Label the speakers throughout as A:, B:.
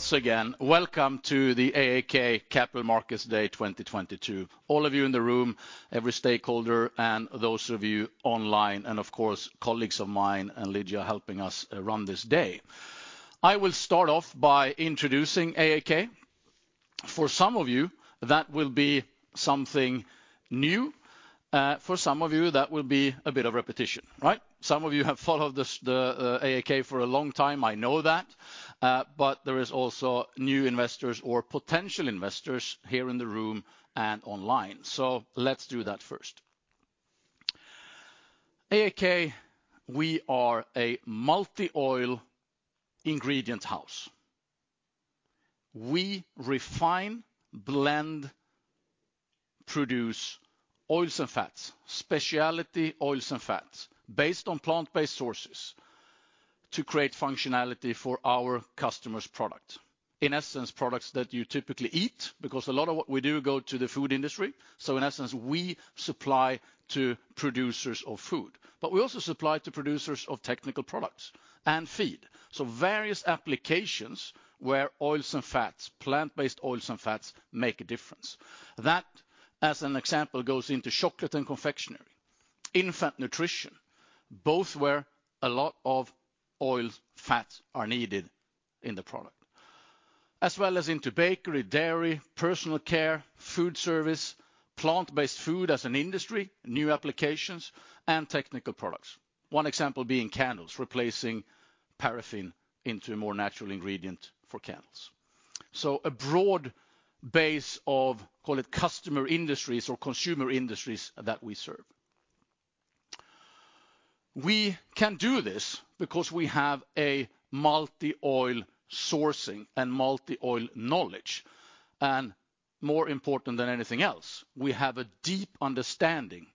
A: Thank you so much, Lidia. Once again, welcome to the AAK Capital Markets Day 2022. All of you in the room, every stakeholder, and those of you online, and of course, colleagues of mine and Lidia helping us run this day. I will start off by introducing AAK. For some of you, that will be something new. For some of you, that will be a bit of repetition, right? Some of you have followed the AAK for a long time, I know that. There is also new investors or potential investors here in the room and online. Let's do that first. AAK, we are a multi-oil ingredient house. We refine, blend, produce oils and fats, specialty oils and fats based on plant-based sources to create functionality for our customers' product. In essence, products that you typically eat because a lot of what we do go to the food industry, so in essence, we supply to producers of food. We also supply to producers of technical products and feed. Various applications where oils and fats, plant-based oils and fats, make a difference. That, as an example, goes into chocolate and confectionery, infant nutrition, both where a lot of oils, fats are needed in the product. As well as into bakery, dairy, personal care, food service, plant-based food as an industry, new applications, and technical products. One example being candles, replacing paraffin into a more natural ingredient for candles. A broad base of, call it, customer industries or consumer industries that we serve. We can do this because we have a multi-oil sourcing and multi-oil knowledge. More important than anything else, we have a deep understanding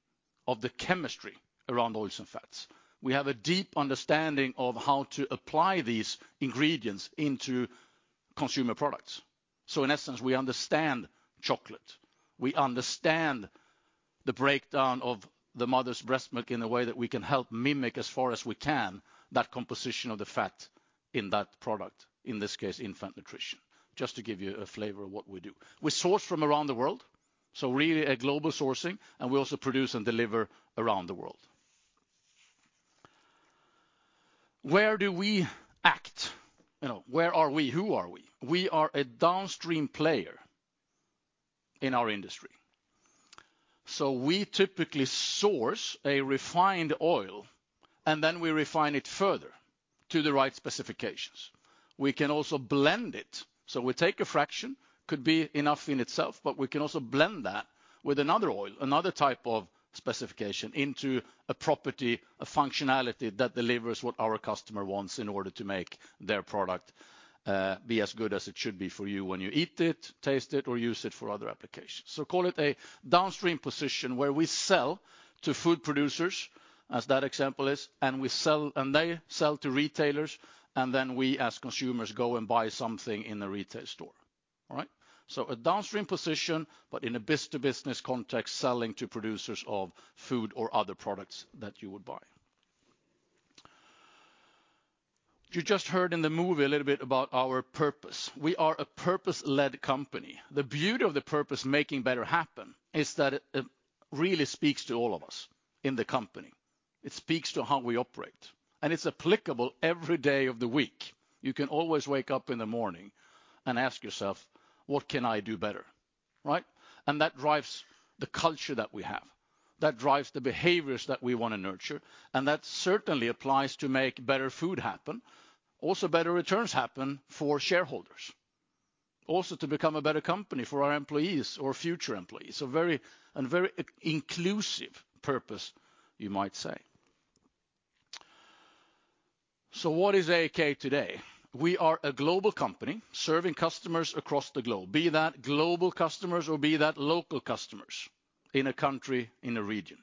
A: of the chemistry around oils and fats. We have a deep understanding of how to apply these ingredients into consumer products. In essence, we understand chocolate, we understand the breakdown of the mother's breast milk in a way that we can help mimic as far as we can that composition of the fat in that product, in this case, infant nutrition. Just to give you a flavor of what we do. We source from around the world, so really a global sourcing, and we also produce and deliver around the world. Where do we act? You know, where are we? Who are we? We are a downstream player in our industry. We typically source a refined oil, and then we refine it further to the right specifications. We can also blend it. We take a fraction, could be enough in itself, but we can also blend that with another oil, another type of specification into a property, a functionality that delivers what our customer wants in order to make their product, be as good as it should be for you when you eat it, taste it, or use it for other applications. Call it a downstream position where we sell to food producers, as that example is, and they sell to retailers, and then we as consumers go and buy something in the retail store. All right? A downstream position, but in a business-to-business context, selling to producers of food or other products that you would buy. You just heard in the movie a little bit about our purpose. We are a purpose-led company. The beauty of the purpose making better happen is that it really speaks to all of us in the company. It speaks to how we operate, it's applicable every day of the week. You can always wake up in the morning and ask yourself, "What can I do better?" Right? That drives the culture that we have. That drives the behaviors that we wanna nurture, that certainly applies to make better food happen. Also better returns happen for shareholders. Also to become a better company for our employees or future employees. A very e-inclusive purpose, you might say. What is AAK today? We are a global company serving customers across the globe, be that global customers or be that local customers in a country, in a region.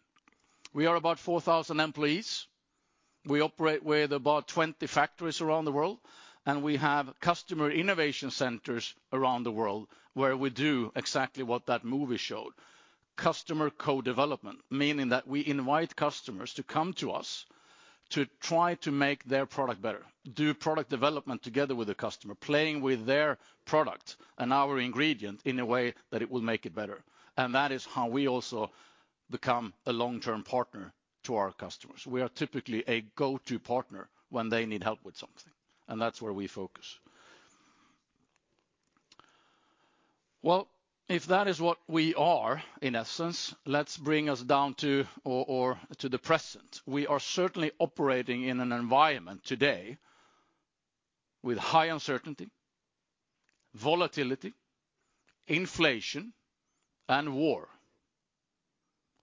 A: We are about 4,000 employees. We operate with about 20 factories around the world. We have Customer Innovation Centers around the world where we do exactly what that movie showed, Customer Co-Development, meaning that we invite customers to come to us to try to make their product better, do product development together with the customer, playing with their product and our ingredient in a way that it will make it better. That is how we also become a long-term partner to our customers. We are typically a go-to partner when they need help with something, and that's where we focus. Well, if that is what we are in essence, let's bring us down to or to the present. We are certainly operating in an environment today with high uncertainty, volatility, inflation, and war.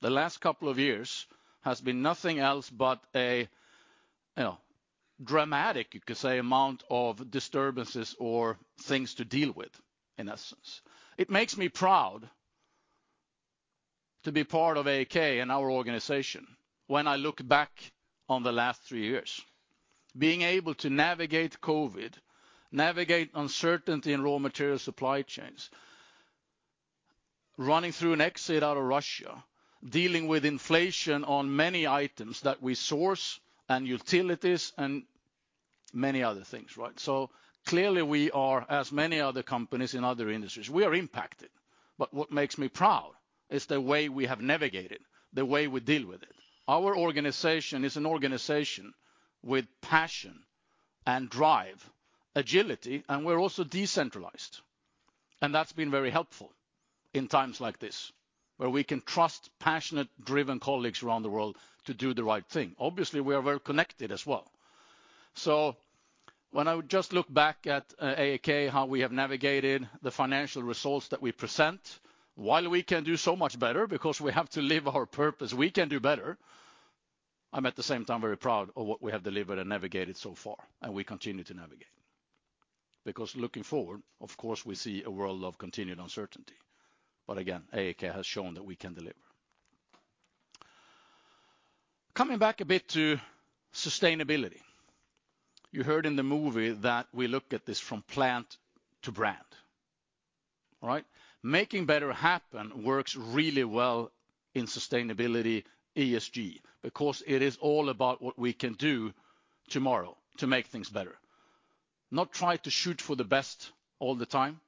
A: The last couple of years has been nothing else but a, you know, dramatic, you could say, amount of disturbances or things to deal with, in essence. It makes me proud to be part of AAK and our organization when I look back on the last three years. Being able to navigate COVID, navigate uncertainty in raw material supply chains, running through an exit out of Russia, dealing with inflation on many items that we source and utilities and many other things, right? Clearly we are as many other companies in other industries, we are impacted. What makes me proud is the way we have navigated, the way we deal with it. Our organization is an organization with passion and drive, agility, and we're also decentralized. That's been very helpful in times like this, where we can trust passionate, driven colleagues around the world to do the right thing. Obviously, we are very connected as well. When I just look back at AAK, how we have navigated the financial results that we present, while we can do so much better because we have to live our purpose, we can do better, I'm at the same time very proud of what we have delivered and navigated so far, and we continue to navigate. Looking forward, of course, we see a world of continued uncertainty. Again, AAK has shown that we can deliver. Coming back a bit to sustainability. You heard in the movie that we look at this from plant to brand. All right? Making better happen works really well in sustainability ESG. It is all about what we can do tomorrow to make things better. Not try to shoot for the best all the time,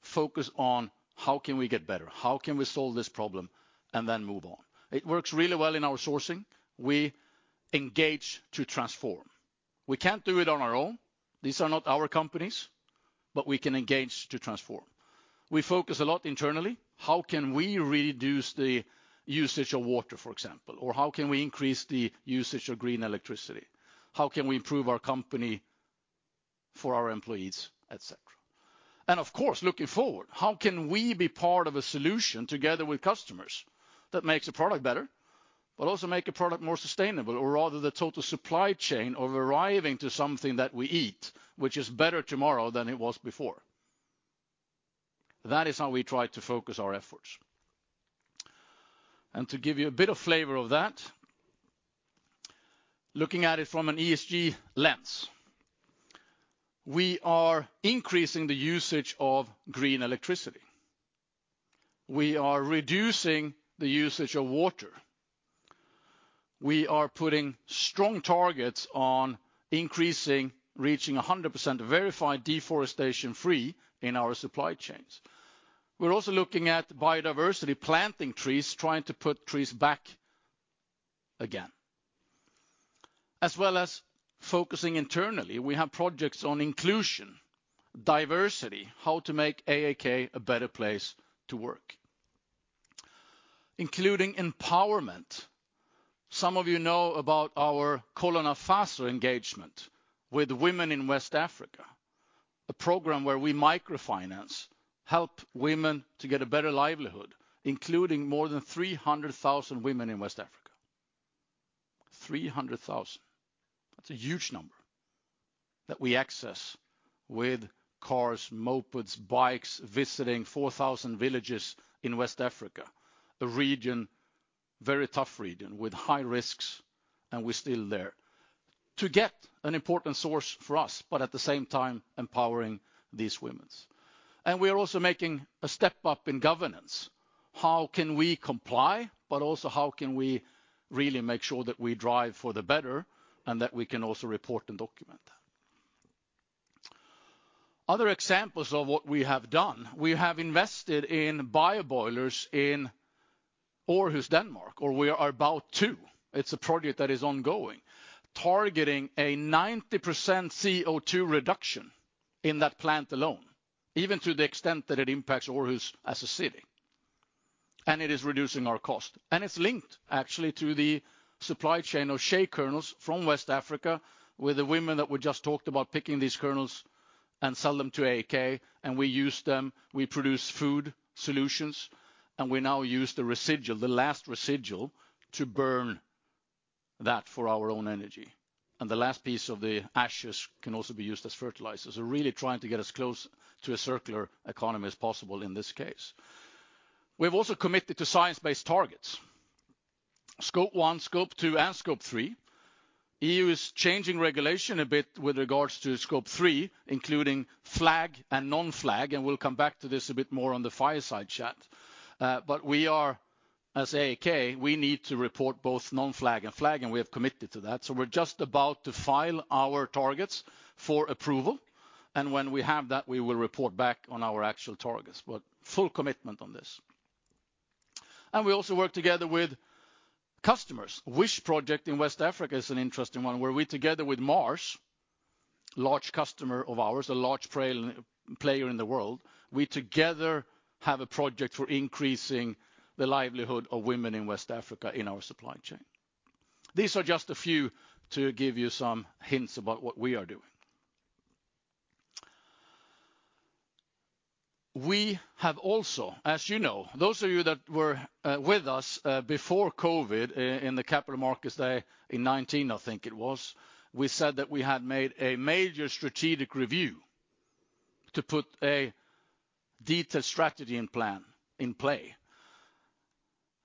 A: focus on how can we get better, how can we solve this problem. Move on. It works really well in our sourcing. We engage to transform. We can't do it on our own. These are not our companies. We can engage to transform. We focus a lot internally. How can we reduce the usage of water, for example? How can we increase the usage of green electricity? How can we improve our company for our employees, et cetera. Of course, looking forward, how can we be part of a solution together with customers that makes a product better, but also make a product more sustainable, or rather the total supply chain of arriving to something that we eat, which is better tomorrow than it was before. That is how we try to focus our efforts. To give you a bit of flavor of that, looking at it from an ESG lens, we are increasing the usage of green electricity. We are reducing the usage of water. We are putting strong targets on increasing, reaching 100% Verified Deforestation Free in our supply chains. We're also looking at biodiversity, planting trees, trying to put trees back again. As well as focusing internally, we have projects on inclusion, diversity, how to make AAK a better place to work. Including empowerment. Some of you know about our Kolo Nafaso engagement with women in West Africa, a program where we microfinance, help women to get a better livelihood, including more than 300,000 women in West Africa. 300,000. That's a huge number that we access with cars, mopeds, bikes, visiting 4,000 villages in West Africa, a region, very tough region with high risks, and we're still there to get an important source for us, but at the same time, empowering these women. We are also making a step up in governance. How can we comply, but also how can we really make sure that we drive for the better and that we can also report and document that? Other examples of what we have done. We have invested in biomass boilers in Aarhus, Denmark, or we are about to. It's a project that is ongoing, targeting a 90% CO2 reduction in that plant alone, even to the extent that it impacts Aarhus as a city. It is reducing our cost. It's linked actually to the supply chain of shea kernels from West Africa, with the women that we just talked about picking these kernels and sell them to AAK. We use them, we produce food solutions, and we now use the residual, the last residual, to burn that for our own energy. The last piece of the ashes can also be used as fertilizers. We're really trying to get as close to a circular economy as possible in this case. We've also committed to science-based targets. Scope 1, Scope 2, and Scope 3. EU is changing regulation a bit with regards to Scope 3, including FLAG and non-FLAG. We'll come back to this a bit more on the fireside chat. We are, as AAK, we need to report both non-FLAG and FLAG, and we have committed to that. We're just about to file our targets for approval. When we have that, we will report back on our actual targets. Full commitment on this. We also work together with customers. WISH project in West Africa is an interesting one, where we together with Mars, large customer of ours, a large player in the world, we together have a project for increasing the livelihood of women in West Africa in our supply chain. These are just a few to give you some hints about what we are doing We have also, as you know, those of you that were with us before COVID in the capital markets day in 2019, I think it was, we said that we had made a major strategic review to put a detailed strategy and plan in play.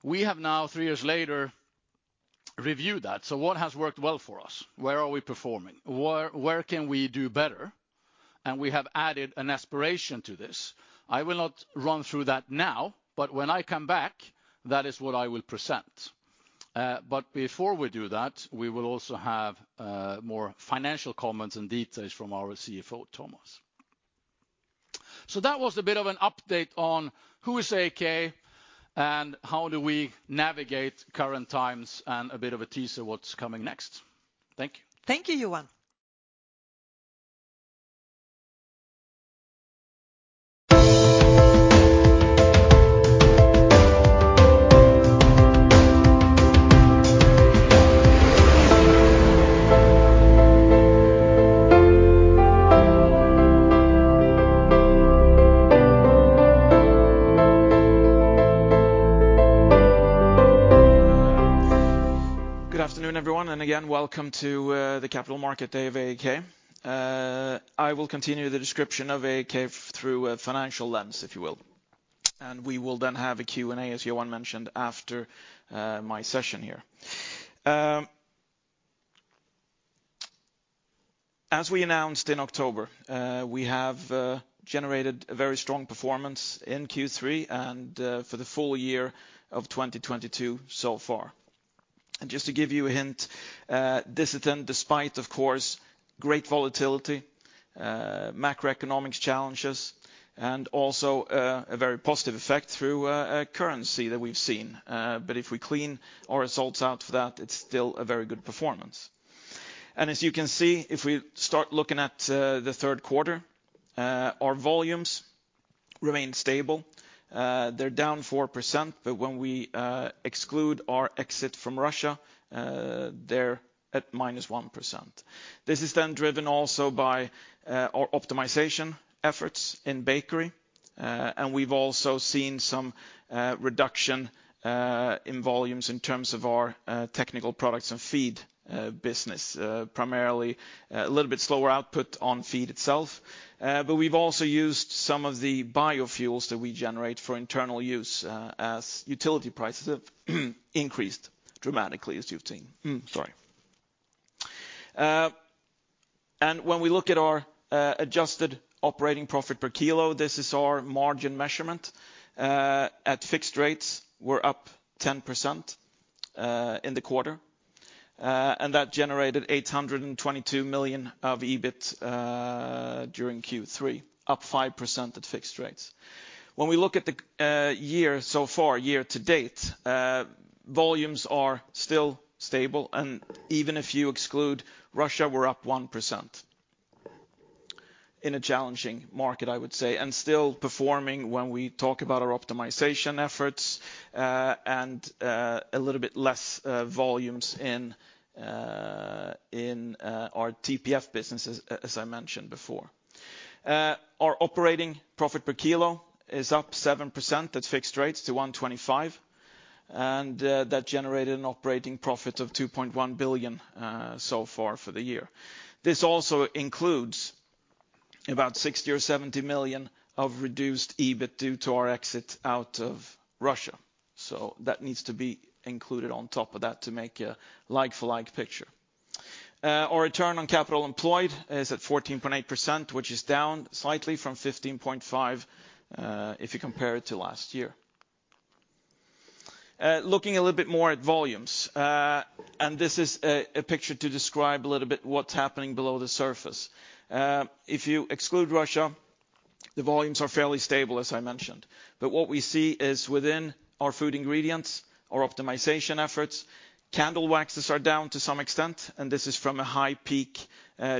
A: We have now, three years later, reviewed that. What has worked well for us? Where are we performing? Where can we do better? We have added an aspiration to this. I will not run through that now, but when I come back, that is what I will present. Before we do that, we will also have more financial comments and details from our CFO, Tomas. That was a bit of an update on who is AAK and how do we navigate current times, and a bit of a teaser what's coming next. Thank you.
B: Thank you, Johan.
C: Good afternoon, everyone. Again, welcome to the Capital Market Day of AAK. I will continue the description of AAK through a financial lens, if you will. We will then have a Q&A, as Johan mentioned, after my session here. As we announced in October, we have generated a very strong performance in Q3 and for the full year of 2022 so far. Just to give you a hint, this is done despite, of course, great volatility, macroeconomics challenges, and also a very positive effect through currency that we've seen. If we clean our results out for that, it's still a very good performance. As you can see, if we start looking at the third quarter, our volumes remain stable. They're down 4%, but when we exclude our exit from Russia, they're at -1%. This is driven also by our optimization efforts in bakery. We've also seen some reduction in volumes in terms of our technical products and feed business, primarily a little bit slower output on feed itself. We've also used some of the biofuels that we generate for internal use, as utility prices have increased dramatically as you've seen. Sorry. When we look at our adjusted operating profit per kilo, this is our margin measurement. At fixed rates, we're up 10% in the quarter. That generated 822 million of EBIT during Q3, up 5% at fixed rates. When we look at the year so far, year to date, volumes are still stable. Even if you exclude Russia, we're up 1% in a challenging market, I would say. Still performing when we talk about our optimization efforts, and a little bit less volumes in our TPF businesses, as I mentioned before. Our operating profit per kilo is up 7% at fixed rates to 125. That generated an operating profit of 2.1 billion so far for the year. This also includes about 60 million or 70 million of reduced EBIT due to our exit out of Russia. That needs to be included on top of that to make a like-for-like picture. Our return on capital employed is at 14.8%, which is down slightly from 15.5%, if you compare it to last year. Looking a little bit more at volumes, this is a picture to describe a little bit what's happening below the surface. If you exclude Russia, the volumes are fairly stable, as I mentioned. What we see is within our food ingredients, our optimization efforts, candle waxes are down to some extent, and this is from a high peak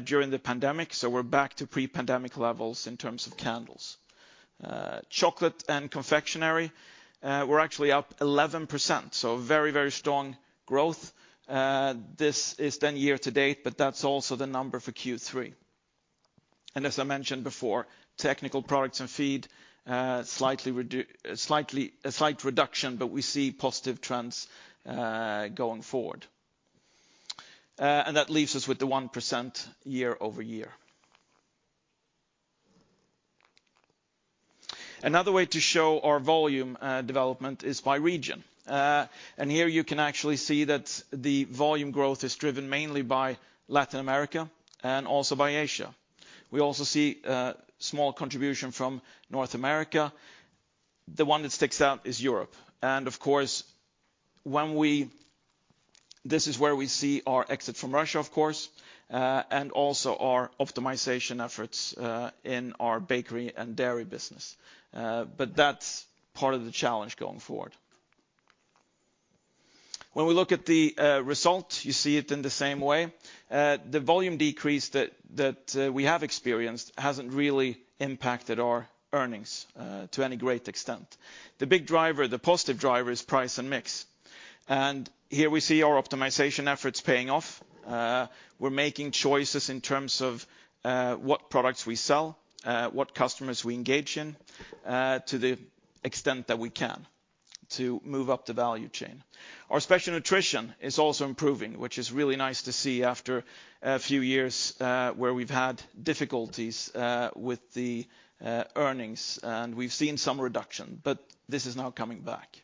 C: during the pandemic, so we're back to pre-pandemic levels in terms of candles. Chocolate and confectionery, we're actually up 11%, so very, very strong growth. This is then year to date, but that's also the number for Q3. As I mentioned before, technical products and feed, a slight reduction, but we see positive trends going forward. That leaves us with the 1% year-over-year. Another way to show our volume development is by region. Here you can actually see that the volume growth is driven mainly by Latin America and also by Asia. We also see a small contribution from North America. The one that sticks out is Europe. Of course, this is where we see our exit from Russia, of course, and also our optimization efforts in our bakery and dairy business. That's part of the challenge going forward. When we look at the result, you see it in the same way. The volume decrease that we have experienced hasn't really impacted our earnings to any great extent. The big driver, the positive driver is price and mix. Here we see our optimization efforts paying off. We're making choices in terms of what products we sell, what customers we engage in to the extent that we can to move up the value chain. Our Special Nutrition is also improving, which is really nice to see after a few years where we've had difficulties with the earnings, and we've seen some reduction. This is now coming back.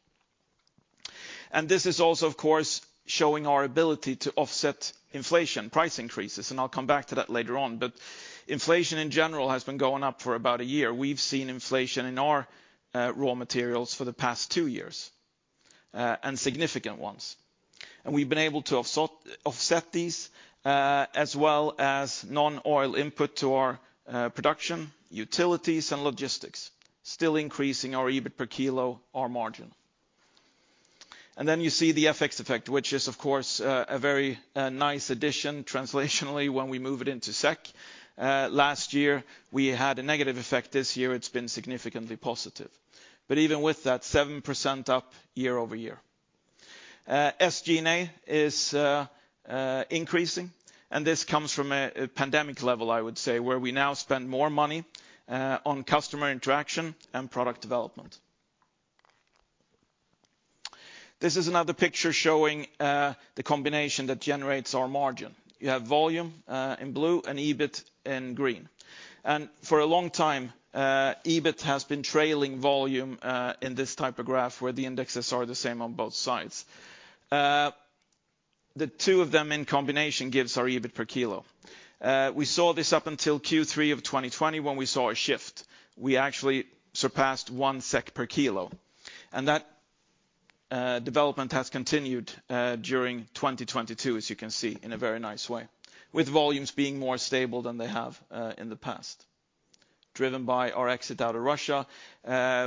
C: This is also, of course, showing our ability to offset inflation price increases, and I'll come back to that later on. Inflation in general has been going up for about a year. We've seen inflation in our raw materials for the past two years and significant ones. We've been able to offset these, as well as non-oil input to our production, utilities and logistics, still increasing our EBIT per kilo, our margin. Then you see the FX effect, which is, of course, a very nice addition translationally when we move it into SEK. Last year we had a negative effect. This year it's been significantly positive. Even with that, 7% up year-over-year. SG&A is increasing, and this comes from a pandemic level, I would say, where we now spend more money on customer interaction and product development. This is another picture showing the combination that generates our margin. You have volume in blue and EBIT in green. For a long time, EBIT has been trailing volume in this type of graph where the indexes are the same on both sides. The two of them in combination gives our EBIT per kilo. We saw this up until Q3 of 2020 when we saw a shift. We actually surpassed 1 SEK per kilo, and that development has continued during 2022, as you can see, in a very nice way, with volumes being more stable than they have in the past, driven by our exit out of Russia.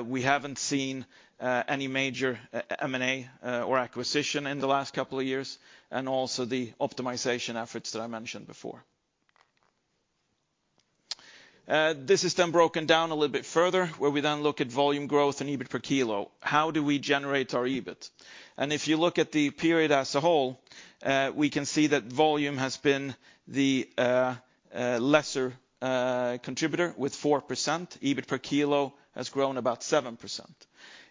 C: We haven't seen any major M&A or acquisition in the last couple of years and also the optimization efforts that I mentioned before. This is then broken down a little bit further, where we then look at volume growth and EBIT per kilo. How do we generate our EBIT? If you look at the period as a whole, we can see that volume has been the lesser contributor with 4%. EBIT per kilo has grown about 7%.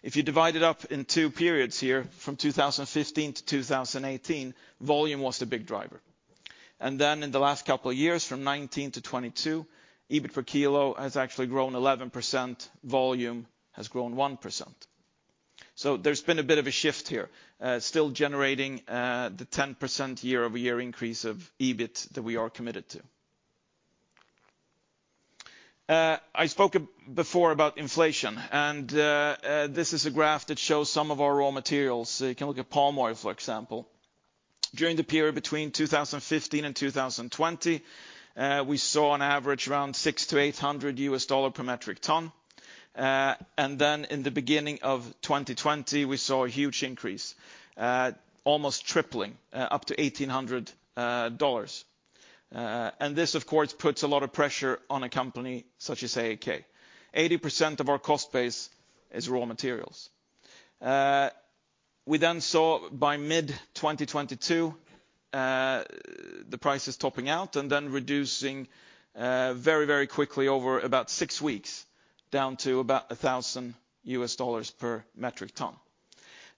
C: If you divide it up in two periods here, from 2015 to 2018, volume was the big driver. In the last couple of years, from 2019 to 2022, EBIT per kilo has actually grown 11%. Volume has grown 1%. There's been a bit of a shift here, still generating the 10% year-over-year increase of EBIT that we are committed to. I spoke before about inflation, this is a graph that shows some of our raw materials. You can look at palm oil, for example. During the period between 2015 and 2020, we saw on average around $600-$800 per metric ton. In the beginning of 2020, we saw a huge increase, almost tripling, up to $1,800. This, of course, puts a lot of pressure on a company such as AAK. 80% of our cost base is raw materials. We saw by mid-2022, the prices topping out and then reducing very, very quickly over about six weeks, down to about $1,000 per metric ton.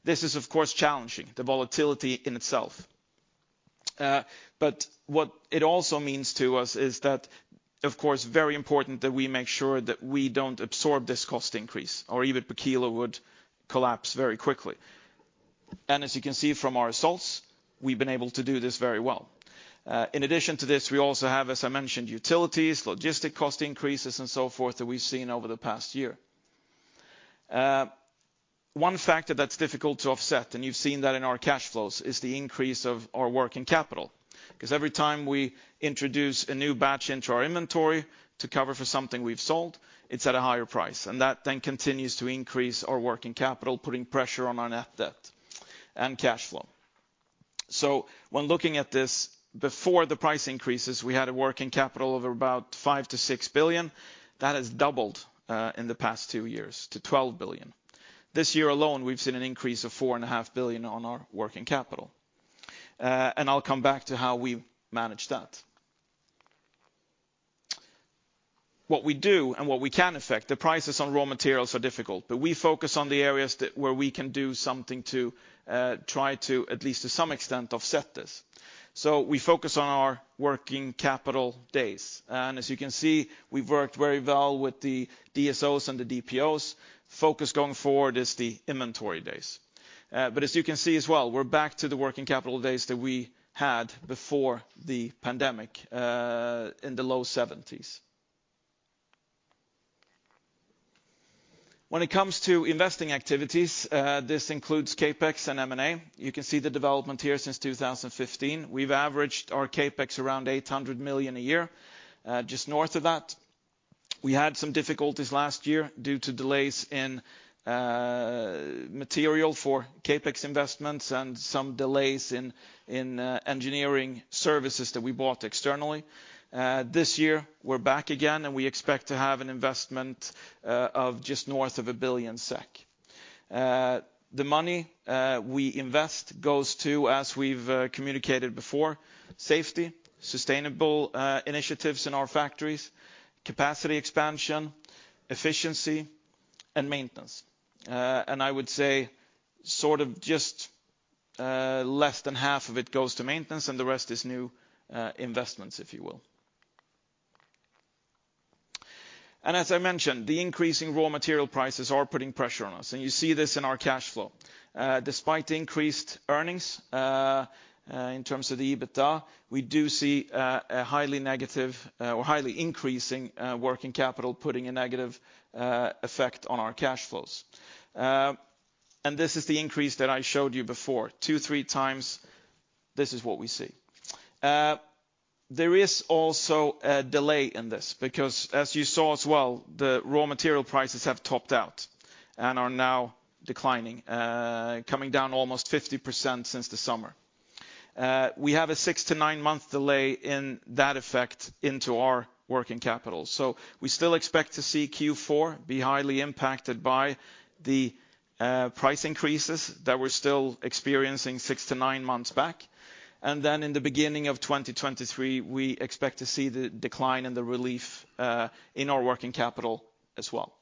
C: This is, of course, challenging the volatility in itself. What it also means to us is that, of course, very important that we make sure that we don't absorb this cost increase, or EBIT per kilo would collapse very quickly. As you can see from our results, we've been able to do this very well. In addition to this, we also have, as I mentioned, utilities, logistic cost increases and so forth that we've seen over the past year. One factor that's difficult to offset, and you've seen that in our cash flows, is the increase of our working capital, 'cause every time we introduce a new batch into our inventory to cover for something we've sold, it's at a higher price, and that then continues to increase our working capital, putting pressure on our net debt and cash flow. When looking at this, before the price increases, we had a working capital of about 5 billion-6 billion. That has doubled, in the past two years to 12 billion. This year alone, we've seen an increase of 4.5 billion on our working capital. I'll come back to how we manage that. What we do and what we can affect, the prices on raw materials are difficult, we focus on the areas where we can do something to try to, at least to some extent, offset this. We focus on our working capital days. As you can see, we've worked very well with the DSOs and the DPOs. Focus going forward is the inventory days. As you can see as well, we're back to the working capital days that we had before the pandemic, in the low seventies. When it comes to investing activities, this includes CapEx and M&A. You can see the development here since 2015. We've averaged our CapEx around 800 million a year, just north of that. We had some difficulties last year due to delays in material for CapEx investments and some delays in engineering services that we bought externally. This year we're back again, and we expect to have an investment of just north of 1 billion SEK. The money we invest goes to, as we've communicated before, safety, sustainable initiatives in our factories, capacity expansion, efficiency, and maintenance. I would say sort of just less than half of it goes to maintenance, and the rest is new investments, if you will. As I mentioned, the increasing raw material prices are putting pressure on us, and you see this in our cash flow. Despite increased earnings, in terms of the EBITDA, we do see a highly negative, or highly increasing, working capital putting a negative effect on our cash flows. This is the increase that I showed you before, 2x, 3x, this is what we see. There is also a delay in this because as you saw as well, the raw material prices have topped out and are now declining, coming down almost 50% since the summer. We have a six to nine-month delay in that effect into our working capital. We still expect to see Q4 be highly impacted by the price increases that we're still experiencing six to nine months back. In the beginning of 2023, we expect to see the decline and the relief in our working capital as well.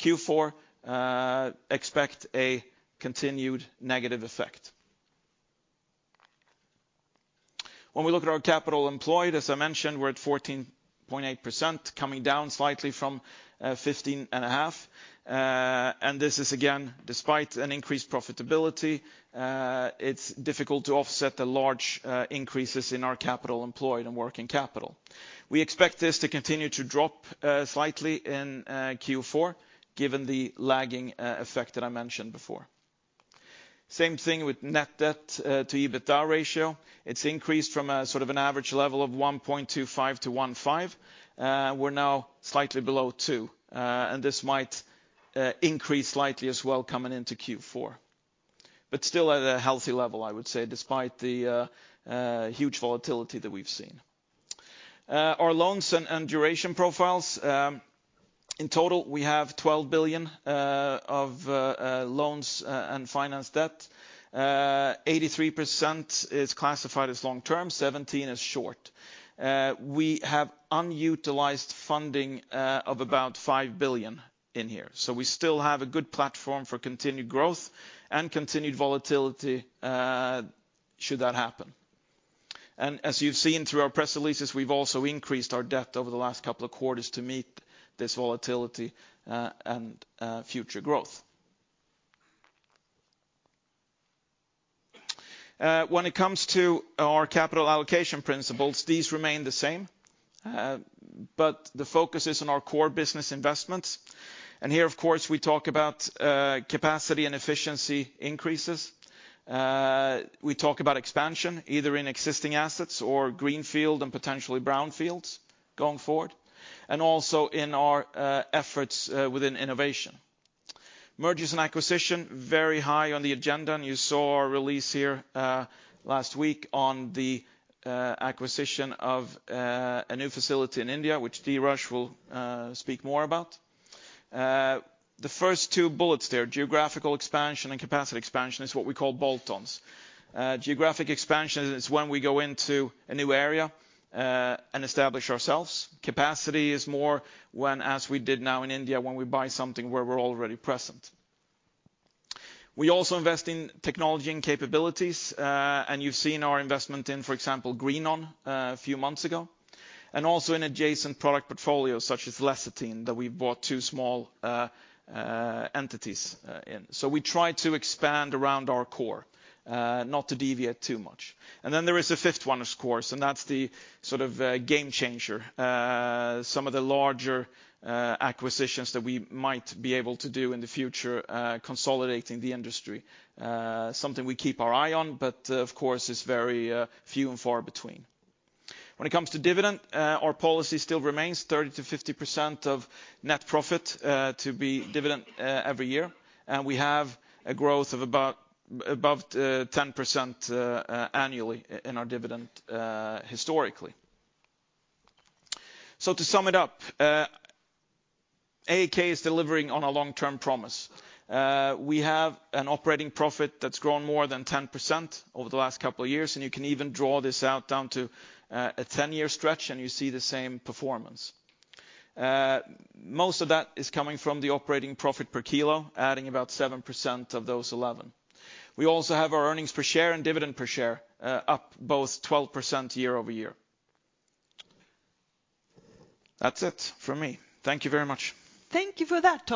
C: Q4, expect a continued negative effect. When we look at our capital employed, as I mentioned, we're at 14.8%, coming down slightly from 15.5%. This is again, despite an increased profitability, it's difficult to offset the large increases in our capital employed and working capital. We expect this to continue to drop slightly in Q4, given the lagging effect that I mentioned before. Same thing with net debt to EBITDA ratio. It's increased from a sort of an average level of 1.25 to 1.5. We're now slightly below two, and this might increase slightly as well coming into Q4. Still at a healthy level, I would say, despite the huge volatility that we've seen. Our loans and duration profiles, in total, we have 12 billion of loans and finance debt. 83% is classified as long-term, 17 as short. We have unutilized funding of about 5 billion in here. So we still have a good platform for continued growth and continued volatility, should that happen. And as you've seen through our press releases, we've also increased our debt over the last couple of quarters to meet this volatility and future growth. When it comes to our capital allocation principles, these remain the same, but the focus is on our core business investments. And here, of course, we talk about capacity and efficiency increases. We talk about expansion, either in existing assets or greenfield and potentially brownfields going forward, and also in our efforts within innovation. Mergers and acquisition, very high on the agenda. You saw our release here last week on the acquisition of a new facility in India, which Dheeraj will speak more about. The first two bullets there, geographical expansion and capacity expansion, is what we call bolt-ons. Geographic expansion is when we go into a new area and establish ourselves. Capacity is more when, as we did now in India, when we buy something where we're already present. We also invest in technology and capabilities. You've seen our investment in, for example, GreenOn a few months ago, and also in adjacent product portfolios, such as lecithin, that we bought two small entities in. We try to expand around our core, not to deviate too much. Then there is a fifth one, of course, and that's the sort of game changer. Some of the larger acquisitions that we might be able to do in the future, consolidating the industry. Something we keep our eye on, but of course, it's very few and far between. When it comes to dividend, our policy still remains 30%-50% of net profit to be dividend every year. We have a growth of about, above 10%, annually in our dividend historically. To sum it up, AAK is delivering on a long-term promise. We have an operating profit that's grown more than 10% over the last couple of years, and you can even draw this out down to a 10-year stretch, and you see the same performance. Most of that is coming from the operating profit per kilo, adding about 7% of those 11. We also have our earnings per share and dividend per share, up both 12% year-over-year. That's it from me. Thank you very much.
B: Thank you for that,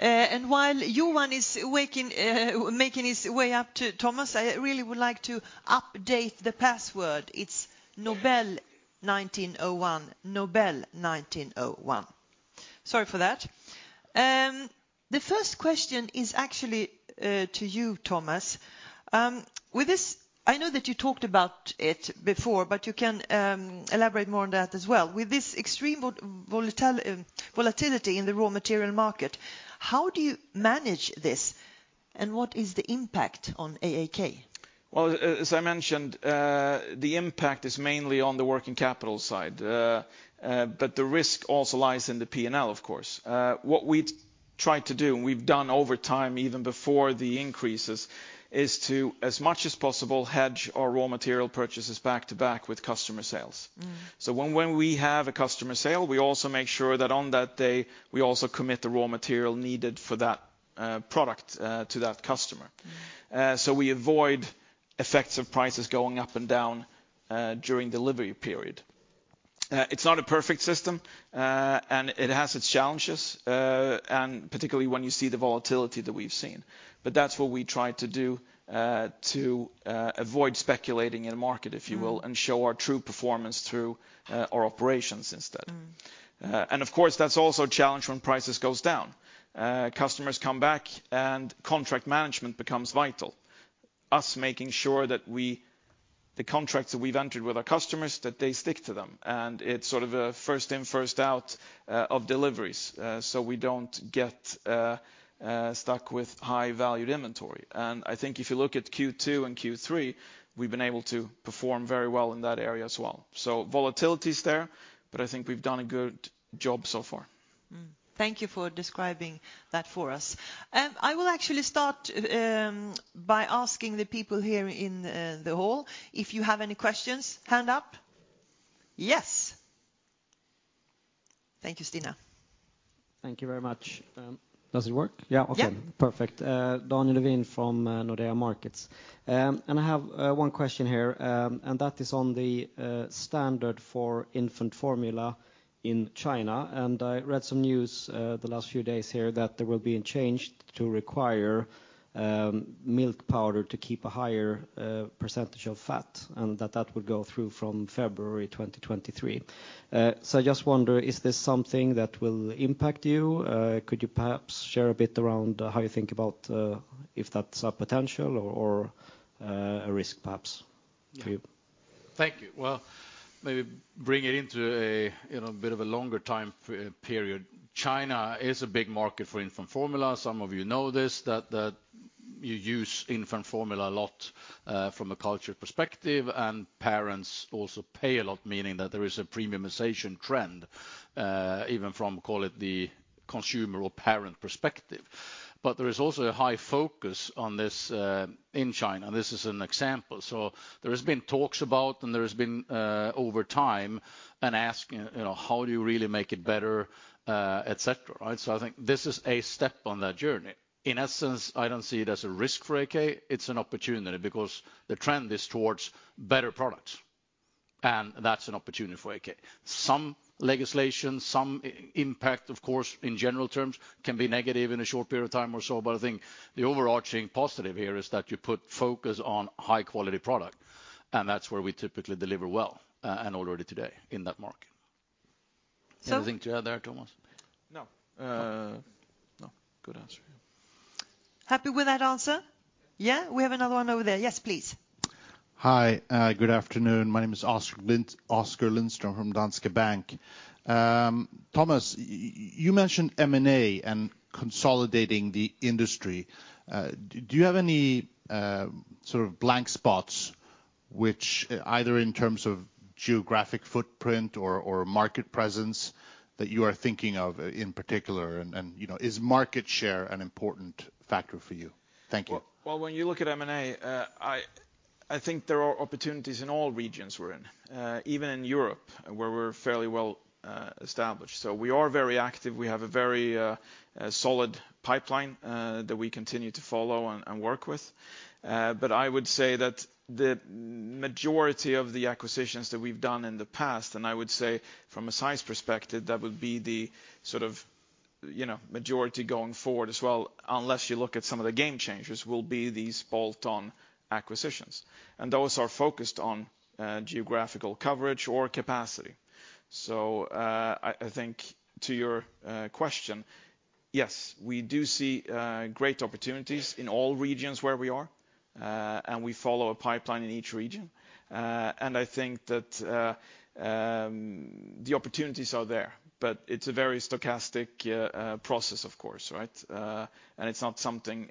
B: Tomas. While Johan is making his way up to Tomas, I really would like to update the password. It's Nobel 1901. Sorry for that. The first question is actually to you, Tomas. I know that you talked about it before, but you can elaborate more on that as well. With this extreme volatility in the raw material market, how do you manage this? What is the impact on AAK?
C: Well, as I mentioned, the impact is mainly on the working capital side. The risk also lies in the P&L, of course. What we try to do, and we've done over time even before the increases, is to, as much as possible, hedge our raw material purchases back-to-back with customer sales.
B: Mm.
C: When we have a customer sale, we also make sure that on that day we also commit the raw material needed for that product to that customer.
B: Mm-hmm.
C: fects of prices going up and down during delivery period. It's not a perfect system, and it has its challenges, and particularly when you see the volatility that we've seen. But that's what we try to do to avoid speculating in the market, if you will
B: Mm-hmm...
C: and show our true performance through our operations instead.
B: Mm-hmm.
C: Of course, that's also a challenge when prices goes down. Customers come back and contract management becomes vital, us making sure that we the contracts that we've entered with our customers, that they stick to them. It's sort of a first in, first out of deliveries, so we don't get stuck with high-valued inventory. I think if you look at Q2 and Q3, we've been able to perform very well in that area as well. Volatility's there, but I think we've done a good job so far.
B: Thank you for describing that for us. I will actually start by asking the people here in the hall, if you have any questions, hand up. Yes. Thank you, Stina.
D: Thank you very much. Does it work? Yeah.
B: Yeah.
D: Okay. Perfect. Daniel Levin from Nordea Markets. And I have one question here, and that is on the standard for infant formula in China. I read some news the last few days here that there will be a change to require milk powder to keep a higher percentage of fat, and that that would go through from February 2023. So I just wonder, is this something that will impact you? Could you perhaps share a bit around how you think about if that's a potential or a risk perhaps for you?
A: Thank you. Well, maybe bring it into a, you know, bit of a longer time period. China is a big market for infant formula. Some of you know this, that you use infant formula a lot, from a culture perspective, and parents also pay a lot, meaning that there is a premiumization trend, even from, call it, the consumer or parent perspective. There is also a high focus on this in China. This is an example. There has been talks about and there has been, over time an ask, you know, how do you really make it better, et cetera, right? I think this is a step on that journey. In essence, I don't see it as a risk for AAK, it's an opportunity because the trend is towards better products, and that's an opportunity for AAK. Some legislation, some impact, of course, in general terms can be negative in a short period of time or so. I think the overarching positive here is that you put focus on high-quality product. That's where we typically deliver well, already today in that market.
B: So-
A: Anything to add there, Tomas?
C: No. No. Good answer.
B: Happy with that answer? Yeah? We have another one over there. Yes, please.
E: Hi. Good afternoon. My name is Oskar Lindström from Danske Bank. Tomas, you mentioned M&A and consolidating the industry. Do you have any sort of blank spots which, either in terms of geographic footprint or market presence, that you are thinking of in particular? You know, is market share an important factor for you? Thank you.
A: Well, when you look at M&A, I think there are opportunities in all regions we're in, even in Europe, where we're fairly well established. We are very active. We have a very solid pipeline that we continue to follow and work with. But I would say that the majority of the acquisitions that we've done in the past, and I would say from a size perspective, that would be the sort of, you know, majority going forward as well, unless you look at some of the game changers, will be these bolt-on acquisitions, and those are focused on geographical coverage or capacity. I think to your question, yes, we do see great opportunities in all regions where we are, and we follow a pipeline in each region. I think that the opportunities are there, but it's a very stochastic process, of course, right? It's not something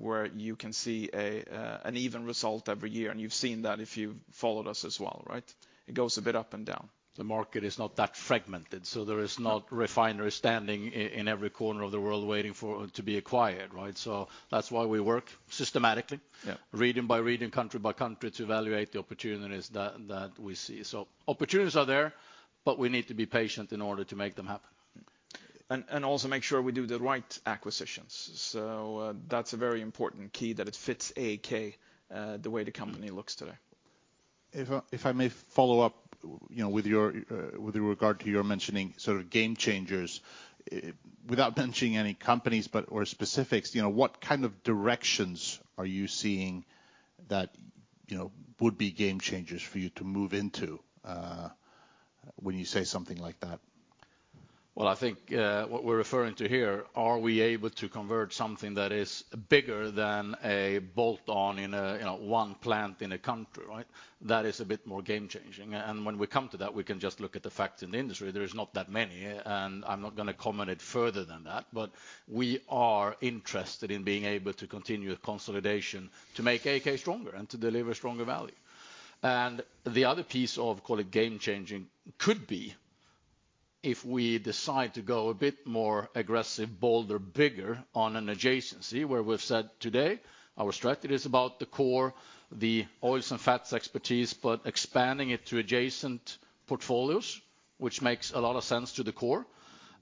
A: where you can see an even result every year, and you've seen that if you've followed us as well, right? It goes a bit up and down. The market is not that fragmented, so there is not refineries standing in every corner of the world waiting for, to be acquired, right? That's why we work systematically.
E: Yeah...
A: region by region, country by country, to evaluate the opportunities that we see. Opportunities are there, but we need to be patient in order to make them happen. Also make sure we do the right acquisitions. That's a very important key that it fits AAK, the way the company looks today.
E: If I may follow up, you know, with regard to your mentioning sort of game changers. Without mentioning any companies or specifics, you know, what kind of directions are you seeing that, you know, would be game changers for you to move into when you say something like that?
A: Well, I think, what we're referring to here, are we able to convert something that is bigger than a bolt-on in a one plant in a country, right? That is a bit more game changing. When we come to that, we can just look at the facts in the industry. There is not that many, and I'm not gonna comment it further than that. We are interested in being able to continue consolidation to make AAK stronger and to deliver stronger value. The other piece of call it game-changing could be if we decide to go a bit more aggressive, bolder, bigger on an adjacency where we've said today our strategy is about the core, the oils and fats expertise, but expanding it to adjacent portfolios, which makes a lot of sense to the core.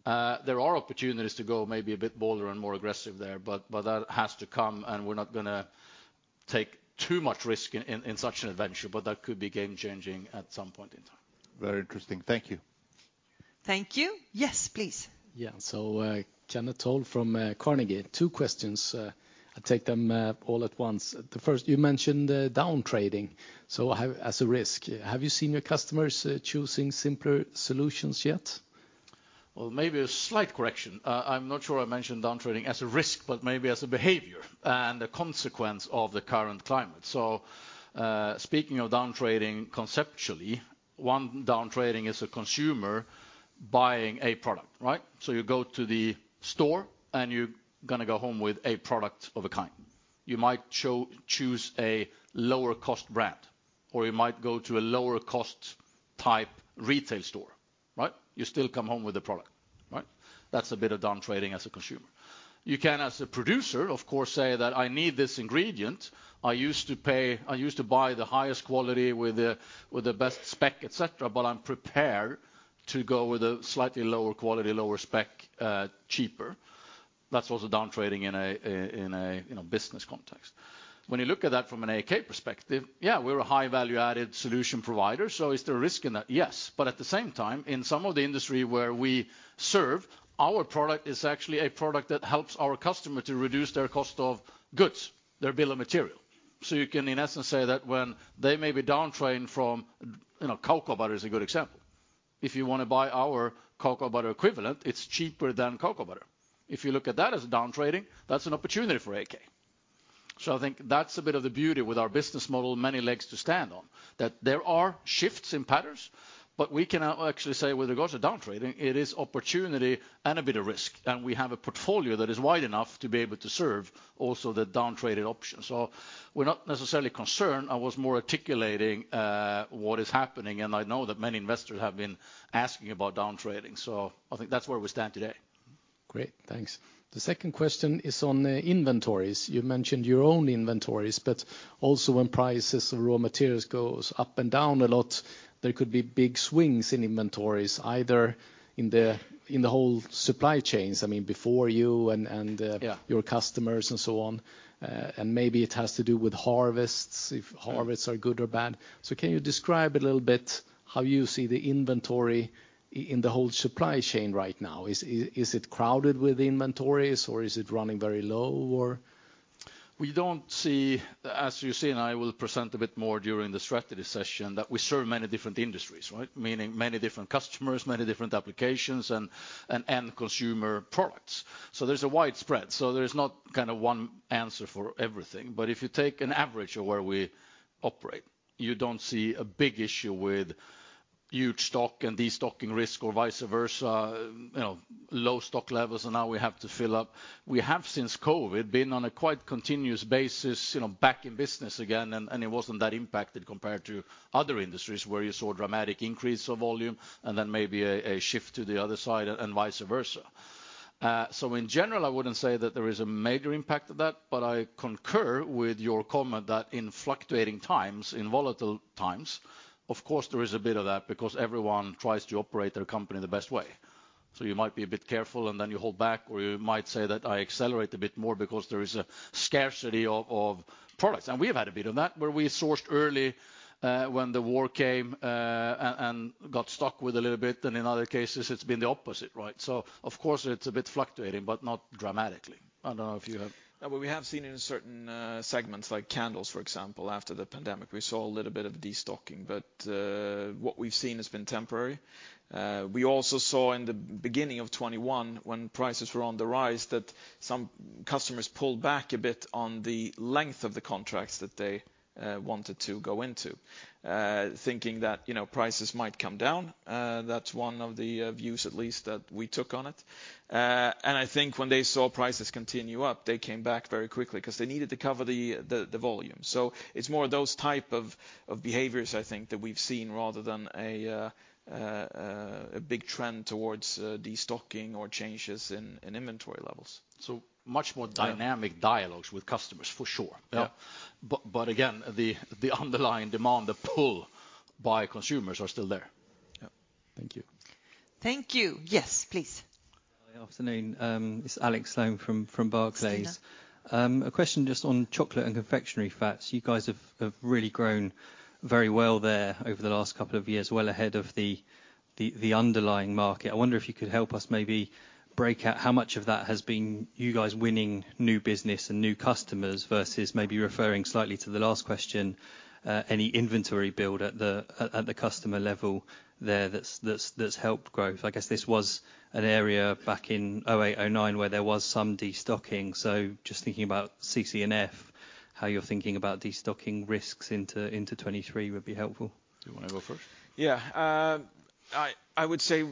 A: There are opportunities to go maybe a bit bolder and more aggressive there, but that has to come, and we're not gonna take too much risk in such an adventure. That could be game-changing at some point in time.
E: Very interesting. Thank you.
B: Thank you. Yes, please.
F: Yeah. Kenneth Toll from Carnegie. Two questions. I'll take them all at once. The first, you mentioned downtrading, as a risk. Have you seen your customers choosing simpler solutions yet?
A: Well, maybe a slight correction. I'm not sure I mentioned downtrading as a risk, but maybe as a behavior and a consequence of the current climate. Speaking of downtrading conceptually, one downtrading is a consumer buying a product, right? You go to the store, and you're going to go home with a product of a kind. You might choose a lower cost brand, or you might go to a lower cost type retail store, right? You still come home with a product, right? That's a bit of downtrading as a consumer. You can, as a producer, of course, say that I need this ingredient. I used to buy the highest quality with the best spec, et cetera, but I'm prepared to go with a slightly lower quality, lower spec, cheaper. That's also downtrading in a, you know, business context. You look at that from an AAK perspective, yeah, we're a high value added solution provider, is there a risk in that? Yes. At the same time, in some of the industry where we serve, our product is actually a product that helps our customer to reduce their cost of goods, their bill of material. You can in essence say that when they may be downtrading from, you know, cocoa butter is a good example. If you wanna buy our cocoa butter equivalent, it's cheaper than cocoa butter. If you look at that as downtrading, that's an opportunity for AAK. I think that's a bit of the beauty with our business model, many legs to stand on. That there are shifts in patterns, but we can now actually say with regards to downtrading, it is opportunity and a bit of risk, and we have a portfolio that is wide enough to be able to serve also the downtraded option. We're not necessarily concerned. I was more articulating what is happening, and I know that many investors have been asking about downtrading, so I think that's where we stand today.
F: Great. Thanks. The second question is on inventories. You've mentioned your own inventories, but also when prices of raw materials goes up and down a lot, there could be big swings in inventories, either in the whole supply chains, I mean before you and.
A: Yeah
F: ...your customers and so on. Maybe it has to do with harvests, if harvests are good or bad. Can you describe a little bit how you see the inventory in the whole supply chain right now? Is it crowded with inventories, or is it running very low, or?
A: As you see, and I will present a bit more during the strategy session, that we serve many different industries, right? Meaning many different customers, many different applications and end consumer products. There's a wide spread, so there's not kinda one answer for everything. If you take an average of where we operate, you don't see a big issue with huge stock and destocking risk or vice versa. You know, low stock levels and now we have to fill up. We have since COVID been on a quite continuous basis, you know, back in business again, and it wasn't that impacted compared to other industries where you saw dramatic increase of volume and then maybe a shift to the other side and vice versa. In general, I wouldn't say that there is a major impact of that, but I concur with your comment that in fluctuating times, in volatile times, of course there is a bit of that because everyone tries to operate their company the best way. You might be a bit careful and then you hold back, or you might say that I accelerate a bit more because there is a scarcity of products. We've had a bit of that where we sourced early, when the war came, and got stuck with a little bit, and in other cases it's been the opposite, right? Of course it's a bit fluctuating, but not dramatically. I don't know if you have. Yeah, well, we have seen it in certain segments like candles, for example. After the pandemic, we saw a little bit of destocking, but what we've seen has been temporary. We also saw in the beginning of 2021 when prices were on the rise, that some customers pulled back a bit on the length of the contracts that they wanted to go into, thinking that, you know, prices might come down. That's one of the views at least that we took on it. I think when they saw prices continue up, they came back very quickly 'cause they needed to cover the volume. It's more those type of behaviors I think that we've seen, rather than a big trend towards destocking or changes in inventory levels. Much more dynamic dialogues with customers for sure.
F: Yeah.
A: again, the underlying demand, the pull by consumers are still there. Yeah.
F: Thank you.
B: Thank you. Yes, please.
G: Hi. Afternoon. It's Alex Sloane from Barclays. A question just on chocolate and confectionery fats. You guys have really grown very well there over the last couple of years, well ahead of the underlying market. I wonder if you could help us maybe break out how much of that has been you guys winning new business and new customers versus maybe referring slightly to the last question, any inventory build at the customer level there that's helped growth. I guess this was an area back in 2008, 2009 where there was some destocking, so just thinking about CC&F, how you're thinking about destocking risks into 2023 would be helpful.
A: Do you wanna go first?
C: Yeah. I would say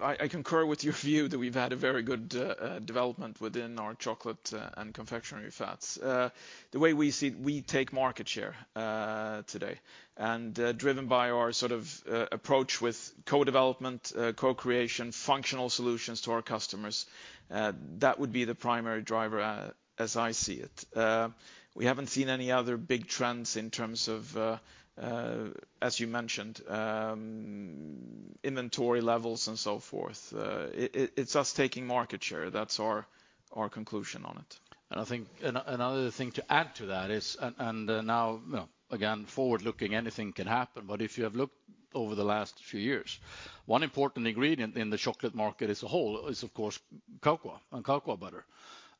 C: I concur with your view that we've had a very good development within our chocolate and confectionery fats. The way we see we take market share today, and driven by our sort of approach with co-development, co-creation, functional solutions to our customers, that would be the primary driver as I see it. We haven't seen any other big trends in terms of as you mentioned, inventory levels and so forth. It's us taking market share. That's our conclusion on it.
A: I think another thing to add to that is. Now, you know, again, forward-looking anything can happen, but if you have looked over the last few years, one important ingredient in the chocolate market as a whole is of course cocoa and cocoa butter.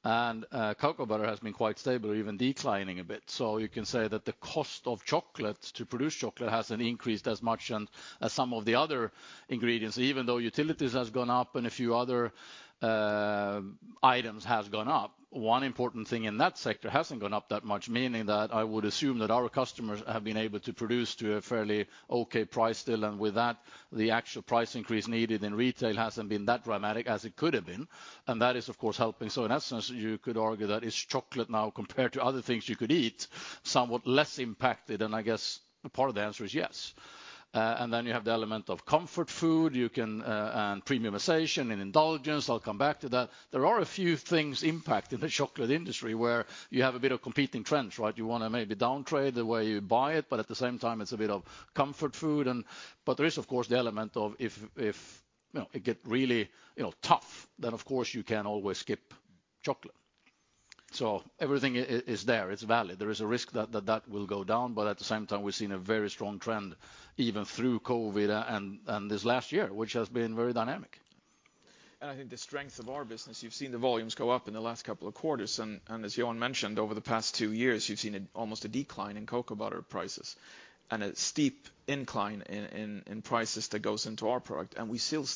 A: Cocoa butter has been quite stable or even declining a bit. You can say that the cost of chocolate to produce chocolate hasn't increased as much and as some of the other ingredients, even though utilities has gone up and a few other items has gone up, one important thing in that sector hasn't gone up that much, meaning that I would assume that our customers have been able to produce to a fairly okay price still. With that, the actual price increase needed in retail hasn't been that dramatic as it could have been. That is, of course, helping. In essence, you could argue that it's chocolate now compared to other things you could eat, somewhat less impacted. I guess a part of the answer is yes. Then you have the element of comfort food, you can, and premiumization and indulgence. I'll come back to that. There are a few things impact in the chocolate industry where you have a bit of competing trends, right. You wanna maybe downtrade the way you buy it, but at the same time, it's a bit of comfort food and. There is, of course, the element of if, you know, it get really, you know, tough, then of course you can always skip chocolate. Everything is there, it's valid. There is a risk that will go down. At the same time, we've seen a very strong trend even through COVID and this last year, which has been very dynamic.
C: I think the strength of our business, you've seen the volumes go up in the last couple of quarters, as Johan mentioned, over the past two years, you've seen almost a decline in cocoa butter prices and a steep incline in prices that goes into our product. We still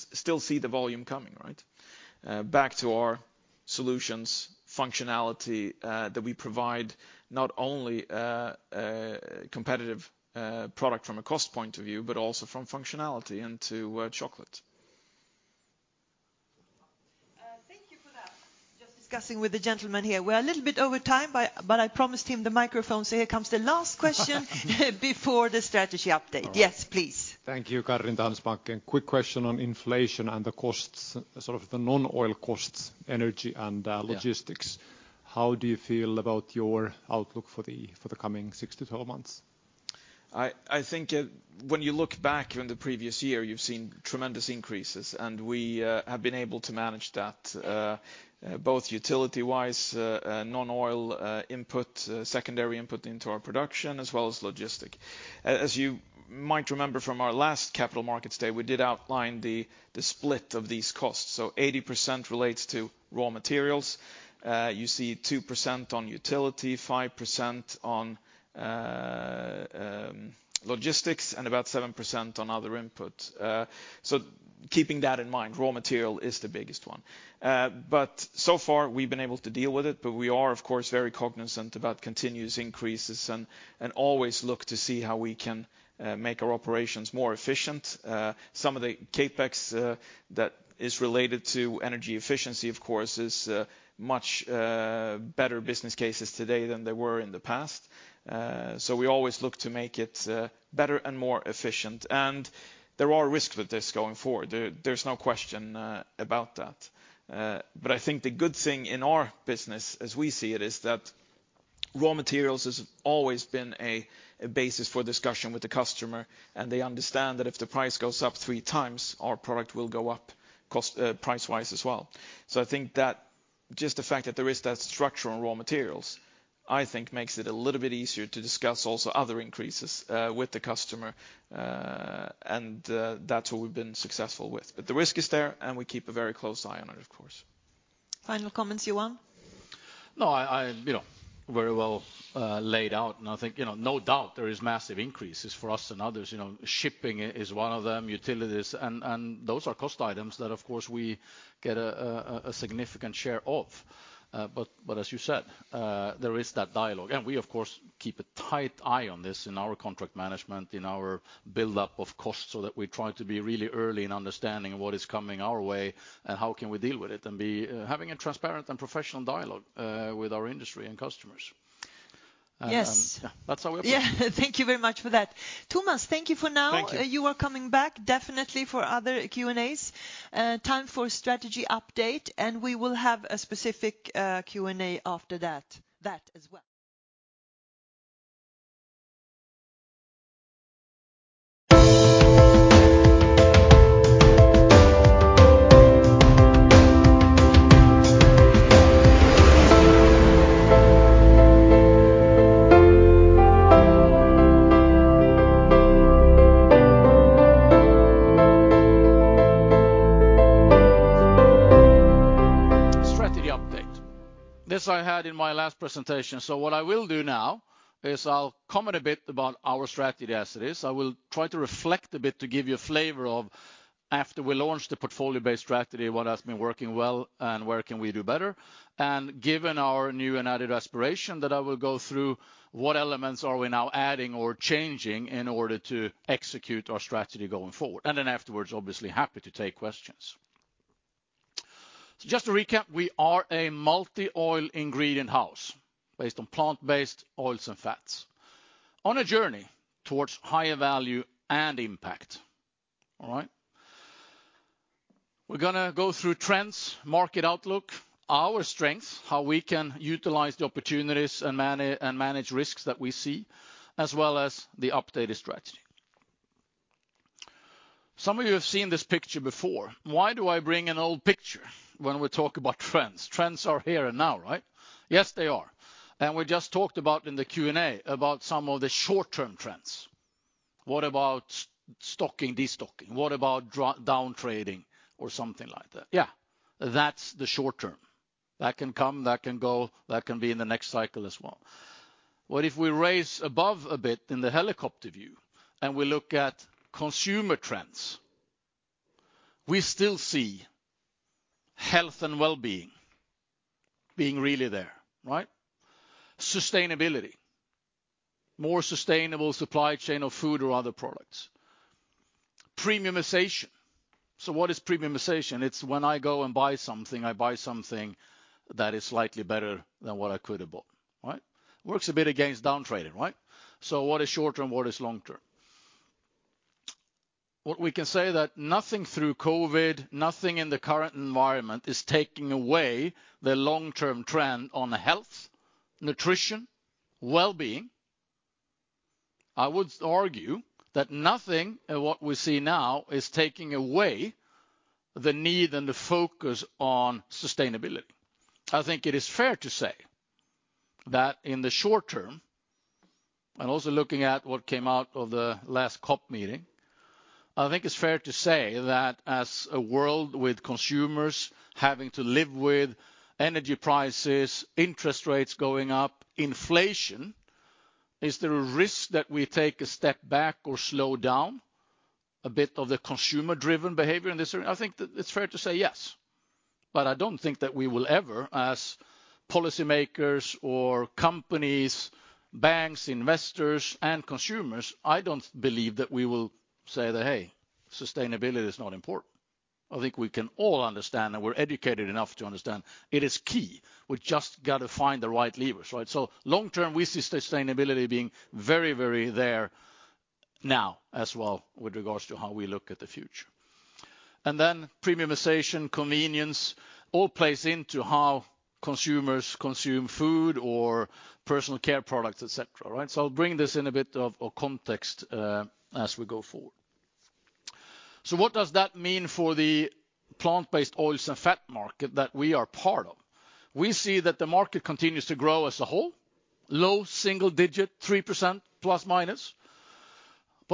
C: see the volume coming, right? Back to our solutions functionality that we provide not only competitive product from a cost point of view, but also from functionality into chocolate.
B: Thank you for that. Just discussing with the gentleman here. We're a little bit over time, but I promised him the microphone. Here comes the last question. Before the strategy update. Yes, please.
H: Thank you. Karin, Danske Bank. Quick question on inflation and the costs, sort of the non-oil costs, energy and logistics.
A: Yeah.
H: How do you feel about your outlook for the coming six to 12 months?
A: I think it. When you look back in the previous year, you've seen tremendous increases, and we have been able to manage that, both utility-wise, non-oil input, secondary input into our production, as well as logistics. As you might remember from our last Capital Markets Day, we did outline the split of these costs. 80% relates to raw materials. You see 2% on utility, 5% on logistics, and about 7% on other input. Keeping that in mind, raw material is the biggest one. But so far we've been able to deal with it, but we are of course very cognizant about continuous increases and always look to see how we can make our operations more efficient. Some of the CapEx that is related to energy efficiency, of course, is much better business cases today than they were in the past. We always look to make it better and more efficient. There are risks with this going forward. There's no question about that. I think the good thing in our business as we see it, is that raw materials has always been a basis for discussion with the customer, and they understand that if the price goes up three times, our product will go up cost, price-wise as well. I think that just the fact that there is that structure on raw materials, I think makes it a little bit easier to discuss also other increases with the customer. That's what we've been successful with. The risk is there, and we keep a very close eye on it, of course.
B: Final comments, Johan?
A: No, I, you know, very well laid out. I think, you know, no doubt there is massive increases for us and others. You know, shipping is one of them, utilities. Those are cost items that of course we get a significant share of. As you said, there is that dialogue. We of course keep a tight eye on this in our contract management, in our buildup of costs, so that we try to be really early in understanding what is coming our way and how can we deal with it and be having a transparent and professional dialogue with our industry and customers.
B: Yes.
A: That's our approach.
B: Yeah. Thank you very much for that. Tomas, thank you for now.
C: Thank you.
B: You are coming back definitely for other Q&As. Time for strategy update, and we will have a specific Q&A after that as well.
A: Strategy update. This I had in my last presentation. What I will do now is I'll comment a bit about our strategy as it is. I will try to reflect a bit to give you a flavor of after we launched the portfolio-based strategy, what has been working well and where can we do better? Given our new and added aspiration that I will go through, what elements are we now adding or changing in order to execute our strategy going forward? Afterwards, obviously, happy to take questions. Just to recap, we are a multi-oil ingredient house based on plant-based oils and fats on a journey towards higher value and impact. All right? We're gonna go through trends, market outlook, our strengths, how we can utilize the opportunities and manage risks that we see, as well as the updated strategy. Some of you have seen this picture before. Why do I bring an old picture when we talk about trends? Trends are here and now, right? Yes, they are. We just talked about in the Q&A about some of the short-term trends. What about stocking, destocking? What about downtrading or something like that? Yeah, that's the short term. That can come, that can go, that can be in the next cycle as well. What if we raise above a bit in the helicopter view, and we look at consumer trends? We still see health and well-being being really there, right? Sustainability, more sustainable supply chain of food or other products. Premiumization. What is premiumization? It's when I go and buy something, I buy something that is slightly better than what I could have bought, right? Works a bit against downtrading, right? What is short term, what is long term? What we can say that nothing through COVID, nothing in the current environment is taking away the long-term trend on health, nutrition, wellbeing. I would argue that nothing in what we see now is taking away the need and the focus on sustainability. I think it is fair to say that in the short term, and also looking at what came out of the last COP meeting, I think it's fair to say that as a world with consumers having to live with energy prices, interest rates going up, inflation, is there a risk that we take a step back or slow down a bit of the consumer-driven behavior in this area? I think that it's fair to say yes. I don't think that we will ever, as policymakers or companies, banks, investors, and consumers, I don't believe that we will say that, "Hey, sustainability is not important." I think we can all understand, and we're educated enough to understand it is key. We just got to find the right levers, right? Long term, we see sustainability being very, very there now as well with regards to how we look at the future. Then premiumization, convenience, all plays into how consumers consume food or personal care products, et cetera, right? I'll bring this in a bit of context as we go forward. What does that mean for the plant-based oils and fat market that we are part of? We see that the market continues to grow as a whole, low single digit, 3%+-.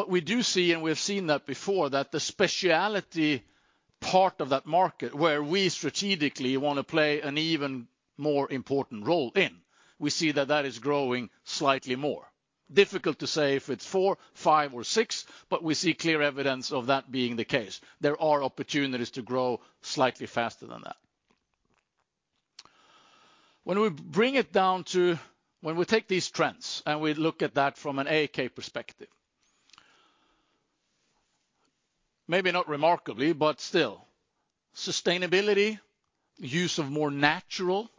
A: We do see, and we've seen that before, that the specialty part of that market where we strategically wanna play an even more important role in, we see that that is growing slightly more. Difficult to say if it's four, five or six, but we see clear evidence of that being the case. There are opportunities to grow slightly faster than that. When we take these trends and we look at that from an AAK perspective, maybe not remarkably, but still, sustainability, use of more natural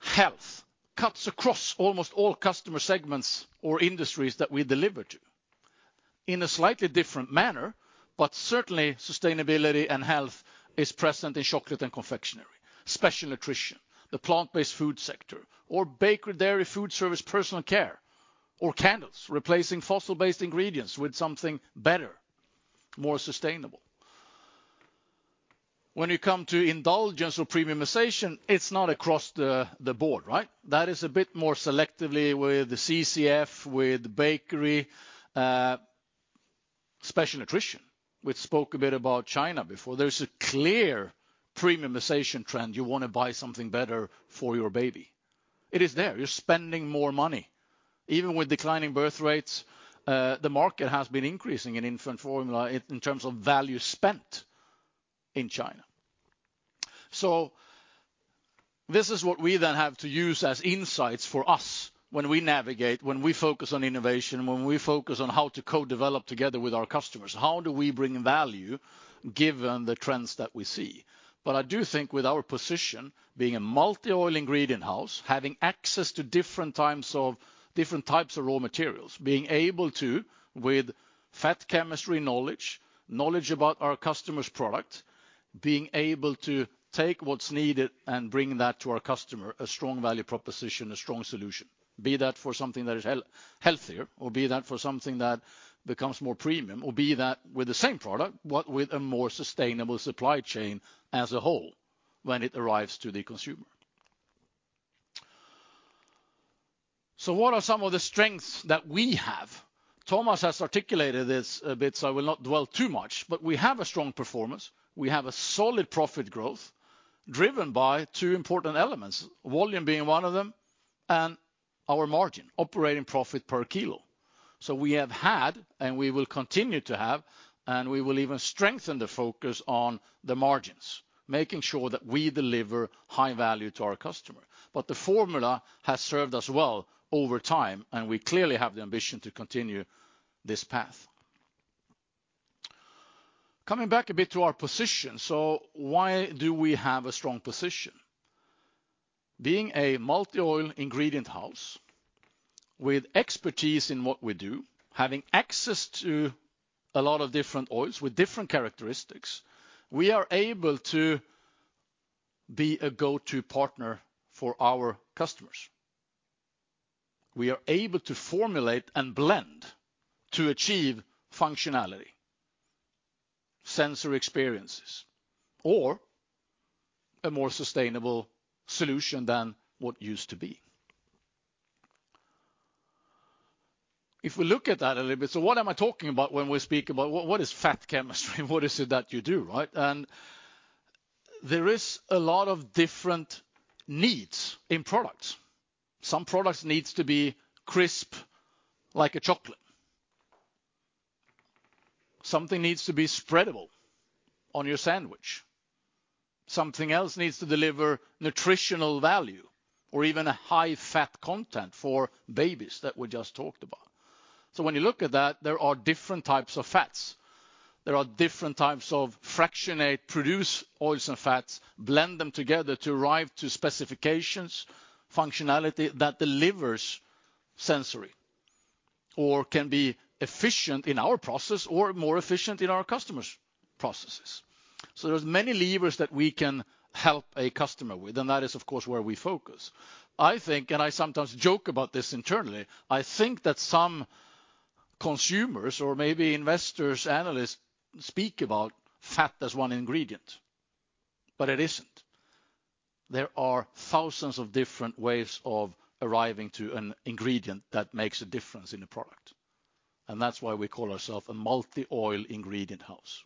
A: health cuts across almost all customer segments or industries that we deliver to in a slightly different manner, but certainly sustainability and health is present in chocolate and confectionery, Special Nutrition, the plant-based food sector or bakery, dairy, food service, personal care or candles, replacing fossil-based ingredients with something better, more sustainable. When you come to indulgence or premiumization, it's not across the board, right? That is a bit more selectively with the CCF, with bakery, Special Nutrition. We spoke a bit about China before. There's a clear premiumization trend. You wanna buy something better for your baby. It is there. You're spending more money. Even with declining birth rates, the market has been increasing in infant formula in terms of value spent in China. This is what we then have to use as insights for us when we navigate, when we focus on innovation, when we focus on how to co-develop together with our customers, how do we bring value given the trends that we see? I do think with our position being a multi-oil ingredient house, having access to different types of raw materials, being able to, with fat chemistry knowledge about our customer's product, being able to take what's needed and bring that to our customer, a strong value proposition, a strong solution. Be that for something that is healthier, or be that for something that becomes more premium, or be that with the same product, but with a more sustainable supply chain as a whole when it arrives to the consumer. What are some of the strengths that we have? Tomas has articulated this a bit, so I will not dwell too much. We have a strong performance. We have a solid profit growth. Driven by two important elements, volume being one of them, and our margin, operating profit per kilo. We have had, and we will continue to have, and we will even strengthen the focus on the margins, making sure that we deliver high value to our customer. The formula has served us well over time, and we clearly have the ambition to continue this path. Coming back a bit to our position. Why do we have a strong position? Being a multi-oil ingredient house with expertise in what we do, having access to a lot of different oils with different characteristics, we are able to be a go-to partner for our customers. We are able to formulate and blend to achieve functionality, sensory experiences, or a more sustainable solution than what used to be. If we look at that a little bit, what am I talking about when we speak about what is fat chemistry? What is it that you do, right? There is a lot of different needs in products. Some products needs to be crisp like a chocolate. Something needs to be spreadable on your sandwich. Something else needs to deliver nutritional value or even a high fat content for babies, that we just talked about. When you look at that, there are different types of fats. There are different types of fractionate produce oils and fats, blend them together to arrive to specifications, functionality that delivers sensory, or can be efficient in our process or more efficient in our customers' processes. There's many levers that we can help a customer with, and that is of course where we focus. I think, and I sometimes joke about this internally, I think that some consumers or maybe investors, analysts speak about fat as one ingredient, but it isn't. There are thousands of different ways of arriving to an ingredient that makes a difference in a product, that's why we call ourselves a multi-oil ingredient house.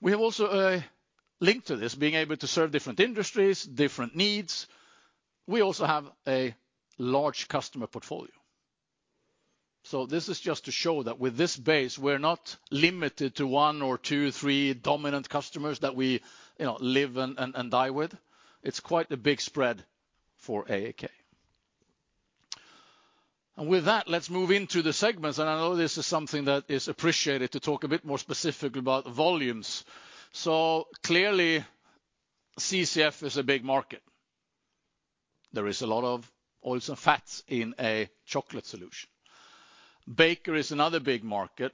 A: We have also a link to this, being able to serve different industries, different needs. We also have a large customer portfolio. This is just to show that with this base, we're not limited to one or two, three dominant customers that we, you know, live and die with. It's quite a big spread for AAK. With that, let's move into the segments. I know this is something that is appreciated to talk a bit more specifically about volumes. Clearly, CCF is a big market. There is a lot of oils and fats in a chocolate solution. Baker is another big market.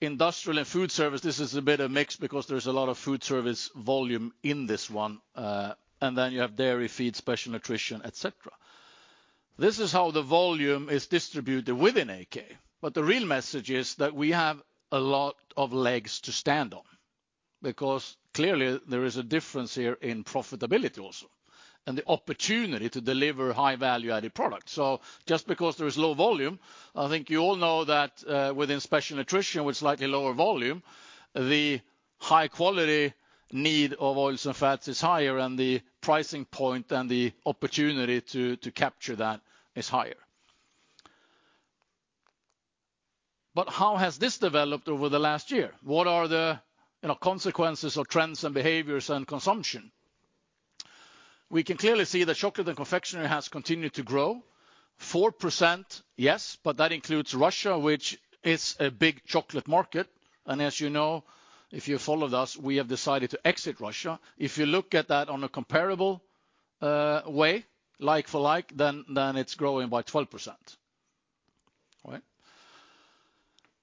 A: Industrial and food service, this is a bit of mix because there's a lot of food service volume in this one, and then you have dairy feeds, Special Nutrition, et cetera. This is how the volume is distributed within AAK, the real message is that we have a lot of legs to stand on because clearly there is a difference here in profitability also, and the opportunity to deliver high value-added product. Just because there is low volume, I think you all know that, within Special Nutrition with slightly lower volume, the high quality need of oils and fats is higher, and the pricing point and the opportunity to capture that is higher. How has this developed over the last year? What are the, you know, consequences of trends and behaviors and consumption? We can clearly see that chocolate and confectionery has continued to grow 4%, yes, that includes Russia, which is a big chocolate market. As you know, if you followed us, we have decided to exit Russia. If you look at that on a comparable way, like for like, then it's growing by 12%. All right?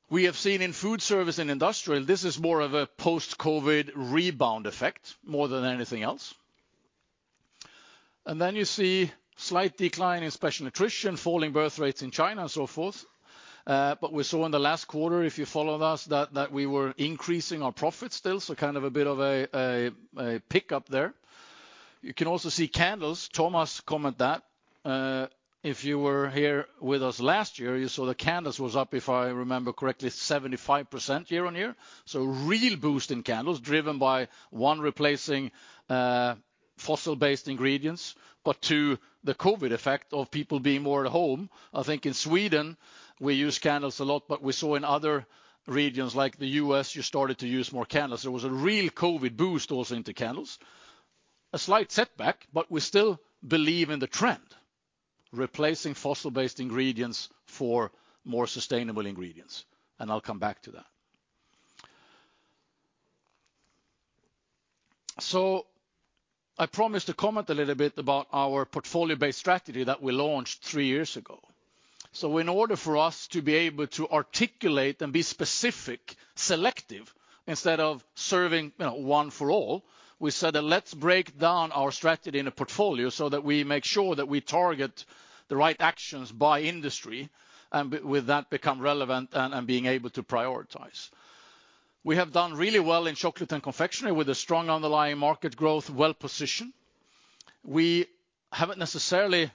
A: We have seen in food service and industrial, this is more of a post-COVID rebound effect more than anything else. You see slight decline in Special Nutrition, falling birth rates in China and so forth. We saw in the last quarter, if you followed us, that we were increasing our profit still, so kind of a bit of a pick-up there. You can also see candles. Tomas comment that, if you were here with us last year, you saw the candles was up, if I remember correctly, 75% year-on-year. Real boost in candles driven by, one, replacing, fossil-based ingredients, but two, the COVID effect of people being more at home. I think in Sweden we use candles a lot, but we saw in other regions like the U.S., you started to use more candles. There was a real COVID boost also into candles. A slight setback, but we still believe in the trend, replacing fossil-based ingredients for more sustainable ingredients, and I'll come back to that. I promised to comment a little bit about our portfolio-based strategy that we launched three years ago. In order for us to be able to articulate and be specific, selective, instead of serving, you know, one for all, we said that let's break down our strategy in a portfolio so that we make sure that we target the right actions by industry and with that become relevant and being able to prioritize. We have done really well in chocolate and confectionery with a strong underlying market growth, well-positioned. We haven't necessarily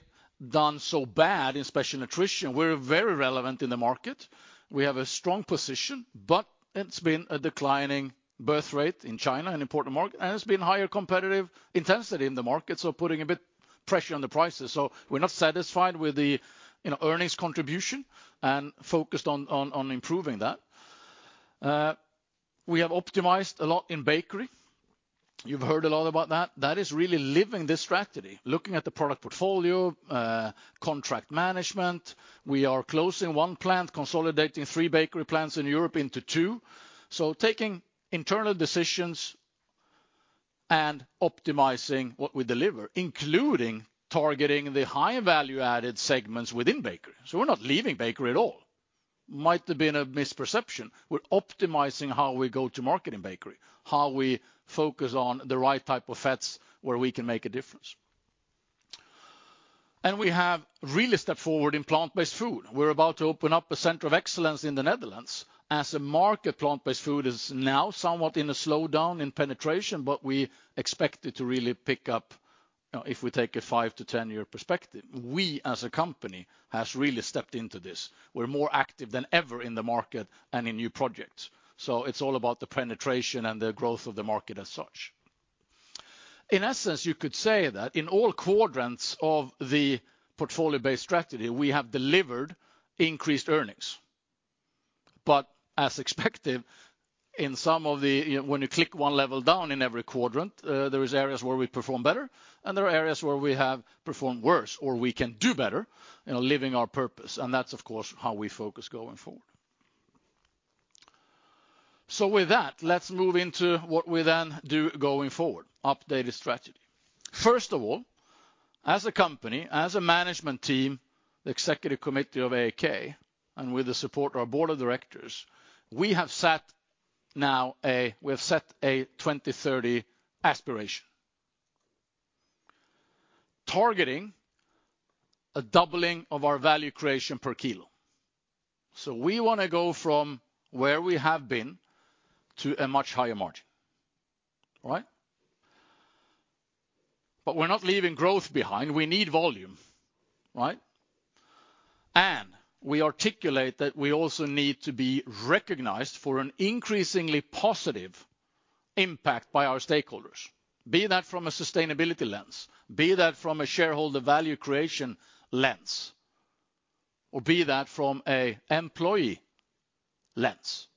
A: done so bad in Special Nutrition. We're very relevant in the market. We have a strong position, but it's been a declining birth rate in China, an important market, and it's been higher competitive intensity in the market, so putting a bit pressure on the prices. We're not satisfied with the, you know, earnings contribution and focused on improving that. We have optimized a lot in bakery. You've heard a lot about that. That is really living this strategy, looking at the product portfolio, contract management. We are closing one plant, consolidating three bakery plants in Europe into two. Taking internal decisions and optimizing what we deliver, including targeting the high value-added segments within bakery. We're not leaving bakery at all. Might have been a misperception. We're optimizing how we go to market in bakery, how we focus on the right type of fats where we can make a difference. We have really stepped forward in plant-based food. We're about to open up a Center of Excellence in the Netherlands. As a market, plant-based food is now somewhat in a slowdown in penetration, but we expect it to really pick up, you know, if we take a five to 10 year perspective. We as a company has really stepped into this. We're more active than ever in the market and in new projects. It's all about the penetration and the growth of the market as such. In essence, you could say that in all quadrants of the portfolio-based strategy, we have delivered increased earnings. As expected, in some of the... When you click one level down in every quadrant, there is areas where we perform better, and there are areas where we have performed worse, or we can do better in living our purpose. That's, of course, how we focus going forward. With that, let's move into what we then do going forward, updated strategy. First of all, as a company, as a management team, the Executive Committee of AAK, and with the support of our Board of Directors, we have set now a 2030 aspiration. Targeting a doubling of our value creation per kilo. We want to go from where we have been to a much higher margin. All right? We're not leaving growth behind. We need volume. Right? We articulate that we also need to be recognized for an increasingly positive impact by our stakeholders, be that from a sustainability lens, be that from a shareholder value creation lens, or be that from a employee lens.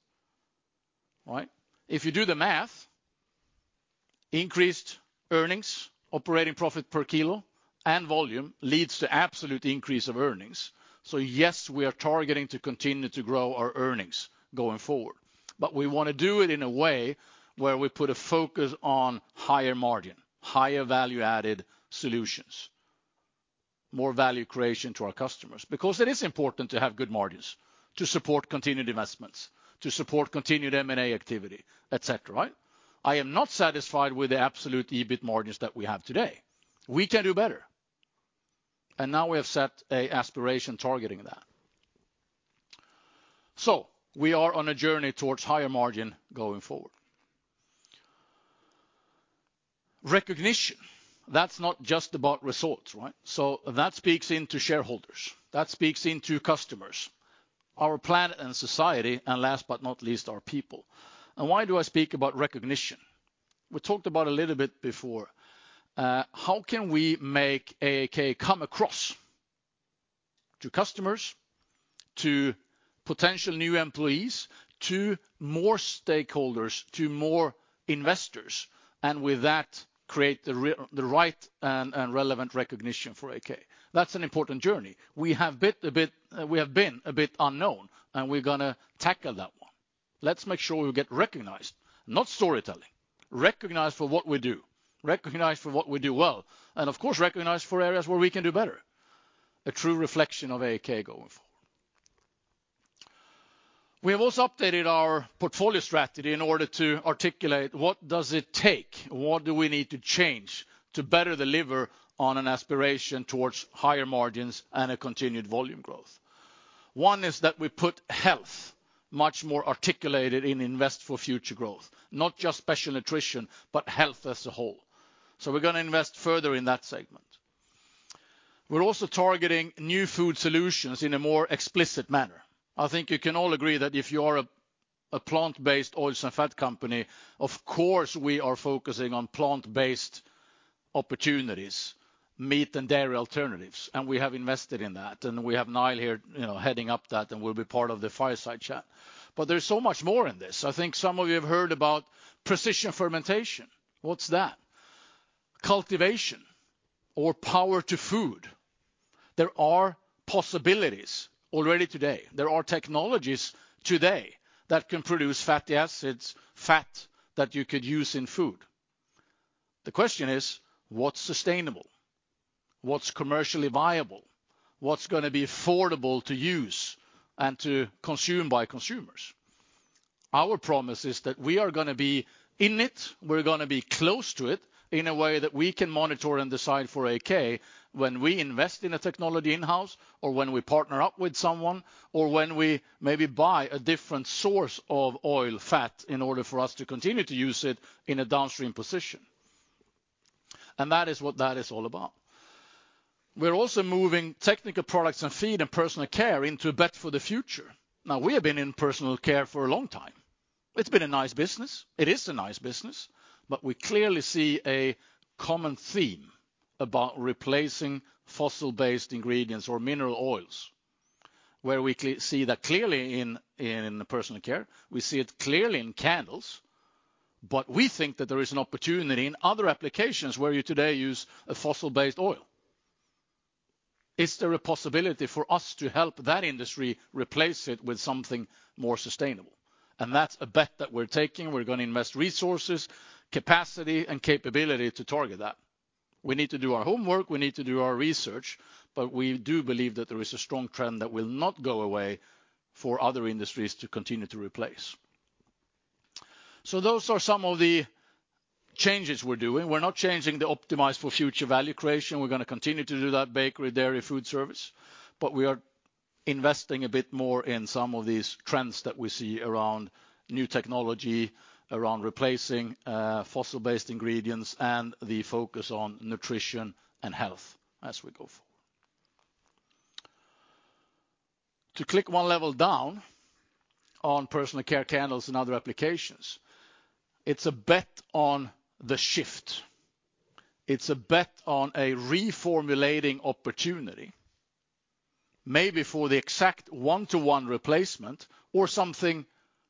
A: All right? If you do the math, increased earnings, operating profit per kilo and volume leads to absolute increase of earnings. Yes, we are targeting to continue to grow our earnings going forward. We want to do it in a way where we put a focus on higher margin, higher value-added solutions, more value creation to our customers, because it is important to have good margins to support continued investments, to support continued M&A activity, et cetera, right. I am not satisfied with the absolute EBIT margins that we have today. We can do better. Now we have set an aspiration targeting that. We are on a journey towards higher margin going forward. Recognition, that is not just about results, right. That speaks into shareholders, that speaks into customers, our planet and society, and last but not least, our people. Why do I speak about recognition? We talked about a little bit before, how can we make AAK come across to customers, to potential new employees, to more stakeholders, to more investors, and with that, create the right and relevant recognition for AAK? That's an important journey. We have been a bit unknown, and we're going to tackle that one. Let's make sure we get recognized, not storytelling, recognized for what we do, recognized for what we do well, and of course, recognized for areas where we can do better. A true reflection of AAK going forward. We have also updated our portfolio strategy in order to articulate what does it take, what do we need to change to better deliver on an aspiration towards higher margins and a continued volume growth? One is that we put health much more articulated in invest for future growth, not just Special Nutrition, but health as a whole. We're gonna invest further in that segment. We're also targeting new food solutions in a more explicit manner. I think you can all agree that if you are a plant-based oils and fat company, of course, we are focusing on plant-based opportunities, meat and dairy alternatives, and we have invested in that, and we have Niall here, you know, heading up that and will be part of the fireside chat. There's so much more in this. I think some of you have heard about precision fermentation. What's that? Cultivation or power to food. There are possibilities already today. There are technologies today that can produce fatty acids, fat that you could use in food. The question is, what's sustainable? What's commercially viable? What's gonna be affordable to use and to consume by consumers? Our promise is that we are gonna be in it, we're gonna be close to it in a way that we can monitor and decide for AAK when we invest in a technology in-house or when we partner up with someone or when we maybe buy a different source of oil fat in order for us to continue to use it in a downstream position. That is what that is all about. We're also moving technical products and feed and personal care into a bet for the future. Now, we have been in personal care for a long time. It's been a nice business. It is a nice business, but we clearly see a common theme about replacing fossil-based ingredients or mineral oils. Where we see that clearly in personal care, we see it clearly in candles. We think that there is an opportunity in other applications where you today use a fossil-based oil. Is there a possibility for us to help that industry replace it with something more sustainable? That's a bet that we're taking. We're gonna invest resources, capacity and capability to target that. We need to do our homework, we need to do our research. We do believe that there is a strong trend that will not go away for other industries to continue to replace. Those are some of the changes we're doing. We're not changing the optimize for future value creation. We're gonna continue to do that, bakery, dairy, food service, but we are investing a bit more in some of these trends that we see around new technology, around replacing fossil-based ingredients, and the focus on nutrition and health as we go forward. To click one level down on personal care, candles, and other applications, it's a bet on the shift. It's a bet on a reformulating opportunity, maybe for the exact one-to-one replacement or something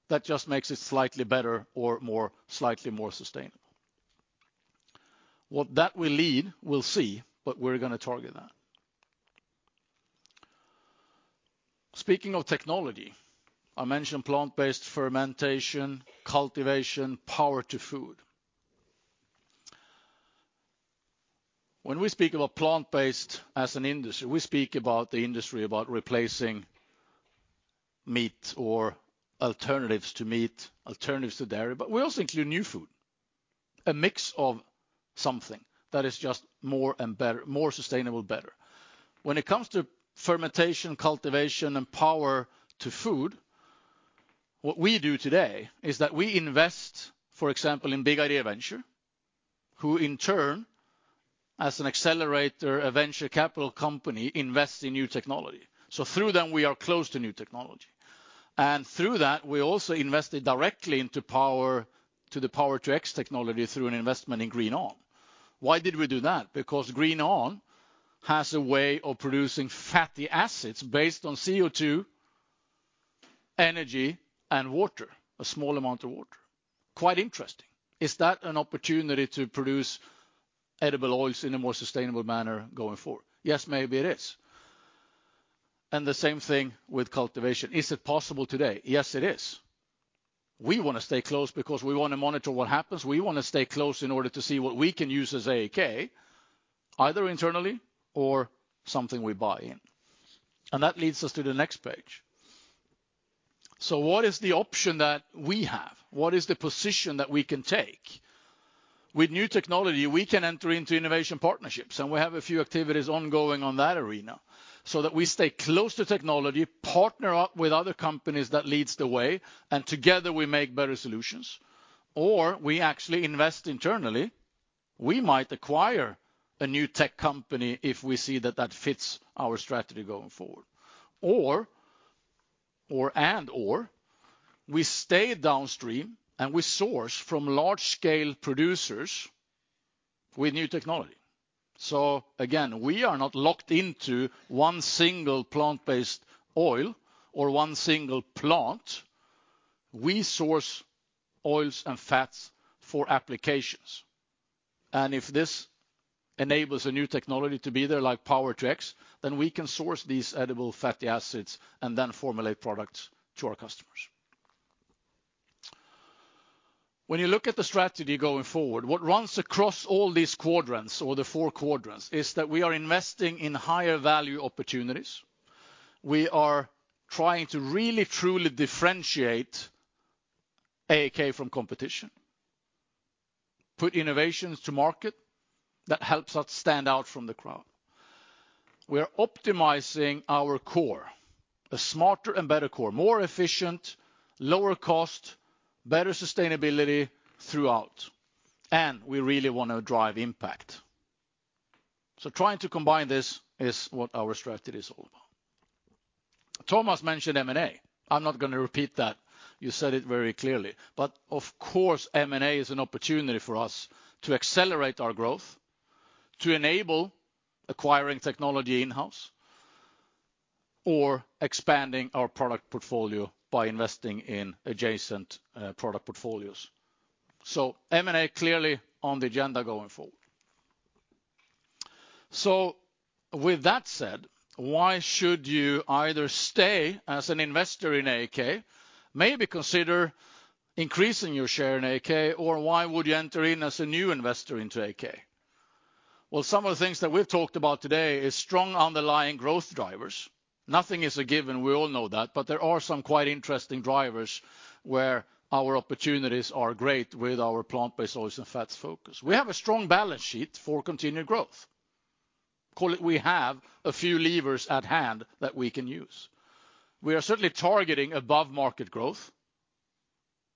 A: that just makes it slightly better or more, slightly more sustainable. What that will lead, we'll see, but we're gonna target that. Speaking of technology, I mentioned plant-based fermentation, cultivation, power to food. When we speak about plant-based as an industry, we speak about the industry, about replacing meat or alternatives to meat, alternatives to dairy, but we also include new food, a mix of something that is just more and better, more sustainable, better. When it comes to fermentation, cultivation, and power to food, what we do today is that we invest, for example, in Big Idea Ventures, who in turn, as an accelerator, a venture capital company, invests in new technology. Through them, we are close to new technology. Through that, we also invested directly into the Power-to-X technology through an investment in GreenOn. Why did we do that? Because GreenOn has a way of producing fatty acids based on CO2, energy, and water, a small amount of water. Quite interesting. Is that an opportunity to produce edible oils in a more sustainable manner going forward? Yes, maybe it is. The same thing with cultivation. Is it possible today? Yes, it is. We wanna stay close because we wanna monitor what happens. We wanna stay close in order to see what we can use as AAK, either internally or something we buy in. That leads us to the next page. What is the option that we have? What is the position that we can take? With new technology, we can enter into innovation partnerships, and we have a few activities ongoing on that arena, so that we stay close to technology, partner up with other companies that leads the way, and together we make better solutions. We actually invest internally. We might acquire a new tech company if we see that that fits our strategy going forward. We stay downstream and we source from large-scale producers with new technology. Again, we are not locked into one single plant-based oil or one single plant. We source oils and fats for applications. If this enables a new technology to be there, like Power-to-X, then we can source these edible fatty acids and then formulate products to our customers. When you look at the strategy going forward, what runs across all these quadrants or the four quadrants is that we are investing in higher value opportunities. We are trying to really truly differentiate AAK from competition, put innovations to market that helps us stand out from the crowd. We are optimizing our core, a smarter and better core, more efficient, lower cost, better sustainability throughout. We really wanna drive impact. Trying to combine this is what our strategy is all about. Tomas mentioned M&A. I'm not gonna repeat that. You said it very clearly. Of course, M&A is an opportunity for us to accelerate our growth, to enable acquiring technology in-house or expanding our product portfolio by investing in adjacent product portfolios. M&A clearly on the agenda going forward. With that said, why should you either stay as an investor in AAK, maybe consider increasing your share in AAK, or why would you enter in as a new investor into AAK? Well, some of the things that we've talked about today is strong underlying growth drivers. Nothing is a given, we all know that, but there are some quite interesting drivers where our opportunities are great with our plant-based oils and fats focus. We have a strong balance sheet for continued growth. Call it we have a few levers at hand that we can use. We are certainly targeting above-market growth.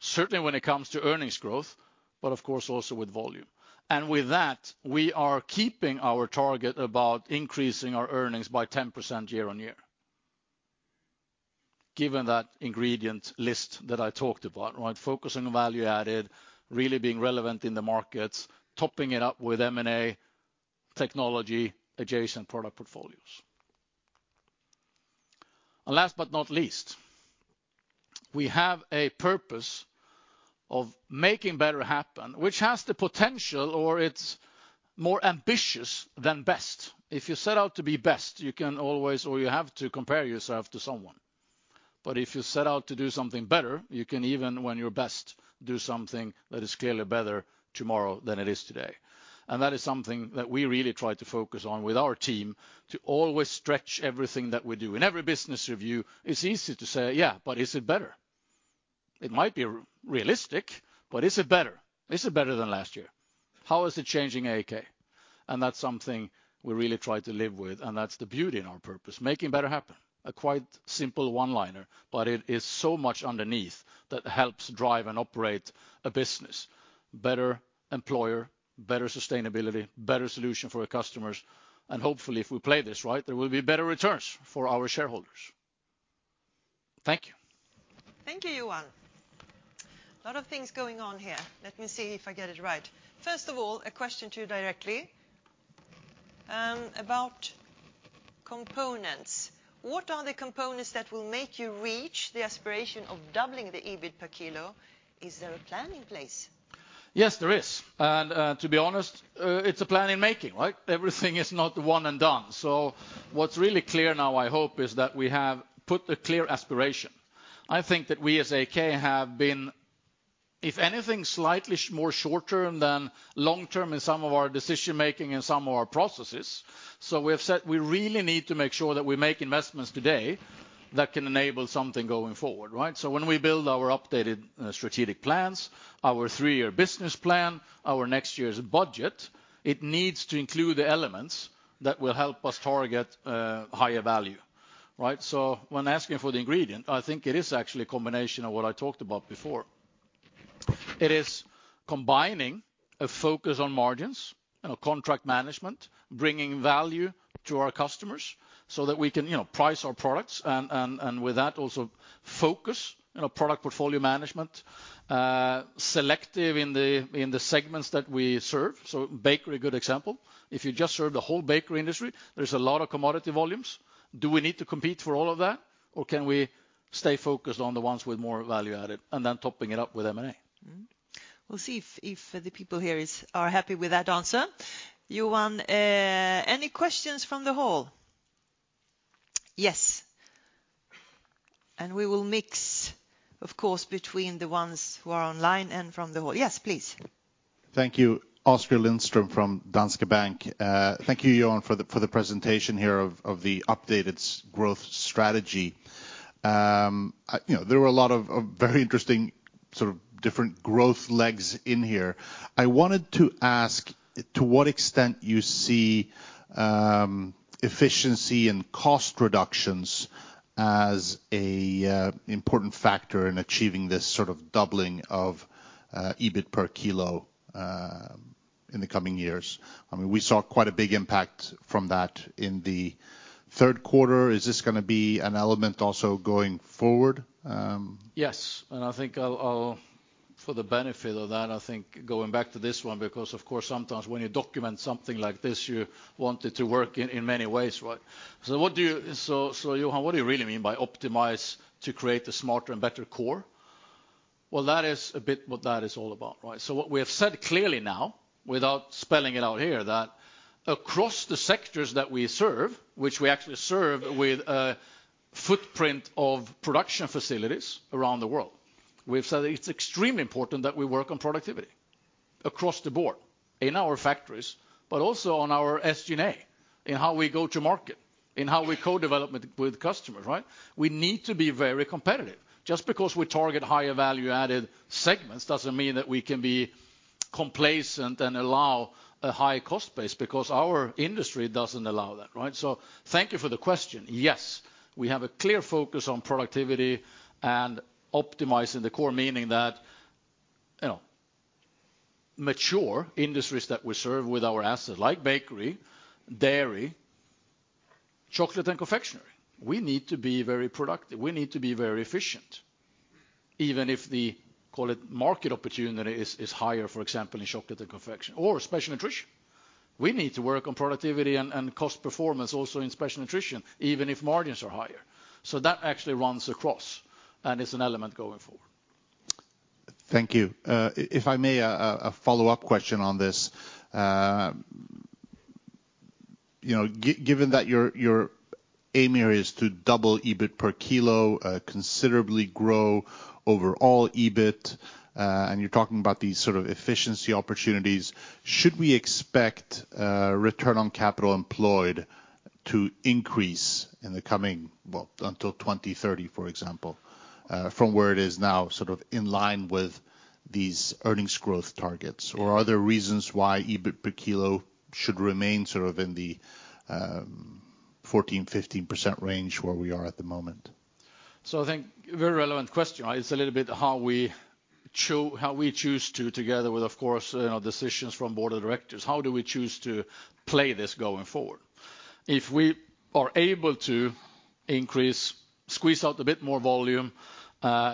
A: Certainly when it comes to earnings growth, but of course also with volume. With that, we are keeping our target about increasing our earnings by 10% year-on-year, given that ingredient list that I talked about, right? Focusing on value added, really being relevant in the markets, topping it up with M&A technology adjacent product portfolios. Last but not least, we have a purpose of making better happen, which has the potential or it's more ambitious than best. If you set out to be best, you can always or you have to compare yourself to someone. If you set out to do something better, you can, even when you're best, do something that is clearly better tomorrow than it is today. That is something that we really try to focus on with our team, to always stretch everything that we do. In every business review, it's easy to say, "Yeah, but is it better?" It might be realistic, but is it better? Is it better than last year? How is it changing AAK? That's something we really try to live with, and that's the beauty in our purpose: making better happen. A quite simple one-liner, but it is so much underneath that helps drive and operate a business. Better employer, better sustainability, better solution for the customers, and hopefully, if we play this right, there will be better returns for our shareholders. Thank you.
B: Thank you, Johan. A lot of things going on here. Let me see if I get it right. First of all, a question to you directly, about components. What are the components that will make you reach the aspiration of doubling the EBIT per kilo? Is there a plan in place?
A: Yes, there is. To be honest, it's a plan in making, right? Everything is not one and done. What's really clear now, I hope, is that we have put a clear aspiration. I think that we as AAK have been, if anything, slightly more short-term than long-term in some of our decision-making and some of our processes. We have said we really need to make sure that we make investments today that can enable something going forward, right? When we build our updated strategic plans, our three-year business plan, our next year's budget, it needs to include the elements that will help us target higher value, right? When asking for the ingredient, I think it is actually a combination of what I talked about before. It is combining a focus on margins, you know, contract management, bringing value to our customers so that we can, you know, price our products and with that also focus in our product portfolio management, selective in the segments that we serve. Bakery, a good example. If you just serve the whole bakery industry, there's a lot of commodity volumes. Do we need to compete for all of that, or can we stay focused on the ones with more value added? Topping it up with M&A.
B: Mm-hmm. We'll see if the people here are happy with that answer. Johan, any questions from the hall? Yes. We will mix, of course, between the ones who are online and from the hall. Yes, please.
E: Thank you. Oskar Lindström from Danske Bank. Thank you, Johan, for the presentation here of the updated growth strategy. you know, there were a lot of very interesting sort of different growth legs in here. I wanted to ask to what extent you see efficiency and cost reductions as a important factor in achieving this sort of doubling of EBIT per kilo in the coming years. I mean, we saw quite a big impact from that in the third quarter. Is this gonna be an element also going forward?
A: Yes, I think I'll for the benefit of that, I think going back to this one, because of course, sometimes when you document something like this, you want it to work in many ways, right? Johan, what do you really mean by optimize to create a smarter and better core? That is a bit what that is all about, right? What we have said clearly now, without spelling it out here, that across the sectors that we serve, which we actually serve with a footprint of production facilities around the world, we've said it's extremely important that we work on productivity across the board, in our factories, but also on our SG&A, in how we go to market, in how we co-development with customers, right? We need to be very competitive. Just because we target higher value added segments doesn't mean that we can be complacent and allow a high cost base, because our industry doesn't allow that, right? Thank you for the question. Yes, we have a clear focus on productivity and optimizing the core, meaning that, you know, mature industries that we serve with our assets, like bakery, dairy, chocolate and confectionery, we need to be very productive. We need to be very efficient, even if the, call it, market opportunity is higher, for example, in chocolate and confectionery or Special Nutrition. We need to work on productivity and cost performance also in Special Nutrition, even if margins are higher. That actually runs across, and it's an element going forward.
E: Thank you. If I may, a follow-up question on this. You know, given that your aim here is to double EBIT per kilo, considerably grow overall EBIT, and you're talking about these sort of efficiency opportunities, should we expect return on capital employed to increase in the coming, well, until 2030, for example, from where it is now sort of in line with these earnings growth targets? Are there reasons why EBIT per kilo should remain sort of in the 14%-15% range where we are at the moment?
A: I think very relevant question. It's a little bit how we choose to, together with, of course, you know, decisions from board of directors, how do we choose to play this going forward? If we are able to increase, squeeze out a bit more volume,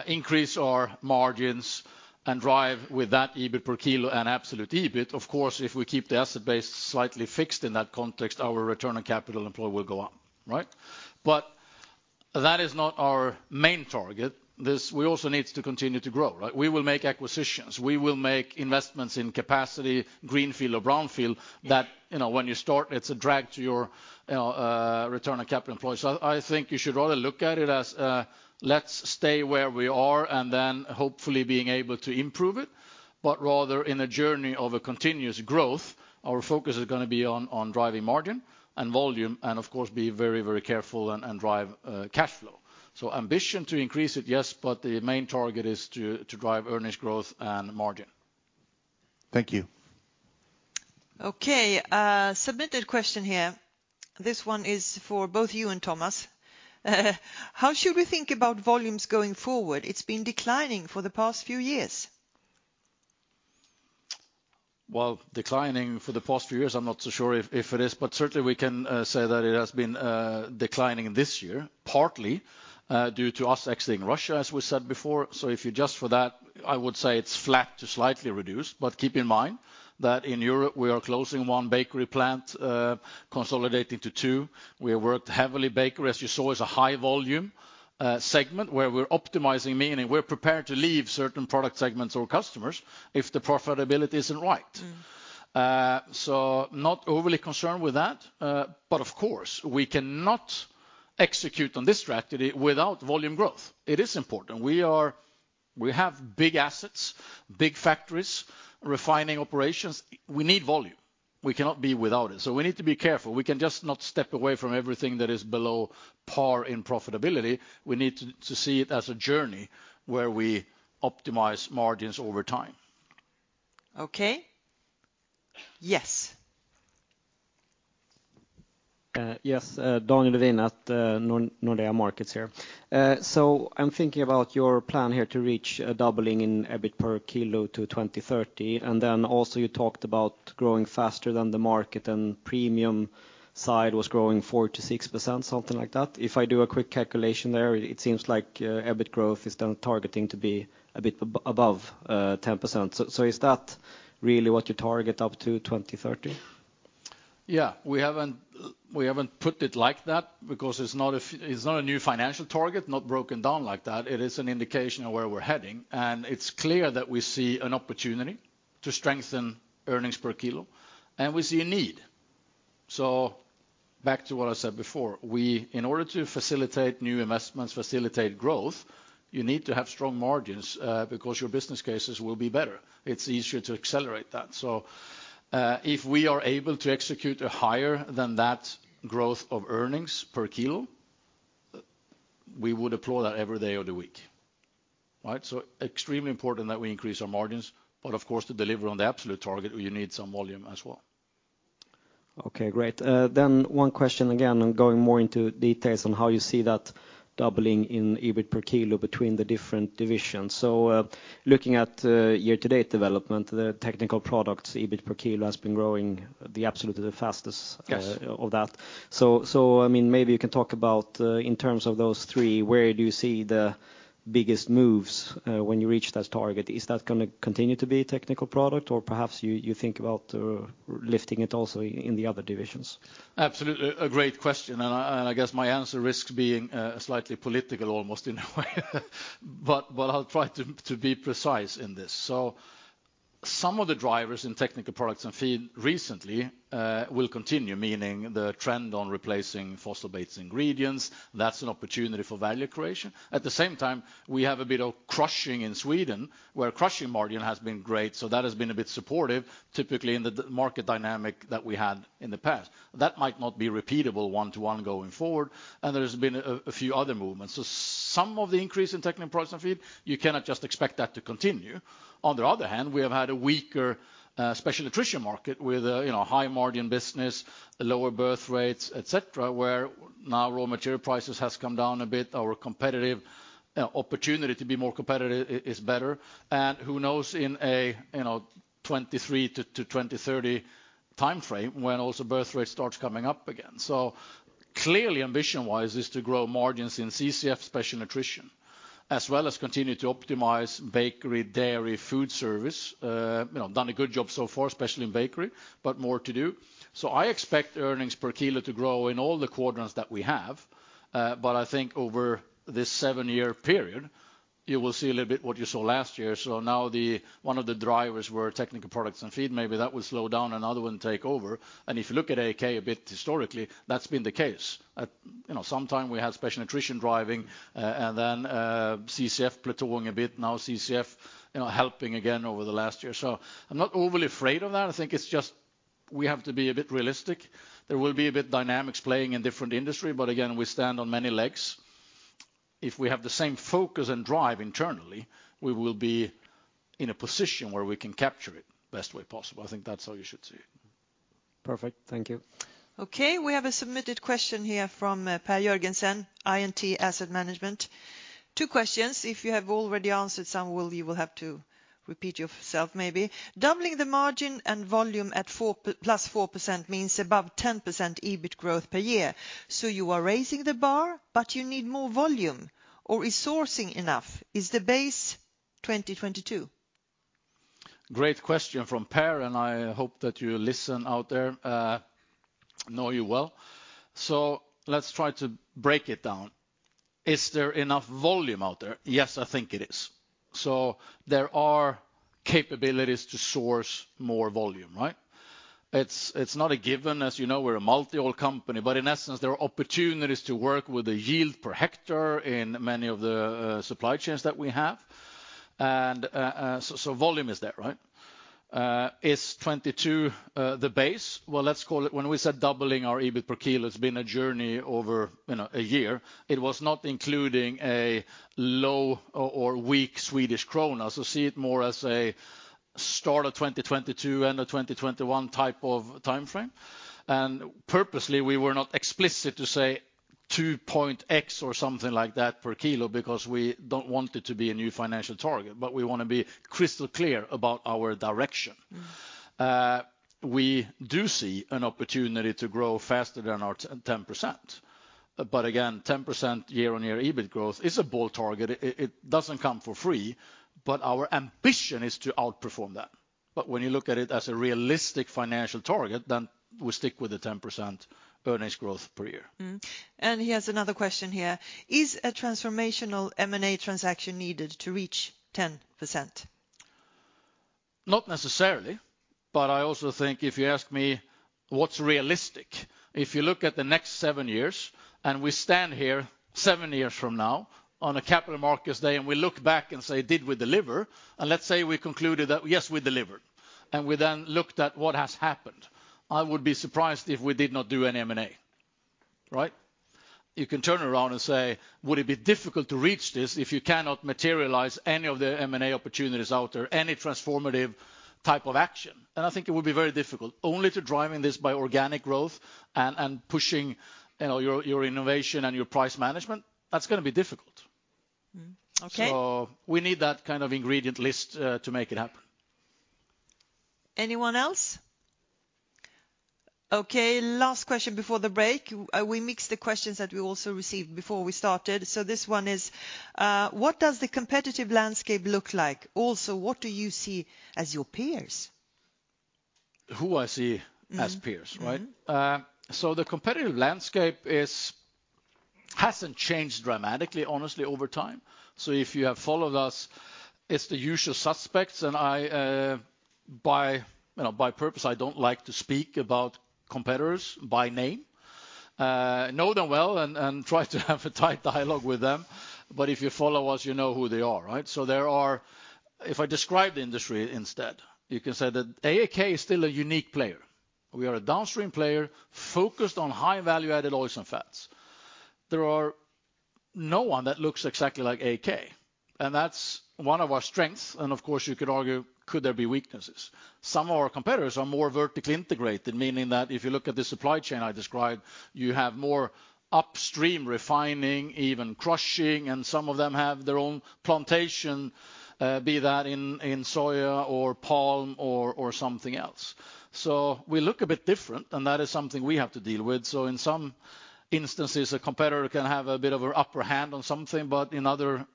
A: increase our margins, and drive with that EBIT per kilo and absolute EBIT, of course, if we keep the asset base slightly fixed in that context, our return on capital employed will go up, right? That is not our main target. This, we also need to continue to grow, right? We will make acquisitions, we will make investments in capacity, greenfield or brownfield, that, you know, when you start, it's a drag to your return on capital employed. I think you should rather look at it as, let's stay where we are and then hopefully being able to improve it. Rather in a journey of a continuous growth, our focus is gonna be on driving margin and volume and of course be very careful and drive cash flow. Ambition to increase it, yes, but the main target is to drive earnings growth and margin.
E: Thank you.
B: Okay. Submitted question here. This one is for both you and Tomas. How should we think about volumes going forward? It's been declining for the past few years.
A: Declining for the past few years, I'm not so sure if it is, but certainly we can say that it has been declining this year, partly due to us exiting Russia, as we said before. If you adjust for that, I would say it's flat to slightly reduced. Keep in mind that in Europe we are closing one bakery plant, consolidating to two. We have worked heavily. Bakery, as you saw, is a high volume segment where we're optimizing, meaning we're prepared to leave certain product segments or customers if the profitability isn't right. Not overly concerned with that. Of course, we cannot execute on this strategy without volume growth. It is important. We have big assets, big factories, refining operations. We need volume. We cannot be without it. We need to be careful. We can just not step away from everything that is below par in profitability. We need to see it as a journey where we optimize margins over time.
B: Okay. Yes.
D: Yes. Daniel Levin at Nordea Markets here. I'm thinking about your plan here to reach a doubling in EBIT per kilo to 2030, and then also you talked about growing faster than the market and premium side was growing 4%-6%, something like that. If I do a quick calculation there, it seems like EBIT growth is then targeting to be a bit above 10%. Is that really what you target up to 2030?
A: Yeah. We haven't put it like that because it's not a new financial target, not broken down like that. It is an indication of where we're heading, and it's clear that we see an opportunity to strengthen earnings per kilo, and we see a need. Back to what I said before, we, in order to facilitate new investments, facilitate growth, you need to have strong margins, because your business cases will be better. It's easier to accelerate that. If we are able to execute a higher than that growth of earnings per kilo, we would applaud that every day of the week, right? Extremely important that we increase our margins, but of course to deliver on the absolute target, you need some volume as well.
D: Okay, great. one question again on going more into details on how you see that doubling in EBIT per kilo between the different divisions. looking at, year-to-date development, the technical products EBIT per kilo has been growing the absolutely the fastest.
A: Yes...
D: of that. I mean, maybe you can talk about, in terms of those three, where do you see the biggest moves, when you reach that target? Is that gonna continue to be technical product or perhaps you think about, lifting it also in the other divisions?
A: Absolutely. A great question, and I guess my answer risks being slightly political almost in a way, but I'll try to be precise in this. Some of the drivers in technical products and feed recently will continue, meaning the trend on replacing fossil-based ingredients, that's an opportunity for value creation. At the same time, we have a bit of crushing in Sweden where crushing margin has been great, so that has been a bit supportive typically in the market dynamic that we had in the past. That might not be repeatable one-to-one going forward, and there's been a few other movements. Some of the increase in technical products and feed, you cannot just expect that to continue. On the other hand, we have had a weaker, Special Nutrition market with a, you know, high margin business, lower birth rates, et cetera, where now raw material prices has come down a bit. Our competitive opportunity to be more competitive is better. Who knows in a, you know, 2023 to 2030 timeframe when also birth rate starts coming up again. Clearly ambition-wise is to grow margins in CCF Special Nutrition as well as continue to optimize bakery, dairy, food service. You know, done a good job so far, especially in bakery, but more to do. I expect earnings per kilo to grow in all the quadrants that we have, but I think over this seven-year period you will see a little bit what you saw last year. Now one of the drivers were technical products and feed. Maybe that will slow down, another one take over. If you look at AAK a bit historically, that's been the case. At, you know, sometime we had Special Nutrition driving, and then CCF plateauing a bit. Now CCF, you know, helping again over the last year. I'm not overly afraid of that. I think it's just we have to be a bit realistic. There will be a bit dynamics playing in different industry, but again, we stand on many legs. If we have the same focus and drive internally, we will be in a position where we can capture it best way possible. I think that's how you should see it.
B: Perfect. Thank you. We have a submitted question here from Per Jørgensen, I&T Asset Management. Two questions. If you have already answered some, well, you will have to repeat yourself maybe. Doubling the margin and volume at +4% means above 10% EBIT growth per year. You are raising the bar, but you need more volume or is sourcing enough? Is the base 2022?
A: Great question from Per, and I hope that you listen out there, know you well. Let's try to break it down. Is there enough volume out there? Yes, I think it is. There are capabilities to source more volume, right? It's not a given. As you know, we're a multi-oil company, but in essence, there are opportunities to work with the yield per hectare in many of the supply chains that we have. Volume is there, right? Is 2022 the base? Well, let's call it, when we said doubling our EBIT per kilo, it's been a journey over, you know, a year. It was not including a low or weak Swedish krona. See it more as a start of 2022, end of 2021 type of timeframe. Purposely, we were not explicit to say two point X or something like that per kilo because we don't want it to be a new financial target, but we wanna be crystal clear about our direction. We do see an opportunity to grow faster than our 10%. Again, 10% year-on-year EBIT growth is a bold target. It doesn't come for free, but our ambition is to outperform that. When you look at it as a realistic financial target, we stick with the 10% earnings growth per year.
B: Mm-hmm. He has another question here. Is a transformational M&A transaction needed to reach 10%?
A: Not necessarily. I also think if you ask me what's realistic, if you look at the next seven years, and we stand here seven years from now on a Capital Markets Day, and we look back and say, "Did we deliver?" Let's say we concluded that, yes, we delivered, and we then looked at what has happened, I would be surprised if we did not do any M&A, right? You can turn around and say, "Would it be difficult to reach this if you cannot materialize any of the M&A opportunities out there, any transformative type of action?" I think it would be very difficult only to driving this by organic growth and pushing, you know, your innovation and your price management. That's gonna be difficult.
B: Mm-hmm. Okay.
A: We need that kind of ingredient list to make it happen.
B: Anyone else? Last question before the break. We mixed the questions that we also received before we started. This one is, what does the competitive landscape look like? What do you see as your peers?
A: Who I see as peers, right?
B: Mm-hmm. Mm-hmm.
A: The competitive landscape hasn't changed dramatically, honestly, over time. If you have followed us, it's the usual suspects. I, by, you know, by purpose, I don't like to speak about competitors by name. Know them well and try to have a tight dialogue with them. If you follow us, you know who they are, right? If I describe the industry instead, you can say that AAK is still a unique player. We are a downstream player focused on high value-added oils and fats. There are no one that looks exactly like AAK, and that's one of our strengths. Of course, you could argue, could there be weaknesses? Some of our competitors are more vertically integrated, meaning that if you look at the supply chain I described, you have more upstream refining, even crushing, and some of them have their own plantation, be that in soya or palm or something else. We look a bit different, and that is something we have to deal with. In some instances, a competitor can have a bit of an upper hand on something, but in other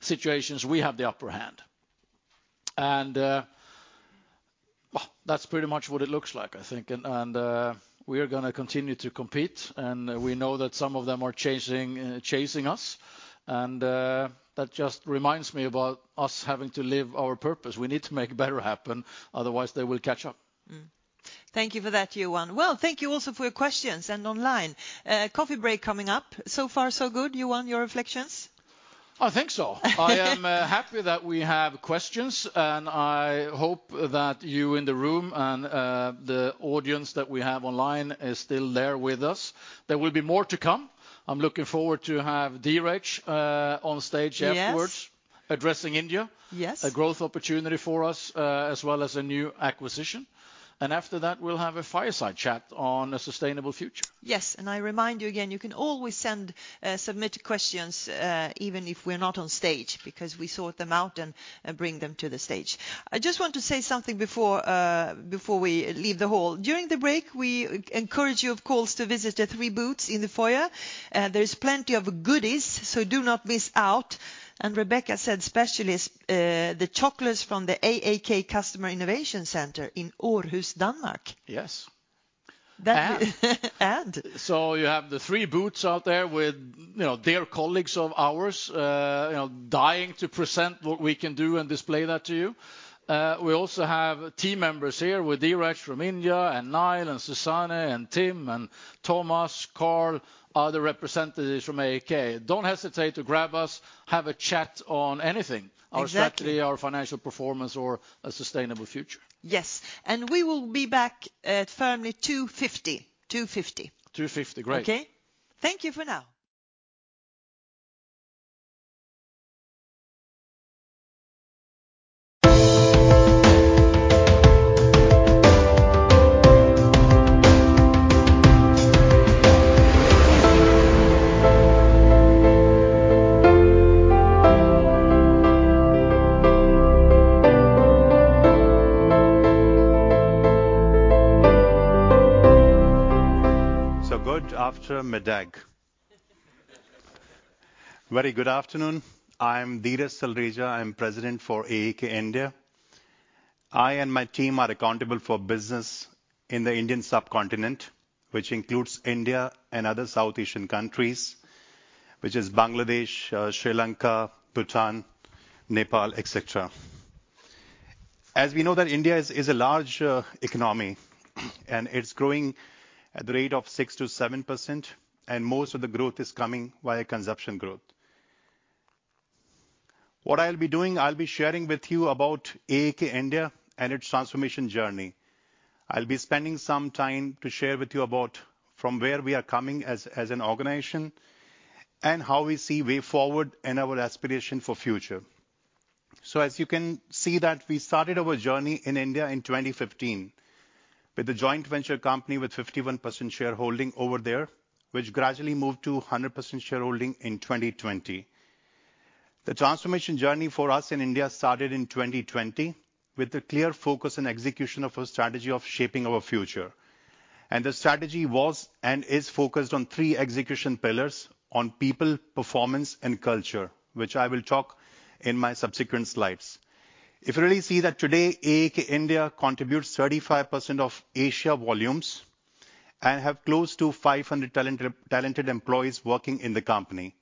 A: situations, we have the upper hand. Well, that's pretty much what it looks like, I think. We are gonna continue to compete, and we know that some of them are chasing us. That just reminds me about us having to live our purpose. We need to make better happen, otherwise they will catch up.
B: Thank you for that, Johan. Thank you also for your questions and online. Coffee break coming up. Far so good. Johan, your reflections?
A: I think so. I am happy that we have questions, and I hope that you in the room and the audience that we have online is still there with us. There will be more to come. I'm looking forward to have Dheeraj on stage afterwards.
B: Yes...
A: addressing India.
B: Yes.
A: A growth opportunity for us, as well as a new acquisition. After that, we'll have a fireside chat on a sustainable future.
B: Yes. I remind you again, you can always send submitted questions, even if we're not on stage, because we sort them out and bring them to the stage. I just want to say something before before we leave the hall. During the break, we encourage you, of course, to visit the 3 booths in the foyer. There is plenty of goodies, so do not miss out. Rebecca said especially, the chocolates from the AAK Customer Innovation Center in Aarhus, Denmark.
A: Yes.
B: That- And- And?
A: You have the three booths out there with, you know, dear colleagues of ours, you know, dying to present what we can do and display that to you. We also have team members here with Dheeraj from India and Niall and Susanne and Tim and Tomas, Carl, other representatives from AAK. Don't hesitate to grab us, have a chat on anything.
B: Exactly...
A: our strategy, our financial performance, or a sustainable future.
B: Yes. We will be back at firmly 2:50. 2:50.
A: 2:50. Great.
B: Okay? Thank you for now.
I: Very good afternoon. I'm Dheeraj Talreja. I'm President for AAK India. I and my team are accountable for business in the Indian subcontinent, which includes India and other South Asian countries, which is Bangladesh, Sri Lanka, Bhutan, Nepal, etc. As we know that India is a large economy, and it's growing at the rate of 6%-7%, and most of the growth is coming via consumption growth. What I'll be doing, I'll be sharing with you about AAK India and its transformation journey. I'll be spending some time to share with you about from where we are coming as an organization and how we see way forward and our aspiration for future. As you can see that we started our journey in India in 2015 with a joint venture company with 51% shareholding over there, which gradually moved to 100% shareholding in 2020. The transformation journey for us in 2020, with a clear focus on execution of a strategy of shaping our future. The strategy was and is focused on three execution pillars on people, performance and culture, which I will talk in my subsequent slides. If you really see that today, AAK India contributes 35% of Asia volumes and have close to 500 talented employees working in the company.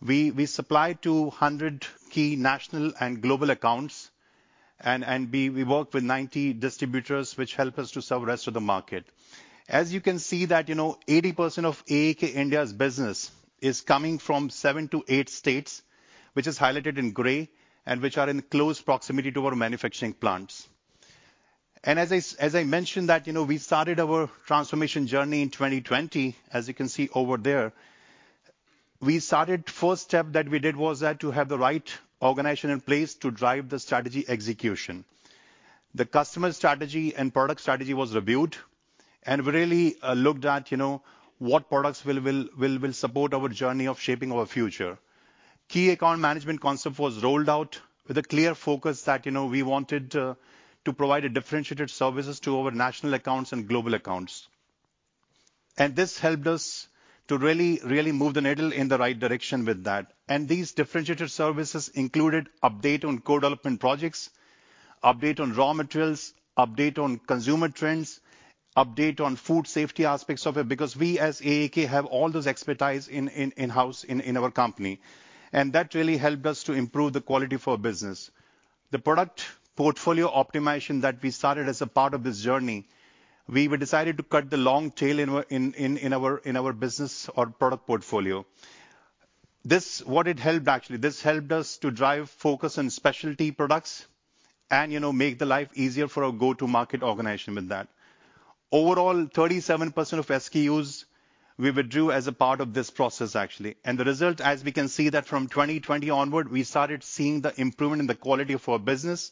I: We supply to 100 key national and global accounts and we work with 90 distributors which help us to serve rest of the market. As you can see that, you know, 80% of AAK India's business is coming from seven to eight states, which is highlighted in gray and which are in close proximity to our manufacturing plants. As I, as I mentioned that, you know, we started our transformation journey in 2020, as you can see over there. We started first step that we did was that to have the right organization in place to drive the strategy execution. The customer strategy and product strategy was reviewed. We really looked at, you know, what products will support our journey of shaping our future. Key account management concept was rolled out with a clear focus that, you know, we wanted to provide a differentiated services to our national accounts and global accounts. This helped us to really move the needle in the right direction with that. These differentiated services included update on co-development projects, update on raw materials, update on consumer trends, update on food safety aspects of it, because we as AAK have all those expertise in-house in our company. That really helped us to improve the quality of our business. The product portfolio optimization that we started as a part of this journey, we were decided to cut the long tail in our business or product portfolio. Actually, this helped us to drive focus on specialty products and, you know, make the life easier for our go-to-market organization with that. Overall, 37% of SKUs we withdrew as a part of this process actually. The result, as we can see that from 2020 onward, we started seeing the improvement in the quality of our business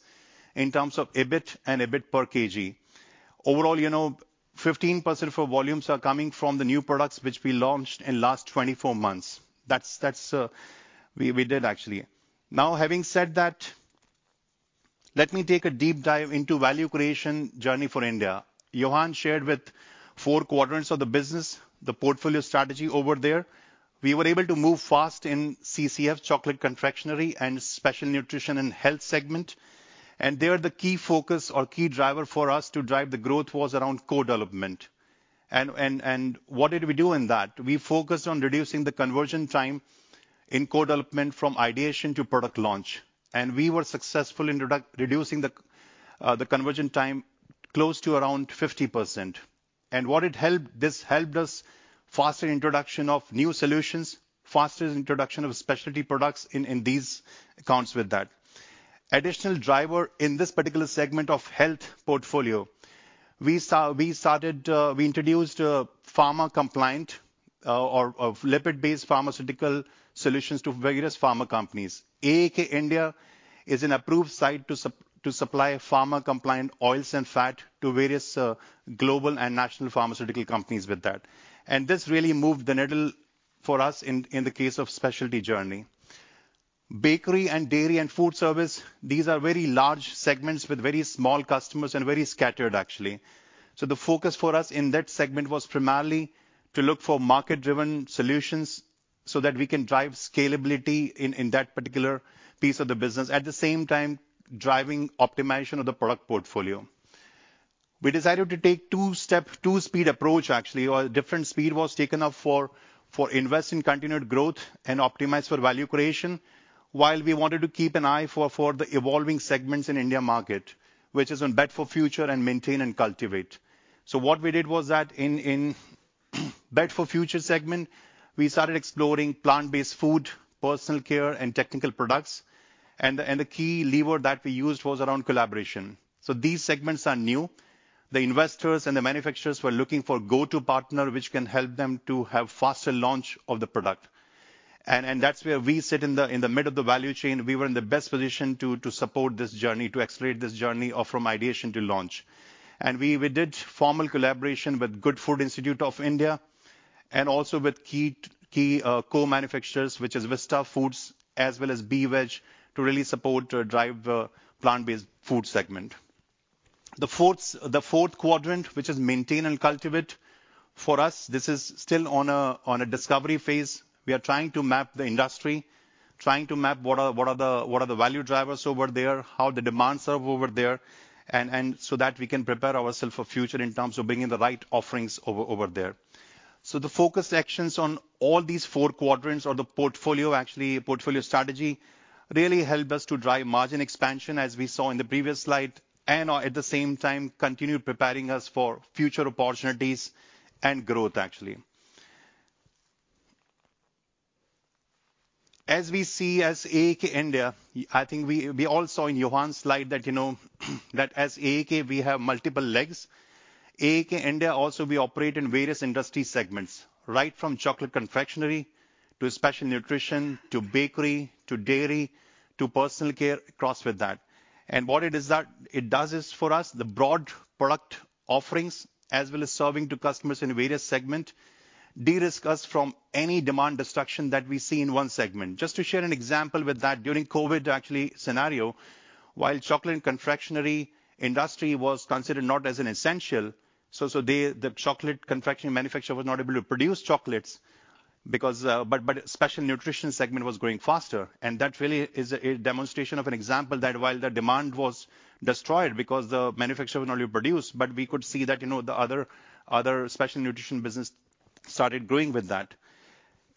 I: in terms of EBIT and EBIT per kilo. Overall, you know, 15% of our volumes are coming from the new products which we launched in last 24 months. That's, we did actually. Now, having said that, let me take a deep dive into value creation journey for India. Johan shared with four quadrants of the business the portfolio strategy over there. We were able to move fast in CCF, Chocolate Confectionery and Special Nutrition and health segment. There the key focus or key driver for us to drive the growth was around co-development. What did we do in that? We focused on reducing the conversion time in co-development from ideation to product launch. We were successful in reducing the conversion time close to around 50%. What it helped, this helped us faster introduction of new solutions, faster introduction of specialty products in these accounts with that. Additional driver in this particular segment of health portfolio. We started, we introduced pharma compliant or lipid-based pharmaceutical solutions to various pharma companies. AAK India is an approved site to supply pharma compliant oils and fat to various global and national pharmaceutical companies with that. This really moved the needle for us in the case of specialty journey. Bakery and dairy and food service, these are very large segments with very small customers and very scattered, actually. The focus for us in that segment was primarily to look for market-driven solutions so that we can drive scalability in that particular piece of the business, at the same time driving optimization of the product portfolio. We decided to take a two-step, two-speed approach, actually. Different speed was taken up for invest in continued growth and optimize for value creation. While we wanted to keep an eye for the evolving segments in India market, which is on build for future and maintain and cultivate. What we did was that in build for future segment, we started exploring plant-based food, personal care and technical products. The key lever that we used was around collaboration. These segments are new. The investors and the manufacturers were looking for go-to partner, which can help them to have faster launch of the product. That's where we sit in the mid of the value chain. We were in the best position to support this journey, to accelerate this journey from ideation to launch. We did formal collaboration with The Good Food Institute India and also with key co-manufacturers, which is Vista Processed Foods as well as BVeg Foods, to really support or drive plant-based food segment. The fourth quadrant, which is maintain and cultivate. For us, this is still on a discovery phase. We are trying to map the industry, trying to map what are the value drivers over there, how the demands are over there, and so that we can prepare ourselves for future in terms of bringing the right offerings over there. The focus actions on all these four quadrants or the portfolio, actually, portfolio strategy really help us to drive margin expansion, as we saw in the previous slide. Are at the same time continue preparing us for future opportunities and growth, actually. As we see as AAK India, I think we all saw in Johan's slide that, you know, that as AAK we have multiple legs. AAK India also we operate in various industry segments, right from chocolate confectionery, to Special Nutrition, to bakery, to dairy, to personal care, across with that. What it is that it does is for us, the broad product offerings, as well as serving to customers in various segment, de-risk us from any demand destruction that we see in one segment. Just to share an example with that, during COVID actually scenario, while chocolate and confectionery industry was considered not as an essential, so they, the chocolate confectionery manufacturer was not able to produce chocolates because. Special Nutrition segment was growing faster. That really is a demonstration of an example that while the demand was destroyed because the manufacturer would not produce, but we could see that, you know, the other Special Nutrition business started growing with that.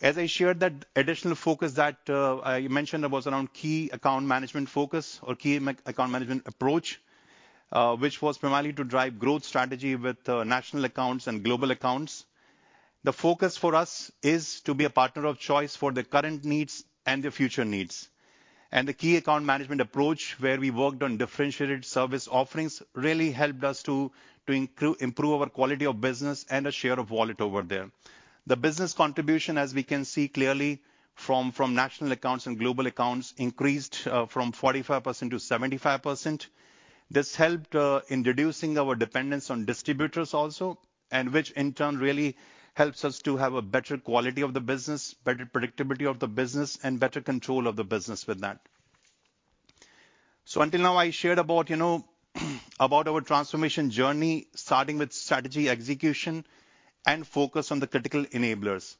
I: As I shared that additional focus that I mentioned was around key account management focus or key account management approach, which was primarily to drive growth strategy with national accounts and global accounts. The focus for us is to be a partner of choice for the current needs and the future needs. The key account management approach, where we worked on differentiated service offerings really helped us to improve our quality of business and our share of wallet over there. The business contribution, as we can see clearly from national accounts and global accounts, increased from 45%-75%. This helped in reducing our dependence on distributors also, which in turn really helps us to have a better quality of the business, better predictability of the business and better control of the business with that. Until now I shared about, you know, about our transformation journey, starting with strategy execution and focus on the critical enablers.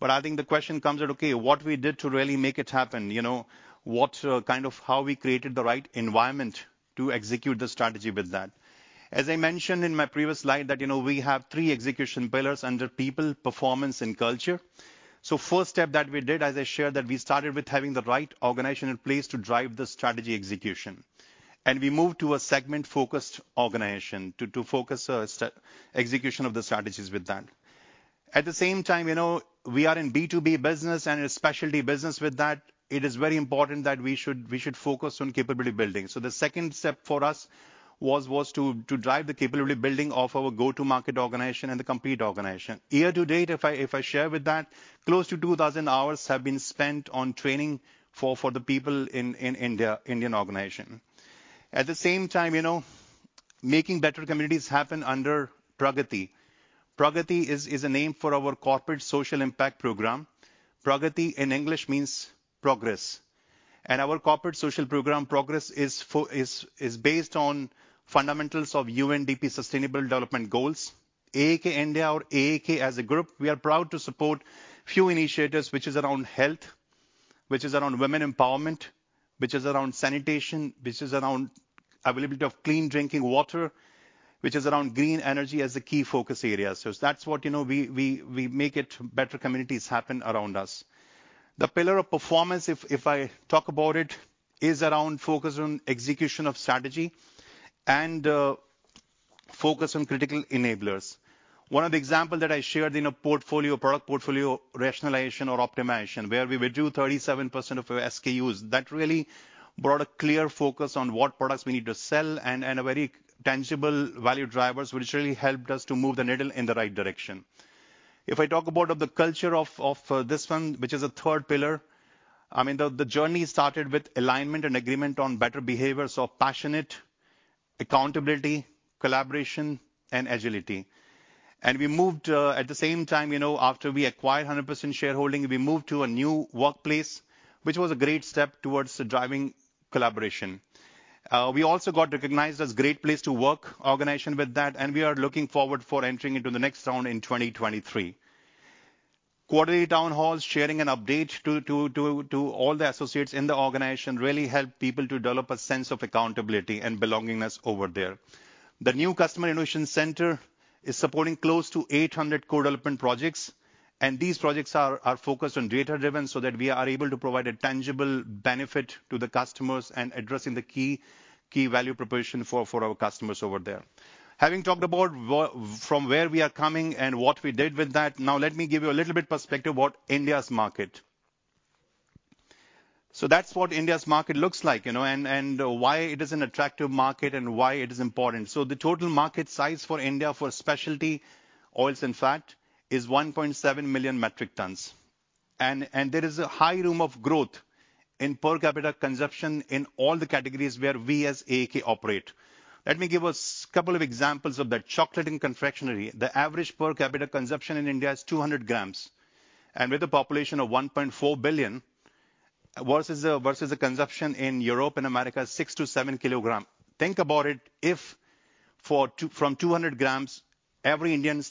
I: I think the question comes at, okay, what we did to really make it happen, you know? What kind of how we created the right environment to execute the strategy with that. As I mentioned in my previous slide that, you know, we have three execution pillars under people, performance and culture. First step that we did, as I shared, that we started with having the right organization in place to drive the strategy execution. We moved to a segment-focused organization to focus execution of the strategies with that. At the same time, you know, we are in B2B business and a specialty business with that. It is very important that we should focus on capability building. The second step for us was to drive the capability building of our go-to-market organization and the complete organization. Year to date, if I share with that, close to 2,000 hours have been spent on training for the people in India, Indian organization. At the same time, you know, making better communities happen under Pragati. Pragati is a name for our corporate social impact program. Pragati in English means progress. Our corporate social program progress is based on fundamentals of UNDP Sustainable Development Goals. AAK India or AAK as a group, we are proud to support few initiatives, which is around health, which is around women empowerment, which is around sanitation, which is around availability of clean drinking water, which is around green energy as a key focus area. That's what, you know, we make it better communities happen around us. The pillar of performance, if I talk about it, is around focus on execution of strategy and focus on critical enablers. One of the example that I shared in a portfolio, product portfolio rationalization or optimization, where we reduced 37% of our SKUs. That really brought a clear focus on what products we need to sell and a very tangible value drivers, which really helped us to move the needle in the right direction. If I talk about of the culture of this one, which is the third pillar, I mean, the journey started with alignment and agreement on better behaviors of passionate accountability, collaboration and agility. We moved, at the same time, you know, after we acquired 100% shareholding, we moved to a new workplace, which was a great step towards driving collaboration. We also got recognized as Great Place To Work organization with that, we are looking forward for entering into the next round in 2023. Quarterly town halls, sharing an update to all the associates in the organization really help people to develop a sense of accountability and belongingness over there. The new Customer Innovation Center is supporting close to 800 co-development projects, these projects are focused on data-driven so that we are able to provide a tangible benefit to the customers and addressing the key value proposition for our customers over there. Having talked about from where we are coming and what we did with that, now let me give you a little bit perspective what India's market. That's what India's market looks like, you know, and why it is an attractive market and why it is important. The total market size for India for specialty oils and fat is 1.7 million metric tons. There is a high room of growth in per capita consumption in all the categories where we as AAK operate. Let me give us couple of examples of that. Chocolate and confectionery. The average per capita consumption in India is 200 grams, and with a population of 1.4 billion, versus the consumption in Europe and America, 6 km-7 km. Think about it. If.. from 200 g every Indian.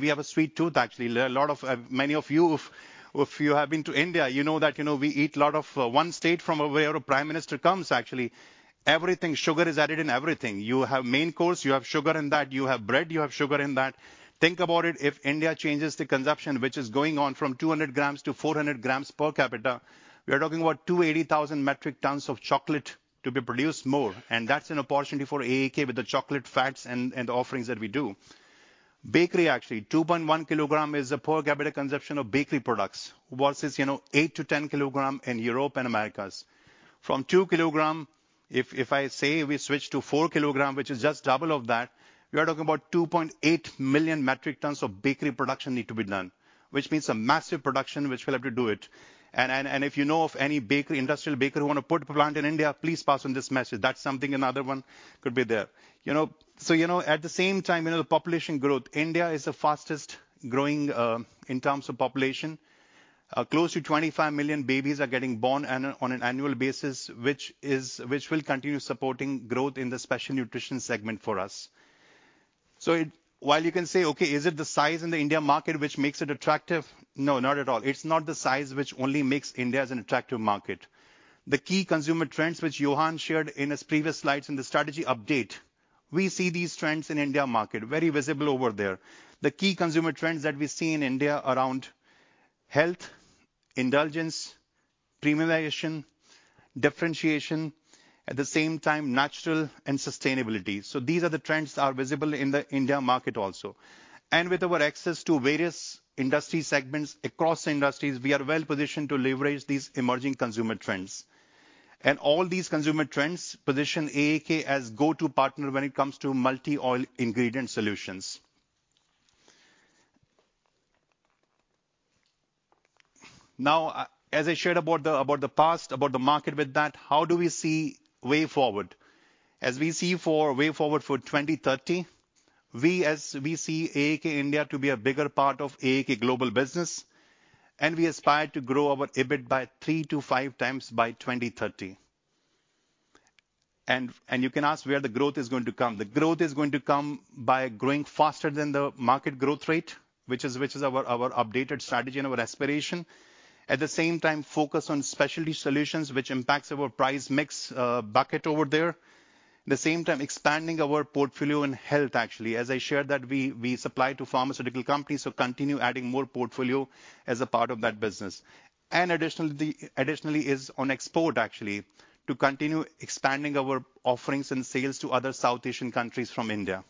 I: We have a sweet tooth, actually. A lot of many of you, if you have been to India, you know that, you know, we eat a lot of. One state from where our prime minister comes, actually, sugar is added in everything. You have main course, you have sugar in that. You have bread, you have sugar in that. Think about it. If India changes the consumption, which is going on from 200 g to 400 g per capita, we are talking about 280,000 metric tons of chocolate to be produced more, and that's an opportunity for AAK with the chocolate fats and offerings that we do. Bakery, actually, 2.1 km is the per capita consumption of bakery products versus, you know, 8 km-10 km in Europe and Americas. From 2 km, if I say we switch to 4 km, which is just double of that, we are talking about 2.8 million metric tons of bakery production need to be done, which means a massive production which will have to do it. If you know of any bakery, industrial baker who want to put plant in India, please pass on this message. That's something another one could be there. You know, at the same time, you know, the population growth, India is the fastest-growing in terms of population. Close to 25 million babies are getting born on an annual basis, which will continue supporting growth in the Special Nutrition segment for us. While you can say, "Okay, is it the size in the India market which makes it attractive?" No, not at all. It's not the size which only makes India as an attractive market. The key consumer trends which Johan shared in his previous slides in the strategy update, we see these trends in India market, very visible over there. The key consumer trends that we see in India around health, indulgence, premiumization, differentiation. At the same time, natural and sustainability. These are the trends are visible in the India market also. With our access to various industry segments across industries, we are well-positioned to leverage these emerging consumer trends. All these consumer trends position AAK as go-to partner when it comes to multi-oil ingredient solutions. Now, as I shared about the past, about the market with that, how do we see way forward? As we see for way forward for 2030. we see AAK India to be a bigger part of AAK global business, and we aspire to grow our EBIT by 3x to 5x by 2030. You can ask where the growth is going to come. The growth is going to come by growing faster than the market growth rate, which is our updated strategy and our aspiration. At the same time, focus on specialty solutions which impacts our price mix bucket over there. At the same time, expanding our portfolio in health, actually. As I shared that we supply to pharmaceutical companies, so continue adding more portfolio as a part of that business. Additionally is on export, actually, to continue expanding our offerings and sales to other South Asian countries from India.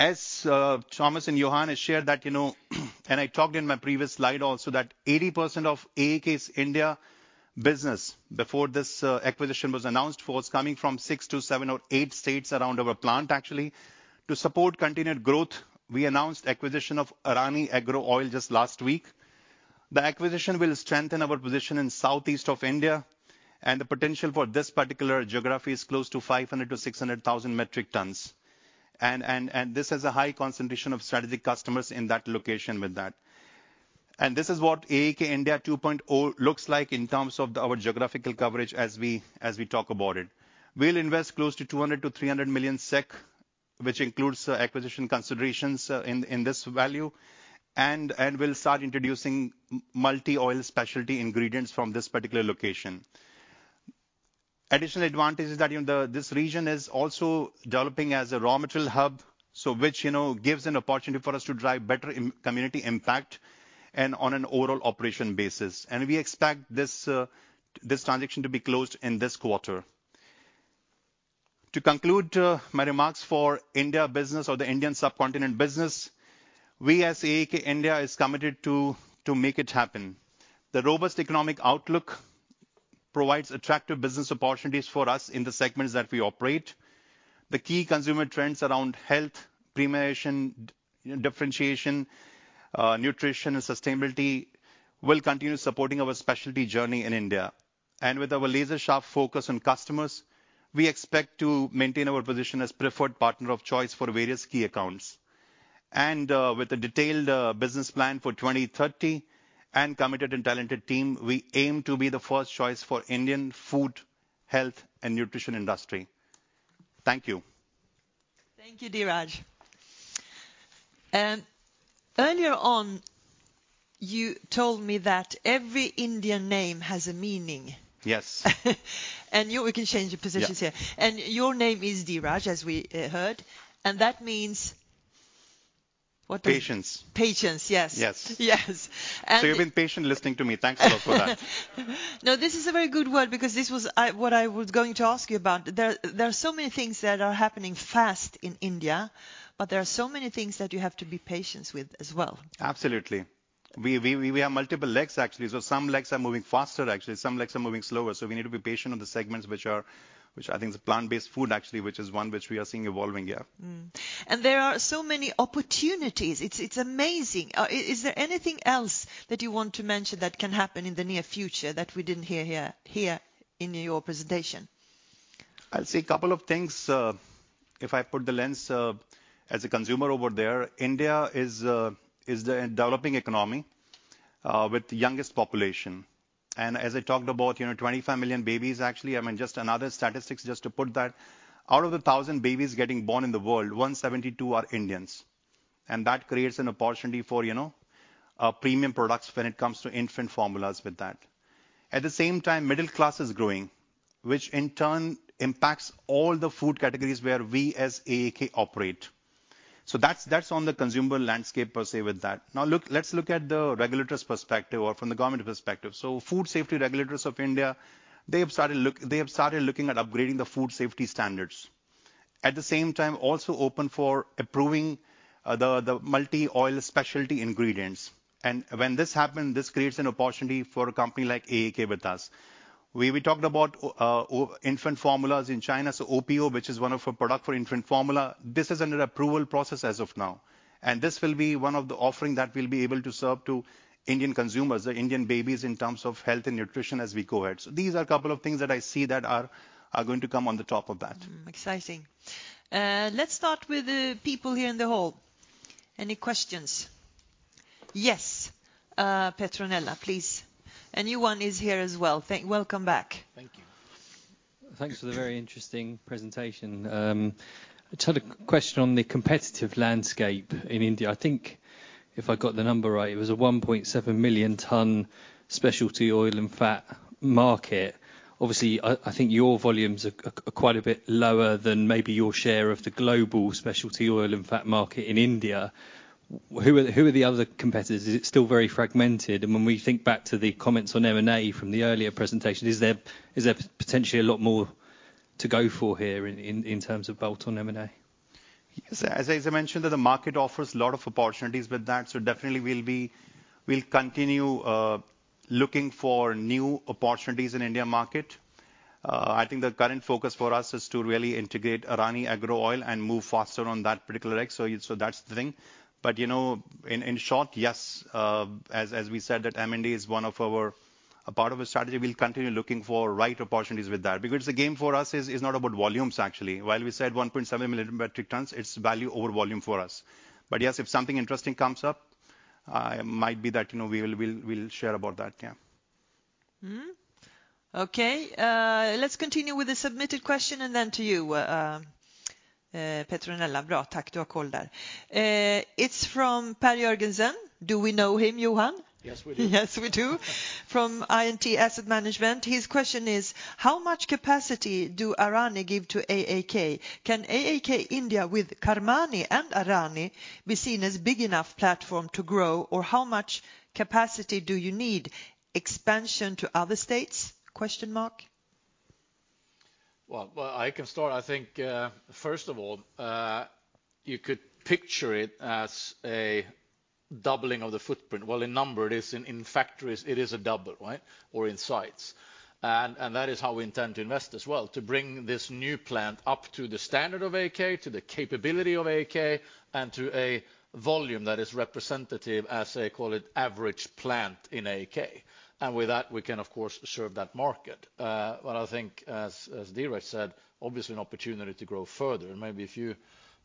I: As Tomas and Johan has shared that, you know, and I talked in my previous slide also, that 80% of AAK India's business before this acquisition was announced was coming from six to seven or eight states around our plant, actually. To support continued growth, we announced acquisition of Arani Agro Oil just last week. The acquisition will strengthen our position in southeast of India, the potential for this particular geography is close to 500,000 to 600,000 metric tons. This has a high concentration of strategic customers in that location with that. This is what AAK India 2.0 looks like in terms of our geographical coverage as we talk about it. We'll invest close to 200 million-300 million SEK, which includes acquisition considerations in this value, and we'll start introducing multi oil specialty ingredients from this particular location. Additional advantage is that, you know, this region is also developing as a raw material hub, so which, you know, gives an opportunity for us to drive better community impact and on an overall operation basis. We expect this transaction to be closed in this quarter. To conclude my remarks for India business or the Indian subcontinent business, we as AAK India is committed to make it happen. The robust economic outlook provides attractive business opportunities for us in the segments that we operate. The key consumer trends around health, premiumization, differentiation, nutrition and sustainability will continue supporting our specialty journey in India. With our laser-sharp focus on customers, we expect to maintain our position as preferred partner of choice for various key accounts. With a detailed business plan for 2030 and committed and talented team, we aim to be the first choice for Indian food, health and nutrition industry. Thank you.
B: Thank you, Dheeraj. Earlier on, you told me that every Indian name has a meaning.
I: Yes.
B: We can change the positions here.
I: Yeah.
B: Your name is Dheeraj, as we heard, and that means what?
I: Patience.
B: Patience, yes.
I: Yes.
B: Yes.
I: You've been patient listening to me. Thanks a lot for that.
B: No, this is a very good word because this was what I was going to ask you about. There are so many things that are happening fast in India. There are so many things that you have to be patient with as well.
I: Absolutely. We have multiple legs, actually. Some legs are moving faster, actually, some legs are moving slower. We need to be patient on the segments which I think the plant-based food, actually, which is one which we are seeing evolving, yeah.
B: There are so many opportunities. It's amazing. Is there anything else that you want to mention that can happen in the near future that we didn't hear in your presentation?
I: I'll say a couple of things. If I put the lens as a consumer over there, India is a developing economy with the youngest population. As I talked about, you know, 25 million babies, actually. I mean, just another statistics just to put that. Out of the 1,000 babies getting born in the world, 172 are Indians. That creates an opportunity for, you know, premium products when it comes to infant formulas with that. At the same time, middle class is growing, which in turn impacts all the food categories where we as AAK operate. That's, that's on the consumer landscape per se with that. Now let's look at the regulators' perspective or from the government perspective. Food Safety Regulators of India, they have started looking at upgrading the food safety standards. At the same time, also open for approving the multi-oil specialty ingredients. When this happen, this creates an opportunity for a company like AAK with us. We talked about infant formulas in China. OPO, which is one of our product for infant formula, this is under approval process as of now. This will be one of the offering that we'll be able to serve to Indian consumers, the Indian babies in terms of health and nutrition as we go ahead. These are a couple of things that I see that are going to come on the top of that.
B: Exciting. Let's start with the people here in the hall. Any questions? Yes, Petronella, please. A new one is here as well. Welcome back.
G: Thank you. Thanks for the very interesting presentation. I just had a question on the competitive landscape in India. I think if I got the number right, it was a 1.7 million ton specialty oil and fat market. Obviously I think your volumes are quite a bit lower than maybe your share of the global specialty oil and fat market in India. Who are the other competitors? Is it still very fragmented? When we think back to the comments on M&A from the earlier presentation, is there potentially a lot more to go for here in terms of bolt-on M&A?
I: Yes. As I mentioned, that the market offers a lot of opportunities with that. Definitely we'll continue looking for new opportunities in India market. I think the current focus for us is to really integrate Arani Agro Oil and move faster on that particular leg. That's the thing. You know, in short, yes, as we said that M&A is one of our a part of a strategy. We'll continue looking for right opportunities with that. The game for us is not about volumes actually. While we said 1.7 million metric tons, it's value over volume for us. Yes, if something interesting comes up, it might be that, you know, we will, we'll share about that. Yeah.
B: Mm. Okay. Let's continue with the submitted question and then to you, Petronella. Bra. Tack. Du har koll där. It's from Per Jörgensen. Do we know him, Johan?
A: Yes, we do.
B: Yes, we do. From I&T Asset Management. His question is: how much capacity do Arani give to AAK? Can AAK India with Kamani and Arani be seen as big enough platform to grow? How much capacity do you need? Expansion to other states?
A: Well, I can start. I think, first of all, you could picture it as a doubling of the footprint. Well, in number it is in factories it is a double, right? Or in sites. That is how we intend to invest as well, to bring this new plant up to the standard of AAK, to the capability of AAK, and to a volume that is representative as a, call it, average plant in AAK. With that, we can of course serve that market. I think as Dheeraj said, obviously an opportunity to grow further. Maybe if you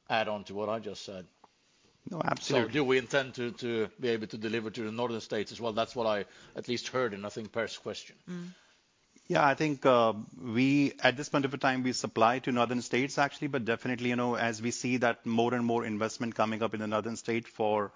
A: add on to what I just said.
I: No, absolutely.
A: Do we intend to be able to deliver to the northern states as well? That's what I at least heard in, I think, Per's question.
B: Mm-hmm.
I: Yeah. I think, at this point of the time, we supply to northern states, actually. Definitely, you know, as we see that more and more investment coming up in the northern state for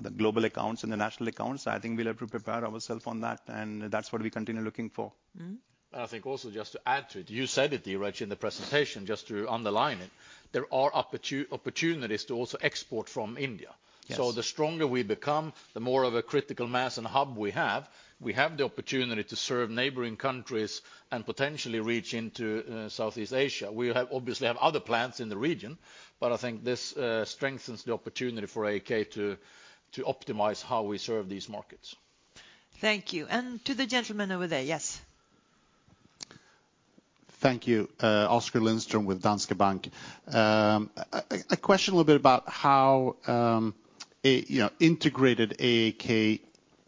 I: the global accounts and the national accounts, I think we'll have to prepare ourself on that, and that's what we continue looking for.
B: Mm-hmm.
A: I think also, just to add to it, you said it, Dheeraj, in the presentation, just to underline it, there are opportunities to also export from India.
I: Yes.
A: The stronger we become, the more of a critical mass and hub we have, we have the opportunity to serve neighboring countries and potentially reach into Southeast Asia. We obviously have other plants in the region, but I think this strengthens the opportunity for AAK to optimize how we serve these markets.
B: Thank you. To the gentleman over there. Yes.
E: Thank you. Oskar Lindström with Danske Bank. A question a little bit about how, you know, integrated AAK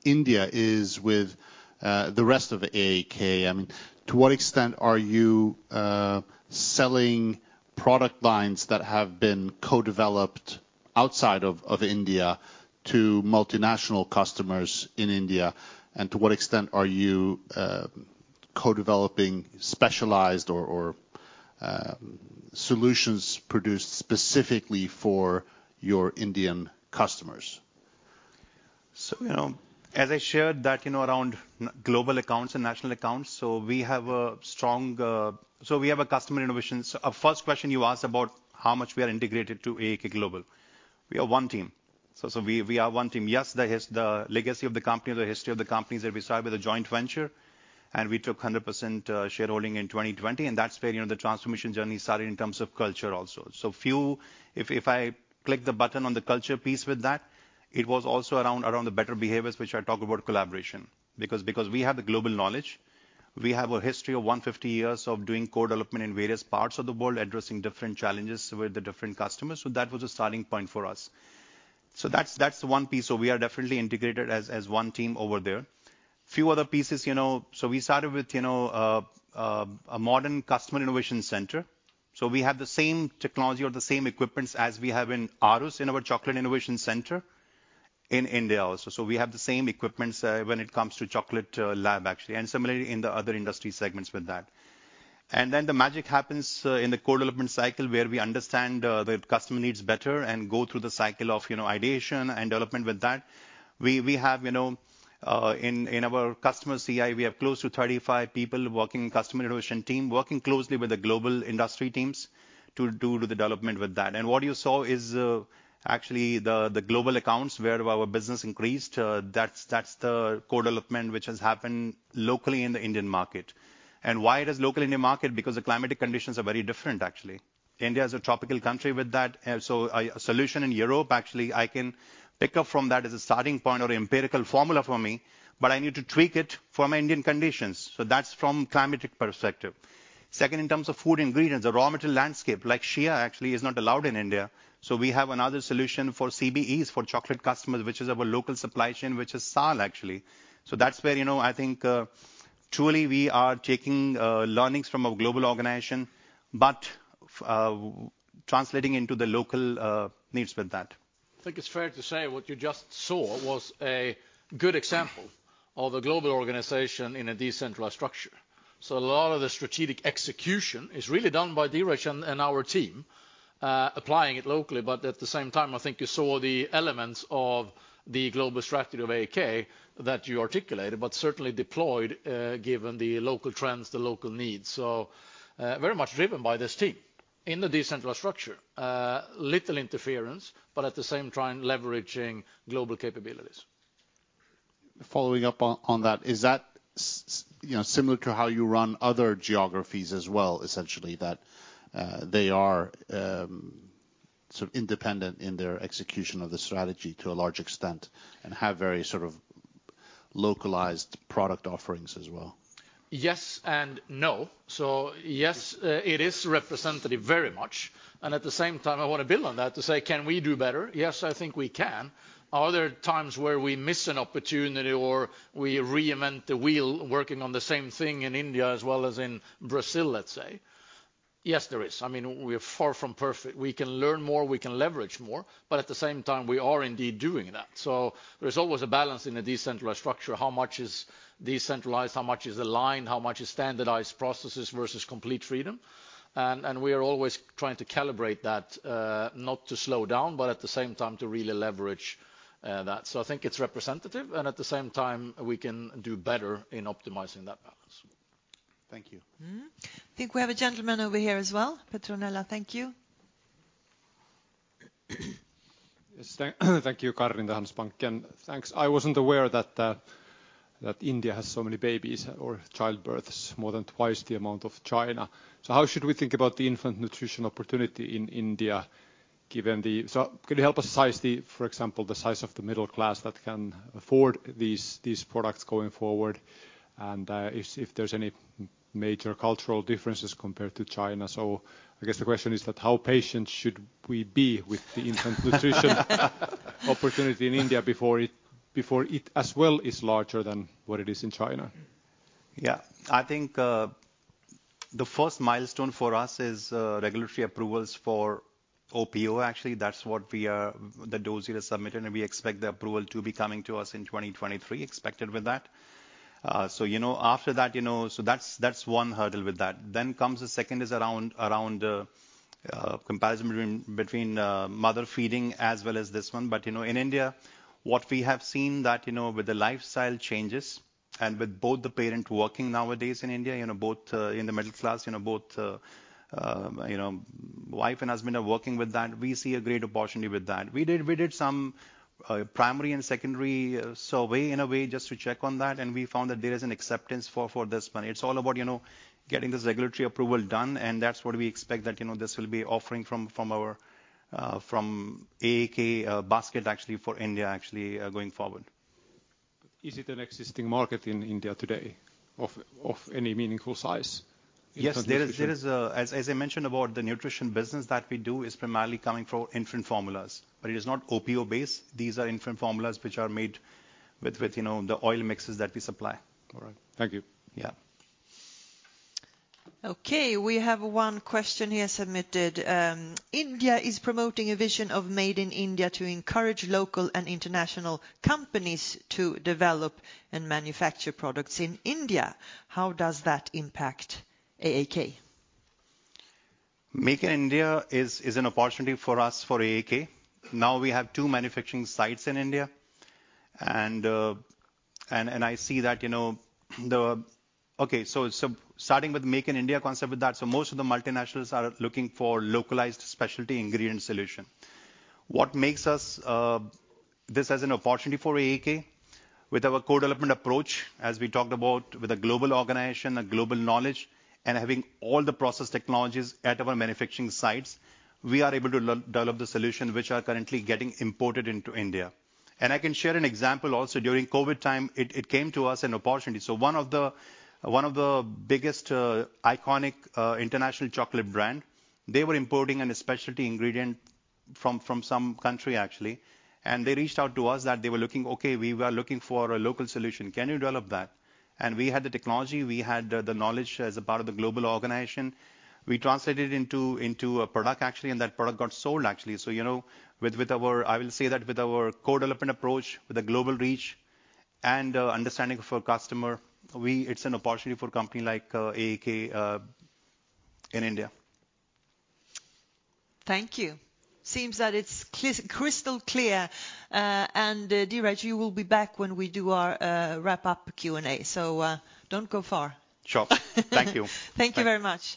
E: India is with the rest of AAK. I mean, to what extent are you selling product lines that have been co-developed outside of India to multinational customers in India? To what extent are you co-developing specialized or solutions produced specifically for your Indian customers?
I: you know, as I shared that, you know, around global accounts and national accounts, we have a strong. We have customer innovations. A first question you asked about how much we are integrated to AAK Global. We are one team. Yes, the legacy of the company, the history of the companies that we started with a joint venture and we took 100% shareholding in 2020, and that's where, you know, the transformation journey started in terms of culture also. If I click the button on the culture piece with that, it was also around the better behaviors which I talk about collaboration. Because we have the global knowledge, we have a history of 150 years of doing co-development in various parts of the world, addressing different challenges with the different customers, that was a starting point for us. That's one piece. We are definitely integrated as one team over there. Few other pieces, you know, we started with, you know, a modern Customer Innovation Center. We have the same technology or the same equipments as we have in Aarhus in our Chocolate Innovation Center in India also. We have the same equipments when it comes to chocolate lab, actually, and similarly in the other industry segments with that. Then the magic happens in the co-development cycle where we understand the customer needs better and go through the cycle of, you know, ideation and development with that. We have, you know, in our customer CI, we have close to 35 people working in customer innovation team, working closely with the global industry teams to do the development with that. What you saw is, actually the global accounts where our business increased, that's the co-development which has happened locally in the Indian market. Why it is local Indian market? Because the climatic conditions are very different, actually. India is a tropical country with that. A solution in Europe, actually, I can pick up from that as a starting point or empirical formula for me, but I need to tweak it for my Indian conditions. That's from climatic perspective. Second, in terms of food ingredients, the raw material landscape, like shea actually is not allowed in India, we have another solution for CBEs, for chocolate customers, which is our local supply chain, which is saal, actually. That's where, you know, I think, truly we are taking, learnings from a global organization, but translating into the local, needs with that.
A: I think it's fair to say what you just saw was a good example of a global organization in a decentralized structure. A lot of the strategic execution is really done by Dheeraj and our team, applying it locally. At the same time, I think you saw the elements of the global strategy of AAK that you articulated, but certainly deployed, given the local trends, the local needs. Very much driven by this team in the decentralized structure. Little interference, but at the same time leveraging global capabilities.
E: Following up on that, is that, you know, similar to how you run other geographies as well, essentially, that, they are, sort of independent in their execution of the strategy to a large extent and have very sort of localized product offerings as well?
A: Yes and no. Yes, it is representative very much. At the same time, I wanna build on that to say: Can we do better? Yes, I think we can. Are there times where we miss an opportunity or we reinvent the wheel working on the same thing in India as well as in Brazil, let's say? Yes, there is. I mean, we're far from perfect. We can learn more, we can leverage more, but at the same time, we are indeed doing that. There's always a balance in a decentralized structure, how much is decentralized, how much is aligned, how much is standardized processes versus complete freedom. We are always trying to calibrate that, not to slow down, but at the same time to really leverage that. I think it's representative, and at the same time we can do better in optimizing that balance.
E: Thank you.
B: I think we have a gentleman over here as well. Petronella, thank you.
H: Yes, thank you. Karin, Handelsbanken. Thanks. I wasn't aware that India has so many babies or childbirths, more than twice the amount of China. How should we think about the infant nutrition opportunity in India given the? Could you help us size the, for example, the size of the middle class that can afford these products going forward, and if there's any major cultural differences compared to China? I guess the question is that how patient should we be with the infant nutrition opportunity in India before it as well is larger than what it is in China?
I: I think the first milestone for us is regulatory approvals for OPO. Actually, that dossierø submitted, and we expect the approval to be coming to us in 2023, expected with that. You know, after that, you know. That's one hurdle with that. Comes the second is around comparison between mother feeding as well as this one. You know, in India, what we have seen that, you know, with the lifestyle changes and with both the parent working nowadays in India, you know, both in the middle class, you know, both, you know, wife and husband are working with that, we see a great opportunity with that. We did some primary and secondary survey in a way just to check on that, and we found that there is an acceptance for this one. It's all about, you know, getting this regulatory approval done, and that's what we expect that, you know, this will be offering from our, from AAK basket actually for India actually, going forward.
H: Is it an existing market in India today of any meaningful size, infant nutrition?
I: Yes. There is, as I mentioned about the nutrition business that we do is primarily coming from infant formulas. It is not OPO based. These are infant formulas which are made with, you know, the oil mixes that we supply.
H: All right. Thank you.
I: Yeah.
B: Okay. We have one question here submitted. India is promoting a vision of Made in India to encourage local and international companies to develop and manufacture products in India. How does that impact AAK?
I: Make in India is an opportunity for us for AAK. Now we have two manufacturing sites in India. I see that, you know, starting with Make in India concept with that, most of the multinationals are looking for localized specialty ingredient solution. What makes us this as an opportunity for AAK, with our co-development approach, as we talked about with a global organization, a global knowledge, and having all the process technologies at our manufacturing sites, we are able to develop the solution which are currently getting imported into India. I can share an example also. During Covid time, it came to us an opportunity. One of the biggest, iconic, international chocolate brand, they were importing a specialty ingredient from some country, actually, and they reached out to us that they were looking, "Okay, we were looking for a local solution. Can you develop that?" We had the technology, we had the knowledge as a part of the global organization. We translated into a product, actually, and that product got sold, actually. You know, with our I will say that with our Co-Development approach, with the global reach and understanding for customer, we, it's an opportunity for company like AAK in India.
B: Thank you. Seems that it's crystal clear. Dheeraj, you will be back when we do our wrap-up Q&A. Don't go far.
I: Sure. Thank you.
B: Thank you very much.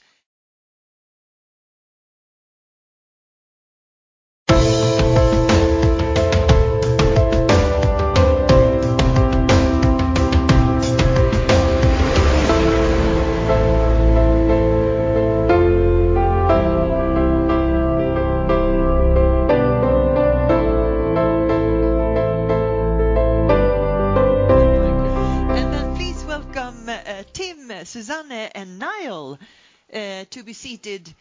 B: Please welcome Tim, Susanne, and Niall to be seated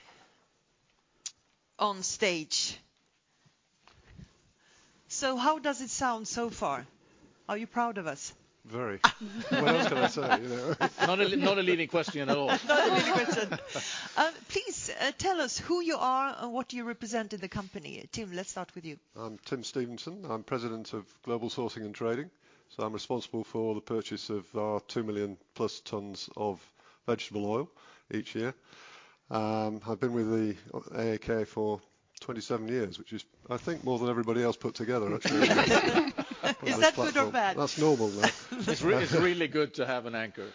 B: on stage. How does it sound so far? Are you proud of us?
J: Very. What else can I say, you know?
K: Not a leading question at all.
L: Not a leading question.
B: Please tell us who you are and what you represent in the company. Tim, let's start with you.
J: I'm Tim Stephenson. I'm President of Global Sourcing and Trading, I'm responsible for the purchase of our 2 million plus tons of vegetable oil each year. I've been with AAK for 27 years, which is, I think, more than everybody else put together, actually.
B: Is that good or bad?
J: That's normal, though.
A: It's really, really good to have an anchor.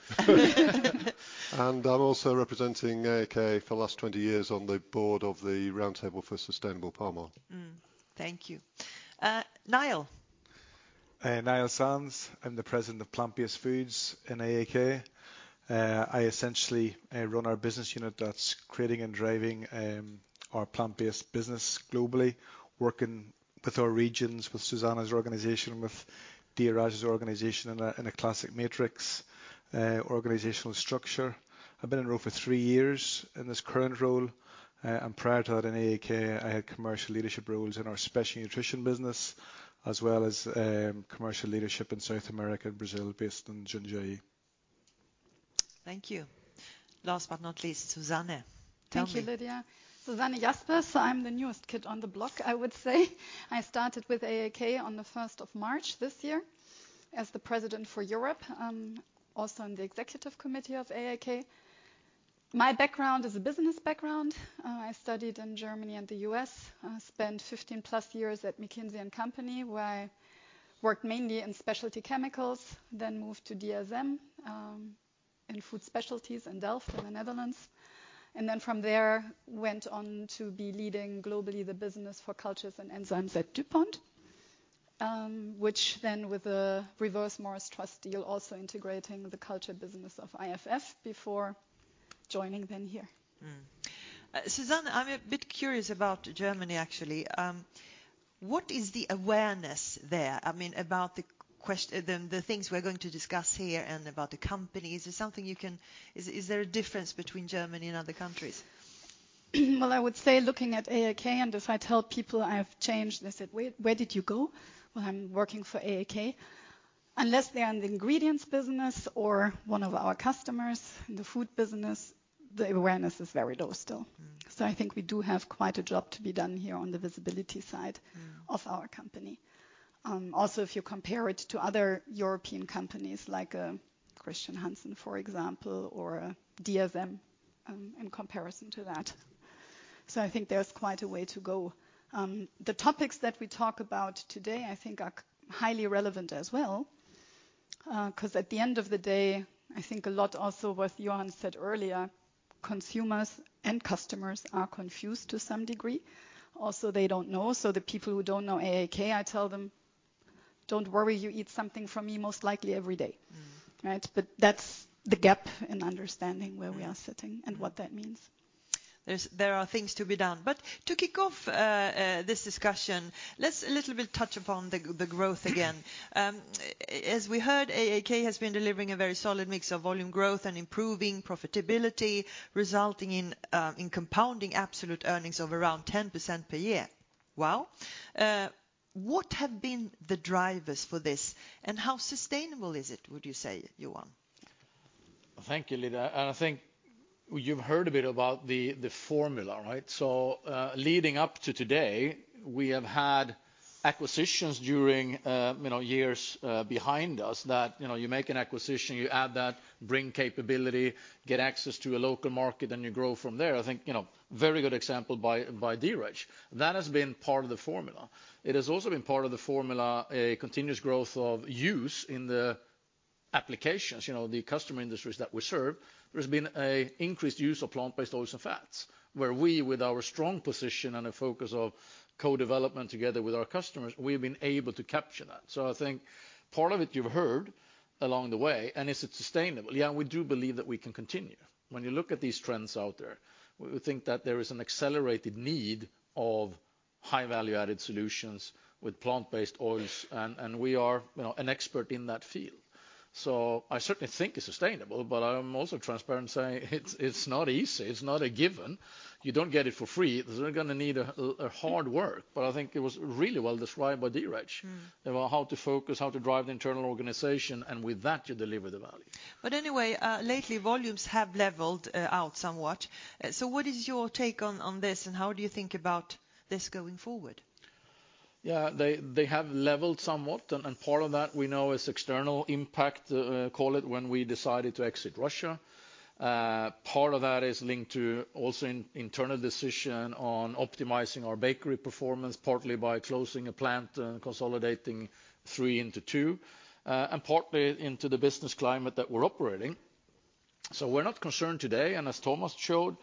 J: I'm also representing AAK for the last 20 years on the board of the Roundtable on Sustainable Palm Oil.
B: Thank you. Niall.
K: Niall Sands. I'm the President of Plant-Based Foods in AAK. I essentially run our business unit that's creating and driving our plant-based business globally, working with our regions, with Susanne's organization, with Dheeraj's organization in a classic matrix organizational structure. I've been in role for three years in this current role. Prior to that in AAK, I had commercial leadership roles in our Special Nutrition business as well as commercial leadership in South America and Brazil, based in Jundiaí.
B: Thank you. Last but not least, Susanne. Tell me.
L: Thank you, Lidia. Susanne Jaspers. I'm the newest kid on the block, I would say. I started with AAK on the first of March this year as the President for Europe. I'm also on the Executive Committee of AAK. My background is a business background. I studied in Germany and the U.S. I spent 15+ years at McKinsey & Company, where I worked mainly in specialty chemicals, then moved to DSM, in food specialties in Delft in the Netherlands. From there went on to be leading globally the business for cultures and enzymes at DuPont, which then with a reverse Morris Trust deal, also integrating the culture business of IFF before joining then here.
B: Susanne, I'm a bit curious about Germany, actually. What is the awareness there, I mean, about the things we're going to discuss here and about the company? Is there a difference between Germany and other countries?
L: Well, I would say looking at AAK, and if I tell people I have changed, they said, "Wait, where did you go?" "Well, I'm working for AAK." Unless they are in the ingredients business or one of our customers in the food business, the awareness is very low still.
B: Mm-hmm.
L: I think we do have quite a job to be done here on the visibility side.
B: Mm-hmm.
L: of our company. Also, if you compare it to other European companies like Chr. Hansen, for example, or DSM, in comparison to that. I think there's quite a way to go. The topics that we talk about today I think are highly relevant as well, 'cause at the end of the day, I think a lot also what Johan said earlier, consumers and customers are confused to some degree. Also, they don't know. The people who don't know AAK, I tell them, "Don't worry, you eat something from me most likely every day.
B: Mm-hmm.
L: Right? That's the gap in understanding where we are sitting and what that means.
B: There are things to be done. To kick off this discussion, let's a little bit touch upon the growth again. As we heard, AAK has been delivering a very solid mix of volume growth and improving profitability, resulting in compounding absolute earnings of around 10% per year. Wow. What have been the drivers for this, and how sustainable is it, would you say, Johan?
A: Thank you, Lidia. I think you've heard a bit about the formula, right? Leading up to today, we have had acquisitions during, you know, years behind us that, you know, you make an acquisition, you add that, bring capability, get access to a local market, and you grow from there. I think, you know, very good example by Dheeraj. That has been part of the formula. It has also been part of the formula a continuous growth of use in the applications, you know, the customer industries that we serve, there's been an increased use of plant-based oils and fats, where we, with our strong position and a focus of co-development together with our customers, we've been able to capture that. I think part of it you've heard along the way. Is it sustainable? Yeah, we do believe that we can continue. When you look at these trends out there, we think that there is an accelerated need of high value-added solutions with plant-based oils and we are, you know, an expert in that field. I certainly think it's sustainable, but I'm also transparent saying it's not easy. It's not a given. You don't get it for free. They're gonna need a hard work. I think it was really well described by Dheeraj about how to focus, how to drive the internal organization, and with that you deliver the value.
B: Lately volumes have leveled out somewhat. What is your take on this, and how do you think about this going forward? They have leveled somewhat and part of that we know is external impact, call it when we decided to exit Russia. Part of that is linked to also internal decision on optimizing our bakery performance, partly by closing a plant and consolidating three into two, and partly into the business climate that we're operating. We're not concerned today, and as Tomas showed,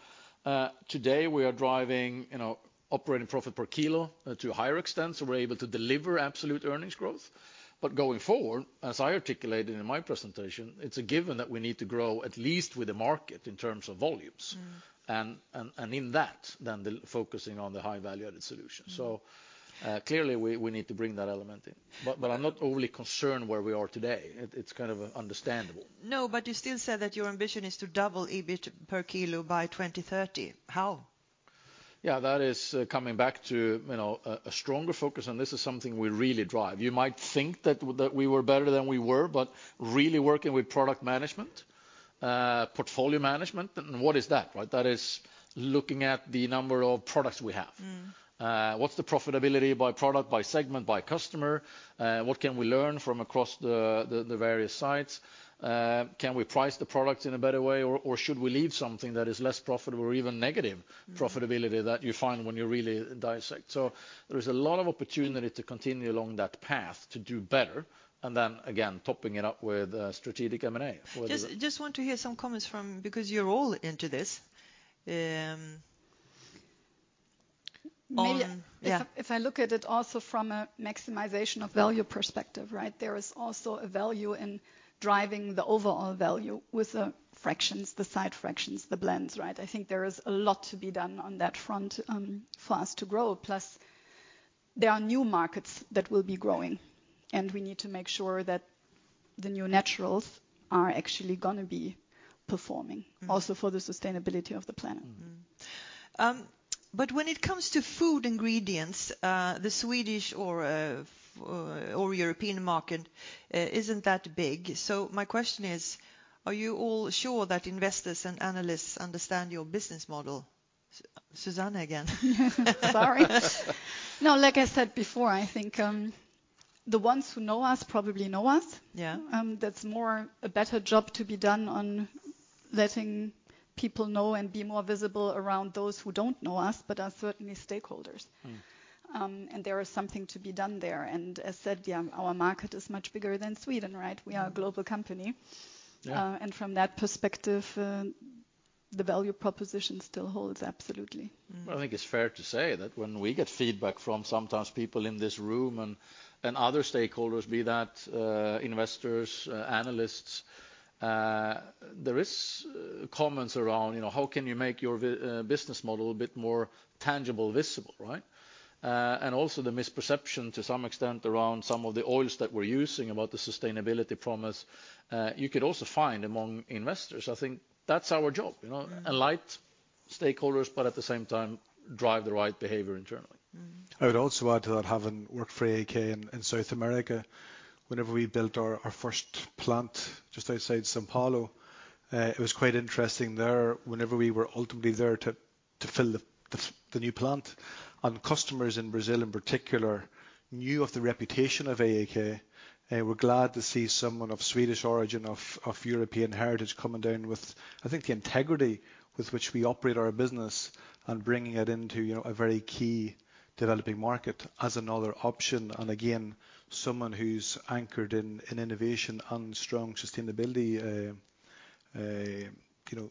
B: today we are driving, you know, operating profit per kilo, to a higher extent, we're able to deliver absolute earnings growth. Going forward, as I articulated in my presentation, it's a given that we need to grow at least with the market in terms of volumes. Mm-hmm.
A: In that then the focusing on the high value-added solution.
B: Mm-hmm.
A: clearly we need to bring that element in. I'm not overly concerned where we are today. It's kind of understandable.
B: No, but you still said that your ambition is to double EBIT per kilo by 2030. How?
A: Yeah. That is coming back to, you know, a stronger focus, and this is something we really drive. You might think that that we were better than we were, but really working with product management, portfolio management, and what is that, right? That is looking at the number of products we have.
B: Mm-hmm.
A: What's the profitability by product, by segment, by customer? What can we learn from across the various sites? Can we price the products in a better way or should we leave something that is less profitable or even negative-
B: Mm-hmm...
A: profitability that you find when you really dissect? There is a lot of opportunity to continue along that path to do better, and then again, topping it up with strategic M&A.
B: Just want to hear some comments from... Because you're all into this.
L: Me-
B: Yeah.
L: if I look at it also from a maximization of value perspective, right, there is also a value in driving the overall value with, fractions, the side fractions, the blends, right. I think there is a lot to be done on that front, for us to grow. There are new markets that will be growing, and we need to make sure that the new naturals are actually gonna be performing.
B: Mm-hmm...
L: also for the sustainability of the planet.
B: When it comes to food ingredients, the Swedish or European market isn't that big. My question is: Are you all sure that investors and analysts understand your business model? Susanne again.
L: Sorry. No, like I said before, I think, the ones who know us probably know us.
B: Yeah.
L: That's more a better job to be done on letting people know and be more visible around those who don't know us but are certainly stakeholders.
B: Mm-hmm.
L: There is something to be done there. As said, yeah, our market is much bigger than Sweden, right?
B: Mm-hmm.
L: We are a global company.
A: Yeah.
L: From that perspective, the value proposition still holds, absolutely.
B: Mm-hmm.
A: I think it's fair to say that when we get feedback from sometimes people in this room and other stakeholders, be that, investors, analysts, there is comments around, you know, how can you make your business model a bit more tangible, visible, right? Also the misperception to some extent around some of the oils that we're using about the sustainability promise, you could also find among investors. I think that's our job, you know?
B: Mm-hmm.
A: Enlight stakeholders, at the same time, drive the right behavior internally.
B: Mm-hmm.
K: I would also add to that, having worked for AAK in South America, whenever we built our first plant just outside São Paulo, it was quite interesting there whenever we were ultimately there to fill the new plant. Customers in Brazil in particular knew of the reputation of AAK, were glad to see someone of Swedish origin, of European heritage coming down with, I think, the integrity with which we operate our business and bringing it into, you know, a very key developing market as another option. Again, someone who's anchored in innovation and strong sustainability, you know,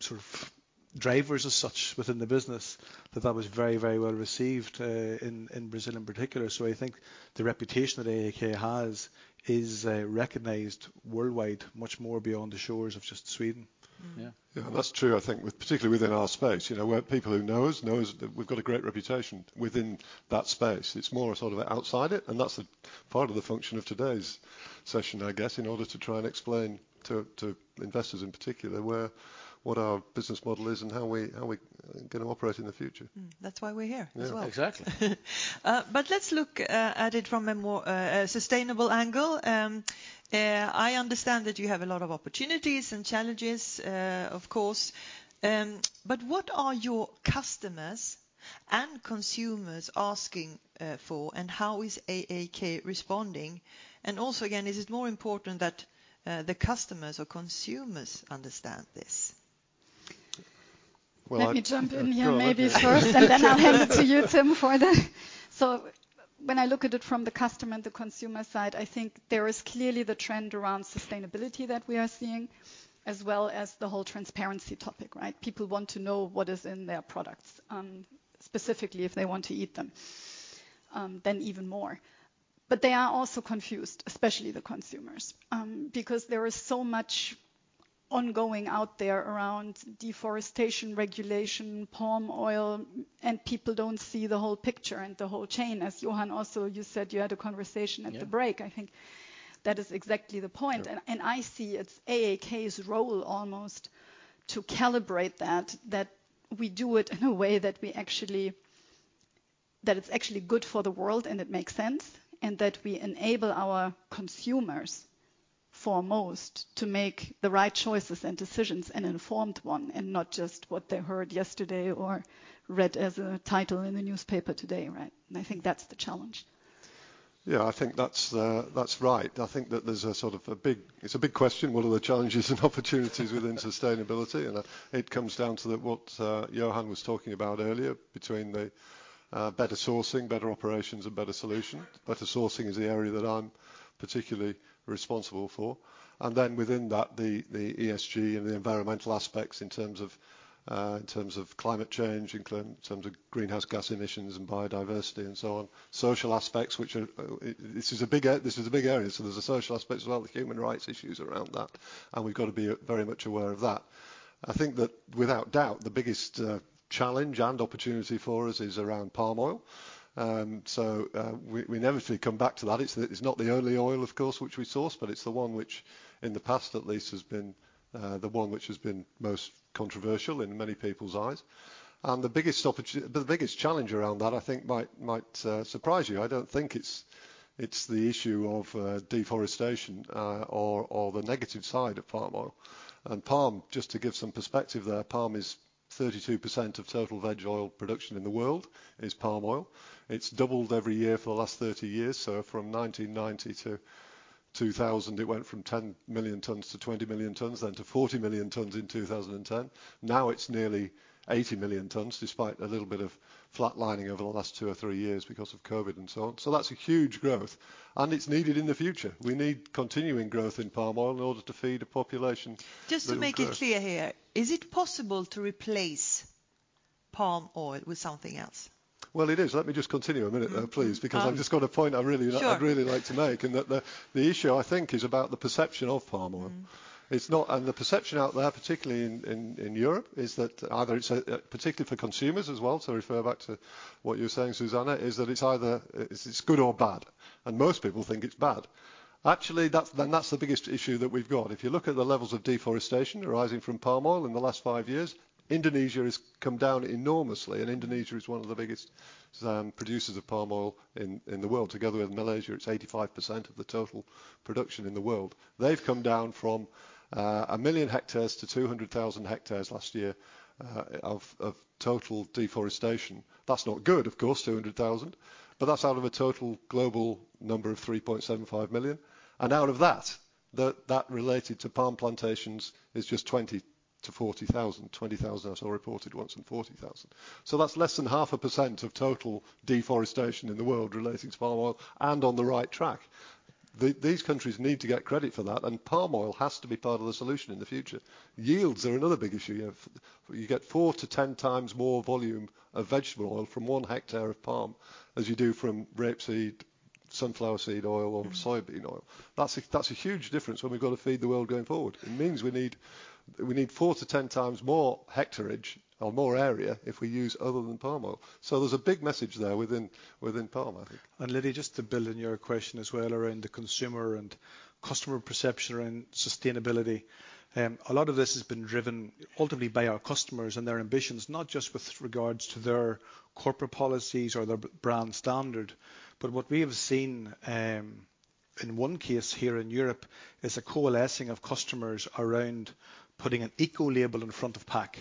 K: sort of drivers as such within the business, that that was very, very well received, in Brazil in particular. I think the reputation that AAK has is recognized worldwide much more beyond the shores of just Sweden.
B: Mm-hmm.
A: Yeah.
J: Yeah, that's true, I think with, particularly within our space, you know, where people who know us know is that we've got a great reputation within that space. It's more sort of outside it. That's the part of the function of today's session, I guess, in order to try and explain to investors in particular where what our business model is and how we gonna operate in the future.
B: That's why we're here as well.
J: Yeah.
A: Exactly.
B: Let's look at it from a more sustainable angle. I understand that you have a lot of opportunities and challenges, of course. What are your customers and consumers asking for, and how is AAK responding? Also again, is it more important that the customers or consumers understand this?
L: Let me jump in here maybe first and then I'll hand it to you, Tim, for the... When I look at it from the customer and the consumer side, I think there is clearly the trend around sustainability that we are seeing, as well as the whole transparency topic, right? People want to know what is in their products, specifically if they want to eat them, then even more. They are also confused, especially the consumers, because there is so much ongoing out there around deforestation regulation, palm oil, and people don't see the whole picture and the whole chain. As Johan also you said you had a conversation at the break.
K: Yeah.
L: I think that is exactly the point.
K: Sure.
L: I see it's AAK's role almost to calibrate that we do it in a way that it's actually good for the world and it makes sense and that we enable our consumers foremost to make the right choices and decisions, an informed one, and not just what they heard yesterday or read as a title in the newspaper today, right? I think that's the challenge.
J: Yeah. I think that's right. I think that there's a sort of a big. It's a big question, what are the challenges and opportunities within sustainability? It comes down to the what Johan was talking about earlier between the better sourcing, better operations and better solution. Better sourcing is the area that I'm particularly responsible for. Within that, the ESG and the environmental aspects in terms of, in terms of climate change, in terms of greenhouse gas emissions and biodiversity and so on. Social aspects, which are, this is a big area, so there's the social aspects as well, the human rights issues around that, and we've got to be very much aware of that. I think that without doubt, the biggest challenge and opportunity for us is around palm oil. We inevitably come back to that. It's not the only oil, of course, which we source, but it's the one which in the past at least has been the one which has been most controversial in many people's eyes. The biggest challenge around that I think might surprise you, I don't think it's the issue of deforestation or the negative side of palm oil. Palm, just to give some perspective there, palm is 32% of total veg oil production in the world is palm oil. It's doubled every year for the last 30 years. From 1990 to 2000, it went from 10 million tons to 20 million tons, then to 40 million tons in 2010. Now it's nearly 80 million tons, despite a little bit of flatlining over the last two or three years because of COVID and so on. That's a huge growth, and it's needed in the future. We need continuing growth in palm oil in order to feed a population that is growing.
B: Just to make it clear here, is it possible to replace palm oil with something else?
J: Well, it is. Let me just continue a minute though, please.
B: Um-
J: I've just got a point I'd really like-
B: Sure.
J: I'd really like to make. The issue I think is about the perception of palm oil.
B: Mm-hmm.
J: The perception out there, particularly in Europe, is that either it's particularly for consumers as well, to refer back to what you're saying, Susanne, is that it's either good or bad, and most people think it's bad. Actually, then that's the biggest issue that we've got. If you look at the levels of deforestation arising from palm oil in the last five years, Indonesia has come down enormously, and Indonesia is one of the biggest producers of palm oil in the world. Together with Malaysia, it's 85% of the total production in the world. They've come down from 1 million hectares to 200,000 hectares last year of total deforestation. That's not good, of course, 200,000, but that's out of a total global number of 3.75 million. Out of that related to palm plantations is just 20,000-40,000. 20,000 that's all reported once, and 40,000. That's less than 0.5% of total deforestation in the world relating to palm oil and on the right track. These countries need to get credit for that, and palm oil has to be part of the solution in the future. Yields are another big issue. You get 4x to 10x more volume of vegetable oil from one hectare of palm as you do from rapeseed, sunflower seed oil.
B: Mm-hmm.
J: soybean oil. That's a huge difference when we've got to feed the world going forward. It means we need 4x to 10x more hectareage or more area if we use other than palm oil. There's a big message there within palm oil.
K: Liddy, just to build on your question as well around the consumer and customer perception around sustainability, a lot of this has been driven ultimately by our customers and their ambitions, not just with regards to their corporate policies or their brand standard. What we have seen, in one case here in Europe, is a coalescing of customers around putting an eco label in front of pack.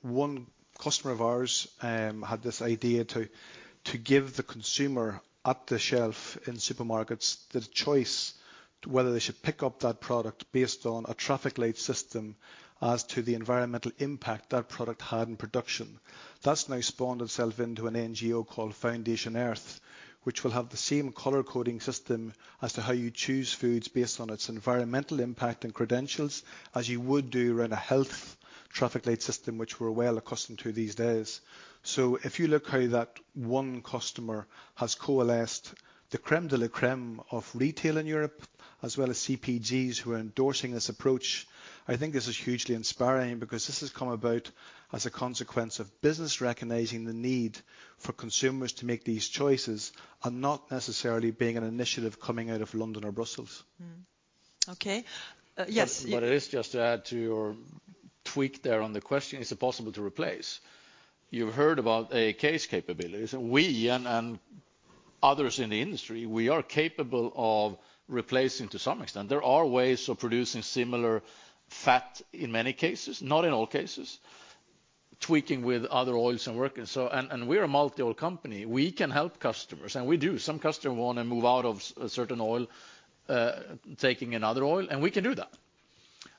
K: One customer of ours had this idea to give the consumer at the shelf in supermarkets the choice to whether they should pick up that product based on a traffic light system as to the environmental impact that product had in production. That's now spawned itself into an NGO called Foundation Earth, which will have the same color-coding system as to how you choose foods based on its environmental impact and credentials as you would do around a health traffic light system, which we're well accustomed to these days. If you look how that one customer has coalesced the crème de la crème of retail in Europe, as well as CPGs who are endorsing this approach, I think this is hugely inspiring because this has come about as a consequence of business recognizing the need for consumers to make these choices and not necessarily being an initiative coming out of London or Brussels.
B: Mm-hmm. Okay.
A: It is, just to add to your tweak there on the question, is it possible to replace? You've heard about AAK's capabilities, and we, and others in the industry, we are capable of replacing to some extent. There are ways of producing similar fat in many cases, not in all cases, tweaking with other oils and working. We're a multi-oil company. We can help customers, and we do. Some customer want to move out of a certain oil, taking another oil, and we can do that.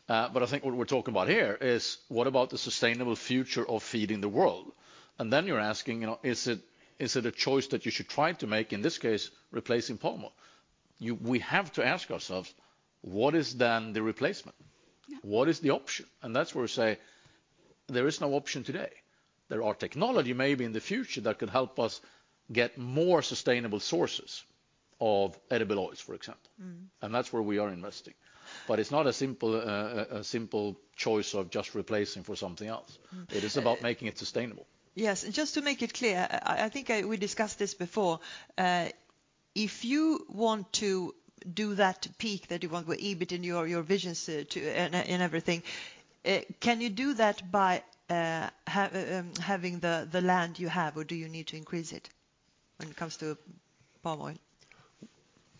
A: I think what we're talking about here is what about the sustainable future of feeding the world? Then you're asking, you know, is it, is it a choice that you should try to make, in this case, replacing palm oil? We have to ask ourselves what is then the replacement?
B: Yeah.
A: What is the option? That's where we say there is no option today. There are technology maybe in the future that could help us get more sustainable sources of edible oils, for example.
B: Mm-hmm.
A: That's where we are investing. It's not a simple choice of just replacing for something else.
B: Mm-hmm.
A: It is about making it sustainable.
B: Yes. Just to make it clear, I think we discussed this before. If you want to do that peak that you want with EBIT in your visions to, in everything, can you do that by having the land you have, or do you need to increase it when it comes to palm oil?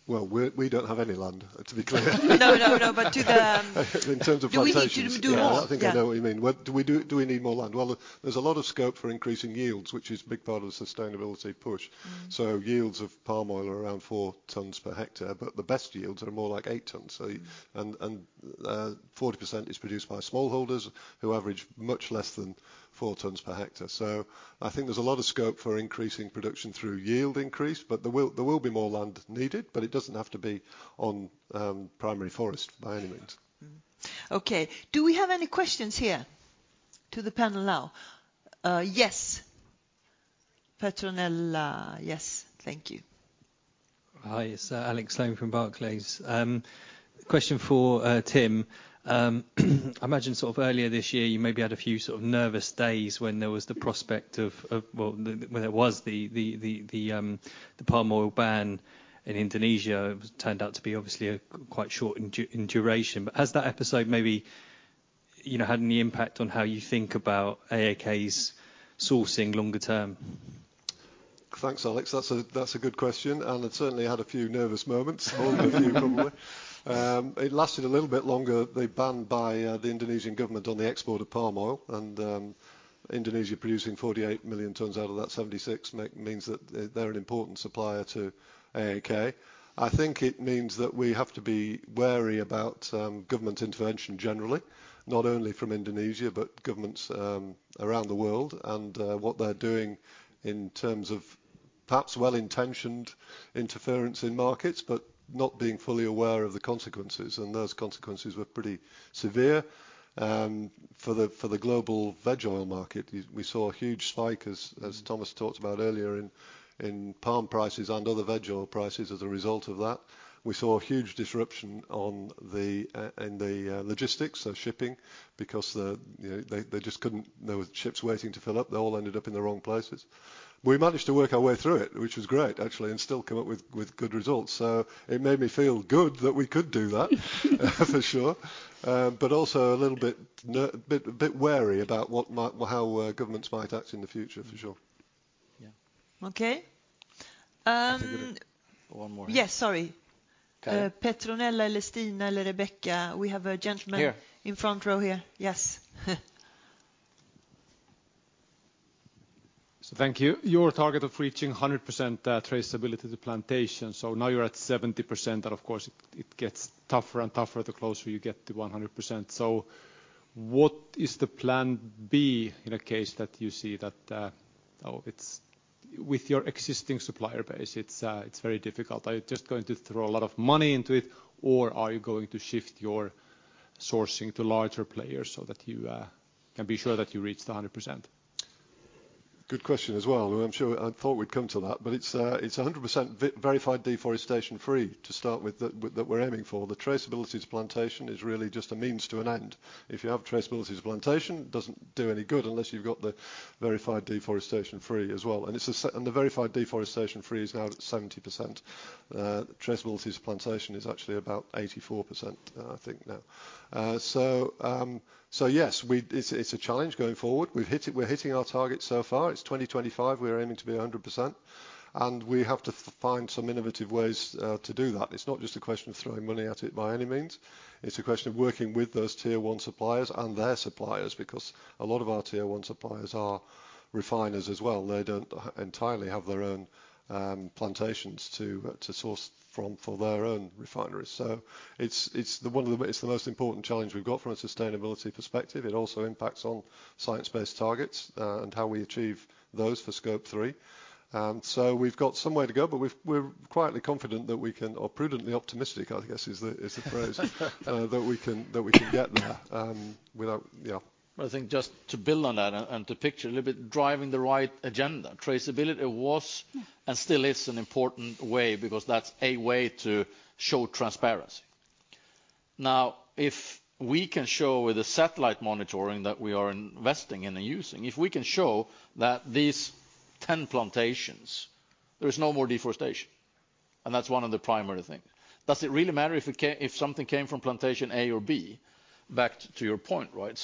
J: Well, we don't have any land, to be clear.
L: No, no.
J: In terms of plantations...
B: Do we need to do more?
J: Yeah. I think I know what you mean. What, do we need more land? Well, there's a lot of scope for increasing yields, which is a big part of the sustainability push.
B: Mm-hmm.
J: Yields of palm oil are around 4 tons per hectare, but the best yields are more like 8 tons. And 40% is produced by smallholders who average much less than 4 tons per hectare. I think there's a lot of scope for increasing production through yield increase, but there will be more land needed, but it doesn't have to be on primary forest by any means.
B: Okay. Do we have any questions here to the panel now? Yes. Petronella. Yes. Thank you.
G: Hi, it's Alex Sloane from Barclays. Question for Tim. I imagine sort of earlier this year you maybe had a few sort of nervous days when there was the prospect of, well, when there was the palm oil ban in Indonesia. It turned out to be obviously a quite short in duration. Has that episode maybe, you know, had any impact on how you think about AAK's sourcing longer term?
J: Thanks, Alex. That's a good question, and I'd certainly had a few nervous moments. All of you, probably. It lasted a little bit longer, the ban by the Indonesian government on the export of palm oil. Indonesia producing 48 million tons out of that 76 means that they're an important supplier to AAK. I think it means that we have to be wary about government intervention generally, not only from Indonesia, but governments around the world, and what they're doing in terms of perhaps well-intentioned interference in markets, but not being fully aware of the consequences, and those consequences were pretty severe. For the global veg oil market, we saw a huge spike, as Tomas talked about earlier, in palm prices and other veg oil prices as a result of that. We saw a huge disruption on the in the logistics, so shipping, because the, you know, they just couldn't. There were ships waiting to fill up. They all ended up in the wrong places. We managed to work our way through it, which was great actually, and still come up with good results. It made me feel good that we could do that for sure. Also a little bit wary about what might how governments might act in the future, for sure.
G: Yeah.
B: Okay.
A: I think there's one more.
B: Yes. Sorry.
A: Okay.
B: Petronella or Stina or Rebecca, we have a gentleman-
A: Here
B: ...in front row here. Yes.
H: Thank you. Your target of reaching 100% traceability to plantation. Now you're at 70%, and of course it gets tougher and tougher the closer you get to 100%. What is the Plan B in a case that you see that With your existing supplier base, it's very difficult? Are you just going to throw a lot of money into it, or are you going to shift your sourcing to larger players so that you can be sure that you reach the 100%?
J: Good question as well. I'm sure, I'd thought we'd come to that, but it's 100% Verified Deforestation Free to start with that we're aiming for. The traceability to plantation is really just a means to an end. If you have traceability to plantation, it doesn't do any good unless you've got the Verified Deforestation Free as well. The Verified Deforestation Free is now at 70%. The traceability to plantation is actually about 84%, I think now. Yes, we, it's a challenge going forward. We've hit it, we're hitting our target so far. It's 2025, we're aiming to be 100%, and we have to find some innovative ways to do that. It's not just a question of throwing money at it by any means. It's a question of working with those tier one suppliers and their suppliers, because a lot of our tier one suppliers are refiners as well. They don't entirely have their own plantations to source from for their own refineries. It's the most important challenge we've got from a sustainability perspective. It also impacts on science-based targets and how we achieve those for Scope 3. We've got some way to go, but we're quietly confident that we can, or prudently optimistic I guess is the phrase, that we can get there without, yeah.
A: I think just to build on that and to picture a little bit, driving the right agenda, traceability was and still is an important way because that's a way to show transparency. Now, if we can show with the satellite monitoring that we are investing in and using, if we can show that these 10 plantations, there is no more deforestation, and that's one of the primary things. Does it really matter if something came from plantation A or B, back to your point, right?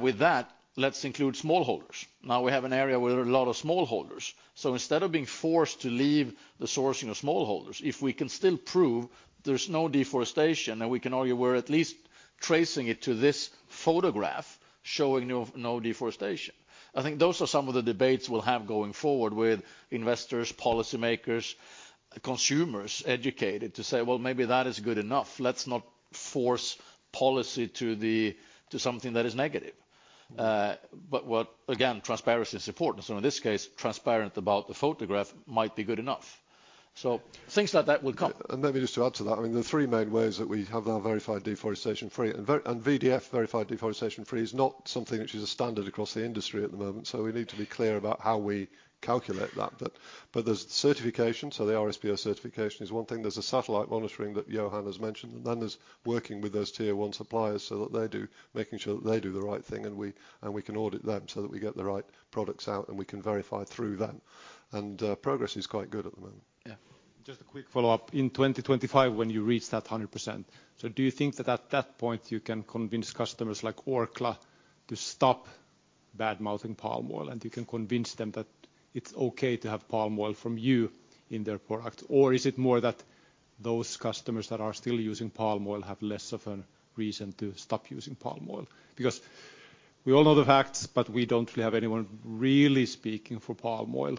A: With that, let's include smallholders. Now we have an area where there are a lot of smallholders. Instead of being forced to leave the sourcing of smallholders, if we can still prove there's no deforestation, and we can argue we're at least tracing it to this photograph showing no deforestation. I think those are some of the debates we'll have going forward with investors, policymakers, consumers, educated, to say, "Well, maybe that is good enough. Let's not force policy to something that is negative." Again, transparency is important. In this case, transparent about the photograph might be good enough. Things like that will come.
J: Maybe just to add to that, the three main ways that we have now Verified Deforestation Free, and VDF, Verified Deforestation Free, is not something which is a standard across the industry at the moment, so we need to be clear about how we calculate that. But there's certification, so the RSPO certification is one thing. There's the satellite monitoring that Johan has mentioned. Then there's working with those tier one suppliers making sure that they do the right thing and we can audit them so that we get the right products out and we can verify through them. Progress is quite good at the moment.
H: Yeah. Just a quick follow-up. In 2025 when you reach that 100%, do you think that at that point you can convince customers like Orkla to stop badmouthing palm oil, and you can convince them that it's okay to have palm oil from you in their product? Is it more that those customers that are still using palm oil have less of a reason to stop using palm oil? We all know the facts, but we don't really have anyone really speaking for palm oil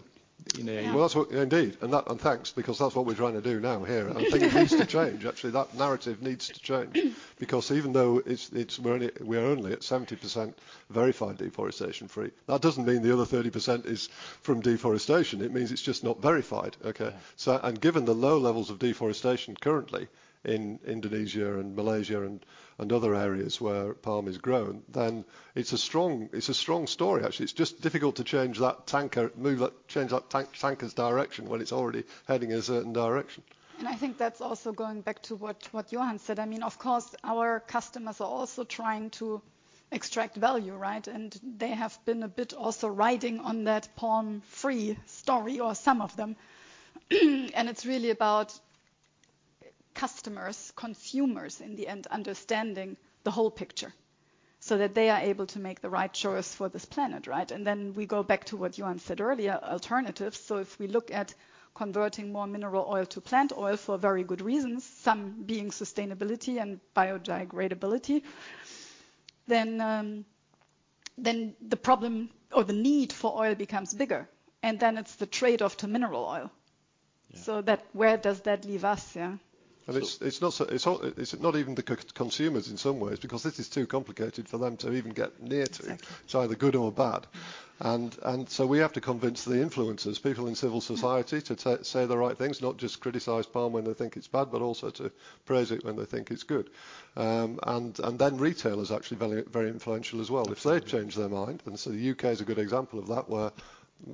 H: in a-
J: Well, that's what. Indeed. That, and thanks, because that's what we're trying to do now, here. I think it needs to change, actually. That narrative needs to change. Because even though it's, we are only at 70% Verified Deforestation Free, that doesn't mean the other 30% is from deforestation. It means it's just not verified, okay?
H: Yeah.
J: Given the low levels of deforestation currently in Indonesia and Malaysia and other areas where palm is grown, then it's a strong story, actually. It's just difficult to change that tanker's direction when it's already heading a certain direction.
L: I think that's also going back to what Johan said. I mean, of course, our customers are also trying to extract value, right? They have been a bit also riding on that palm-free story, or some of them. It's really about customers, consumers in the end, understanding the whole picture so that they are able to make the right choice for this planet, right? Then we go back to what Johan said earlier, alternatives. If we look at converting more mineral oil to plant oil for very good reasons, some being sustainability and biodegradability, then the problem or the need for oil becomes bigger, and then it's the trade-off to mineral oil.
J: Yeah.
L: That, where does that leave us, yeah?
J: It's not even the co-consumers in some ways, because this is too complicated for them to even get near to.
L: Exactly.
J: It's either good or bad. We have to convince the influencers, people in civil society, to say the right things, not just criticize palm when they think it's bad, but also to praise it when they think it's good. Retailers are actually very, very influential as well. If they change their mind. The U.K. is a good example of that, where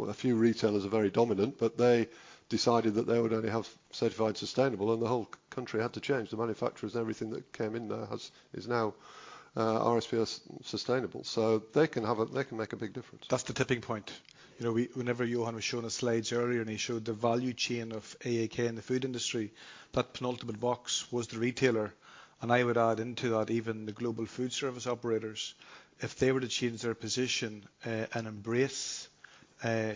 J: a few retailers are very dominant, but they decided that they would only have certified sustainable, and the whole country had to change. The manufacturers, everything that came in there has, is now RSPO sustainable. They can have, they can make a big difference.
K: That's the tipping point. You know, we, whenever Johan was showing us slides earlier and he showed the value chain of AAK and the food industry, that penultimate box was the retailer. I would add into that even the global food service operators. If they were to change their position, and embrace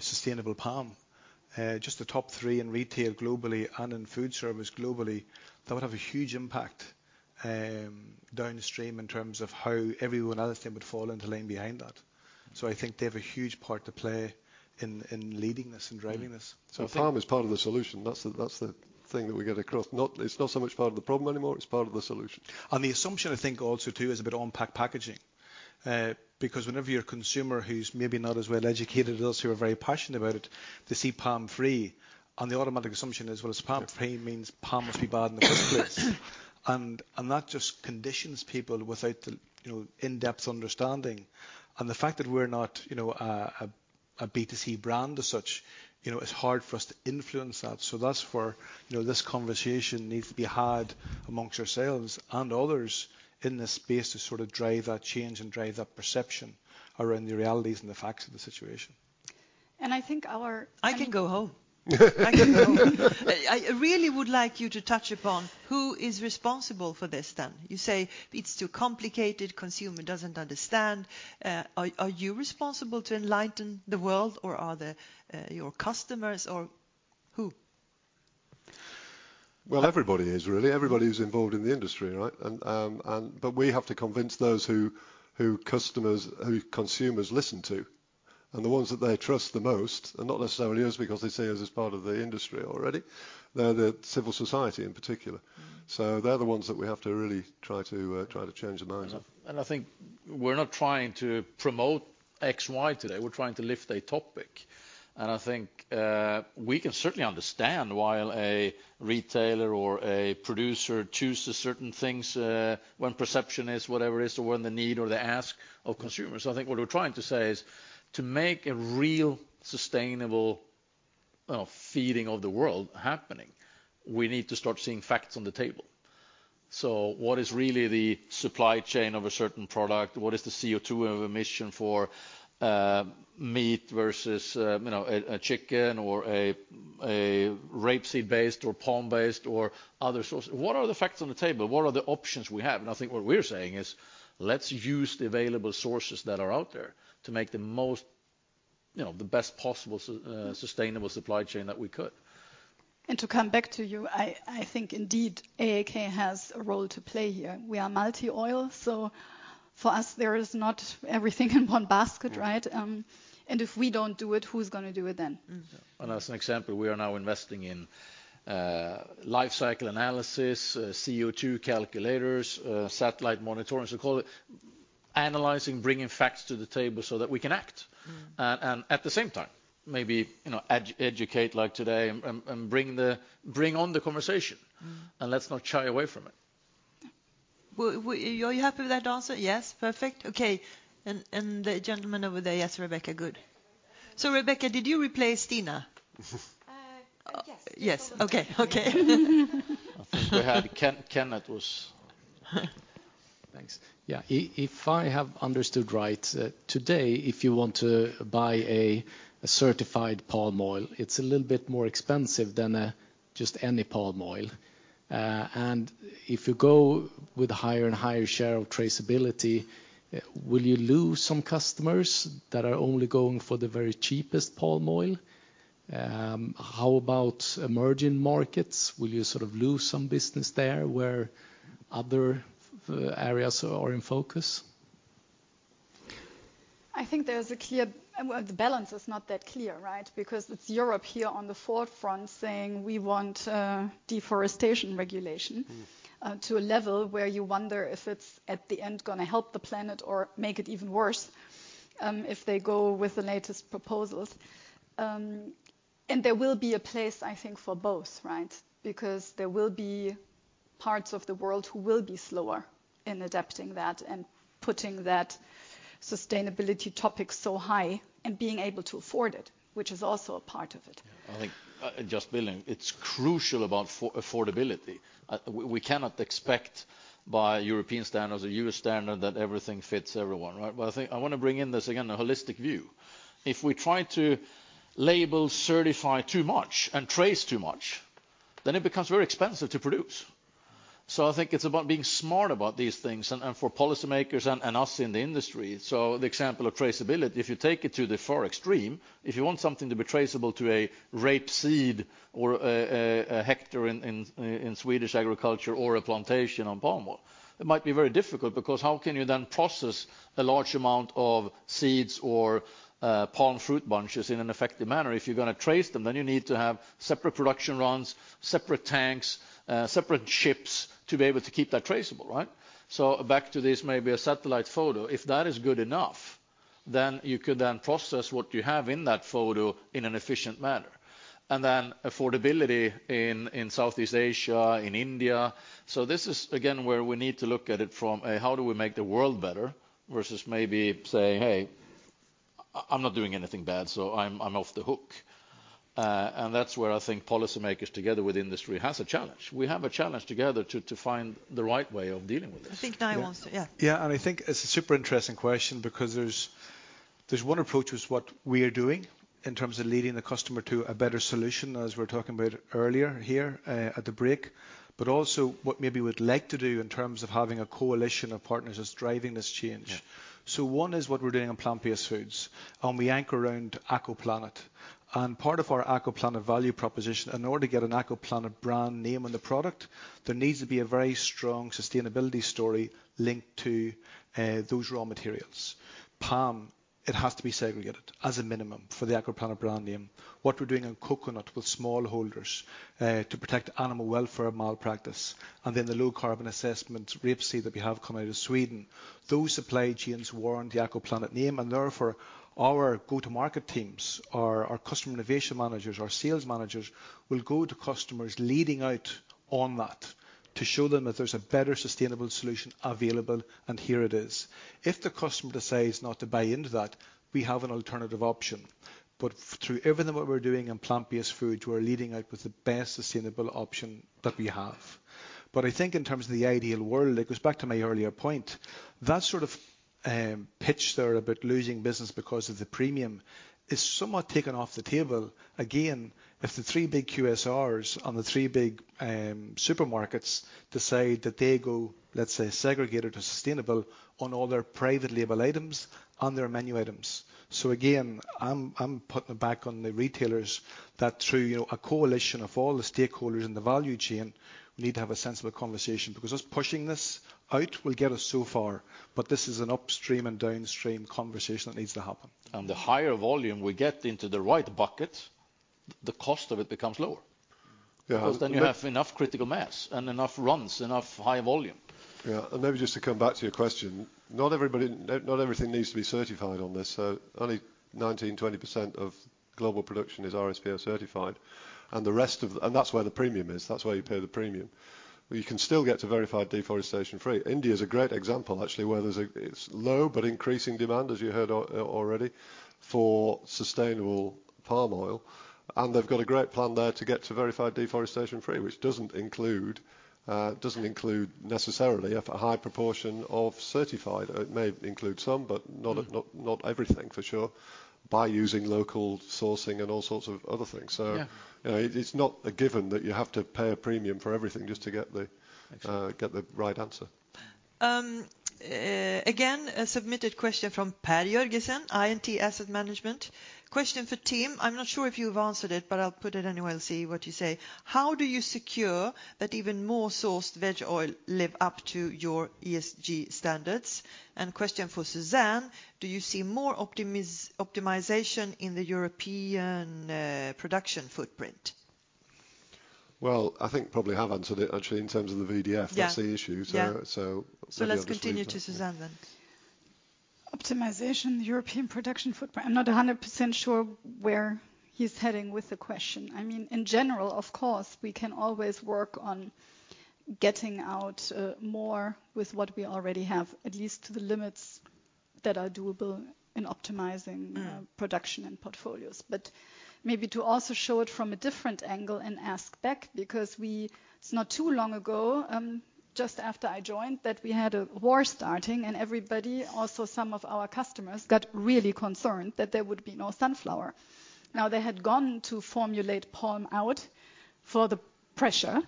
K: sustainable palm, just the top three in retail globally and in food service globally, that would have a huge impact downstream in terms of how everyone else then would fall into line behind that. I think they have a huge part to play in leading this and driving this.
J: Palm is part of the solution. That's the thing that we get across. Not, it's not so much part of the problem anymore, it's part of the solution.
K: The assumption I think also too is about on-pack packaging. Because whenever your consumer who's maybe not as well educated as us who are very passionate about it, they see palm-free, and the automatic assumption is, "Well, it's palm-free means palm must be bad in the first place.
J: Yeah.
K: That just conditions people without the, you know, in-depth understanding. The fact that we're not, you know, a B2C brand as such, you know, it's hard for us to influence that. That's for, you know, this conversation needs to be had amongst ourselves and others in this space to sort of drive that change and drive that perception around the realities and the facts of the situation.
L: And I think our-
B: I can go home. I can go home. I really would like you to touch upon who is responsible for this, then. You say it's too complicated, consumer doesn't understand. Are you responsible to enlighten the world, or are your customers, or who?
J: Well, everybody is, really. Everybody who's involved in the industry, right? We have to convince those who customers, who consumers listen to. The ones that they trust the most are not necessarily us, because they see us as part of the industry already. They're the civil society in particular. They're the ones that we have to really try to change the minds of.
A: I think we're not trying to promote X, Y today. We're trying to lift a topic. I think, we can certainly understand why a retailer or a producer chooses certain things, when perception is whatever it is, or when the need or the ask of consumers. I think what we're trying to say is, to make a real sustainable feeding of the world happening, we need to start seeing facts on the table. What is really the supply chain of a certain product? What is the CO2 emission for meat versus, you know, a chicken or a rapeseed based or palm based or other source? What are the facts on the table? What are the options we have? I think what we're saying is, let's use the available sources that are out there to make the most You know, the best possible sustainable supply chain that we could.
L: To come back to you, I think indeed AAK has a role to play here. We are multi oil, so for us there is not everything in one basket, right? If we don't do it, who's gonna do it then?
B: Mm-hmm.
A: As an example, we are now investing in life cycle analysis, CO2 calculators, satellite monitoring, so call it analyzing, bringing facts to the table so that we can act.
B: Mm-hmm.
A: At the same time, maybe, you know, educate like today and bring on the conversation.
B: Mm-hmm.
A: Let's not shy away from it.
B: Well, are you happy with that answer? Yes. Perfect. Okay. The gentleman over there. Yes, Rebecca. Good. Rebecca, did you replace Stina?
M: Yes.
B: Yes. Okay. Okay.
A: I think we had Kenneth.
F: Thanks. Yeah. If I have understood right, today, if you want to buy a certified palm oil, it's a little bit more expensive than just any palm oil. If you go with higher and higher share of traceability, will you lose some customers that are only going for the very cheapest palm oil? How about emerging markets? Will you sort of lose some business there where other areas are in focus?
L: The balance is not that clear, right? Because it's Europe here on the forefront saying, "We want deforestation regulation.
F: Mm-hmm
L: to a level where you wonder if it's at the end gonna help the planet or make it even worse, if they go with the latest proposals. There will be a place, I think, for both, right? Because there will be parts of the world who will be slower in adapting that and putting that sustainability topic so high and being able to afford it, which is also a part of it.
A: I think, just building, it's crucial about affordability. We cannot expect by European standards or U.S. standard that everything fits everyone, right? I think I wanna bring in this again, a holistic view. If we try to label certify too much and trace too much, then it becomes very expensive to produce. I think it's about being smart about these things and, for policymakers and us in the industry. The example of traceability, if you take it to the far extreme, if you want something to be traceable to a rapeseed or a hectare in Swedish agriculture or a plantation on palm oil, it might be very difficult because how can you then process a large amount of seeds or palm fruit bunches in an effective manner? If you're gonna trace them, then you need to have separate production runs, separate tanks, separate ships to be able to keep that traceable, right? Back to this, maybe a satellite photo. If that is good enough, then you could then process what you have in that photo in an efficient manner. Then affordability in Southeast Asia, in India. This is again, where we need to look at it from a how do we make the world better versus maybe saying, "Hey, I'm not doing anything bad, so I'm off the hook." That's where I think policymakers together with industry has a challenge. We have a challenge together to find the right way of dealing with this.
B: I think Niall wants. Yeah. Yeah.
K: Yeah. I think it's a super interesting question because there's one approach is what we are doing in terms of leading the customer to a better solution, as we were talking about earlier here, at the break. Also what maybe we'd like to do in terms of having a coalition of partners that's driving this change.
F: Yeah.
K: One is what we're doing on plant-based foods, and we anchor around AkoPlanet. Part of our AkoPlanet value proposition, in order to get an AkoPlanet brand name on the product, there needs to be a very strong sustainability story linked to those raw materials. Palm, it has to be segregated as a minimum for the AkoPlanet brand name. What we're doing on coconut with smallholders, to protect animal welfare malpractice, and then the low carbon assessment rapeseed that we have coming out of Sweden, those supply chains warrant the AkoPlanet name. Therefore our go-to-market teams, our customer innovation managers, our sales managers will go to customers leading out on that to show them that there's a better sustainable solution available, and here it is. If the customer decides not to buy into that, we have an alternative option. Through everything what we're doing in plant-based foods, we're leading out with the best sustainable option that we have. I think in terms of the ideal world, it goes back to my earlier point, that sort of pitch there about losing business because of the premium is somewhat taken off the table again, if the three big QSRs and the three big supermarkets decide that they go, let's say, segregated or sustainable on all their private label items, on their menu items. Again, I'm putting it back on the retailers that through, you know, a coalition of all the stakeholders in the value chain, we need to have a sensible conversation, because us pushing this out will get us so far, but this is an upstream and downstream conversation that needs to happen.
A: The higher volume we get into the right bucket, the cost of it becomes lower.
K: Yeah.
F: Then you have enough critical mass and enough runs, enough high volume.
J: Yeah. Maybe just to come back to your question, not everybody, not everything needs to be certified on this. Only 19%, 20% of global production is RSPO certified, and the rest of. That's where the premium is. That's where you pay the premium. You can still get to Verified Deforestation Free. India's a great example actually, where there's a, it's low but increasing demand, as you heard already, for sustainable palm oil. They've got a great plan there to get to Verified Deforestation Free, which doesn't include, doesn't include necessarily a high proportion of certified. It may include some, but not everything for sure, by using local sourcing and all sorts of other things.
K: Yeah
J: you know, it's not a given that you have to pay a premium for everything just to get.
K: Actually...
J: get the right answer.
B: Again, a submitted question from Per Jørgensen, I&T Asset Management. Question for Tim. I'm not sure if you've answered it, but I'll put it anyway and see what you say. How do you secure that even more sourced veg oil live up to your ESG standards? Question for Susanne, do you see more optimization in the European production footprint?
J: Well, I think probably have answered it actually in terms of the VDF.
B: Yeah
J: ...that's the issue.
B: Yeah.
J: So, so the other-
L: Let's continue to Susanne then. Optimization, European production footprint. I'm not 100% sure where he's heading with the question. I mean, in general, of course, we can always work on getting out more with what we already have, at least to the limits that are doable in optimizing production and portfolios. Maybe to also show it from a different angle and ask back because it's not too long ago, just after I joined, that we had a war starting and everybody, also some of our customers, got really concerned that there would be no sunflower. They had gone to formulate palm oil for the pressure,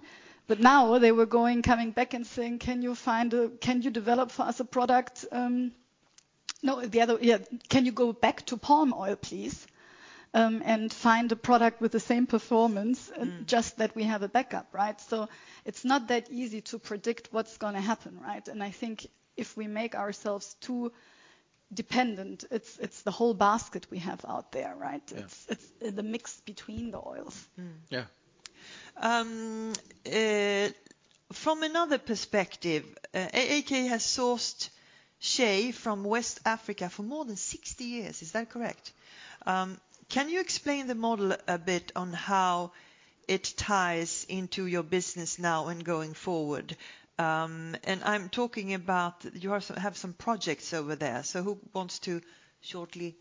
L: now they were coming back and saying, "Can you find, can you develop for us a product..." No, the other, yeah, "Can you go back to palm oil, please, and find a product with the same performance?
B: Mm-hmm.
L: Just that we have a backup." Right? It's not that easy to predict what's gonna happen, right? I think if we make ourselves too dependent, it's the whole basket we have out there, right?
J: Yeah.
B: It's the mix between the oils. Mm-hmm.
J: Yeah.
B: From another perspective, AAK has sourced shea from West Africa for more than 60 years. Is that correct? Can you explain the model a bit on how it ties into your business now and going forward? I'm talking about you also have some projects over there. Who wants to shortly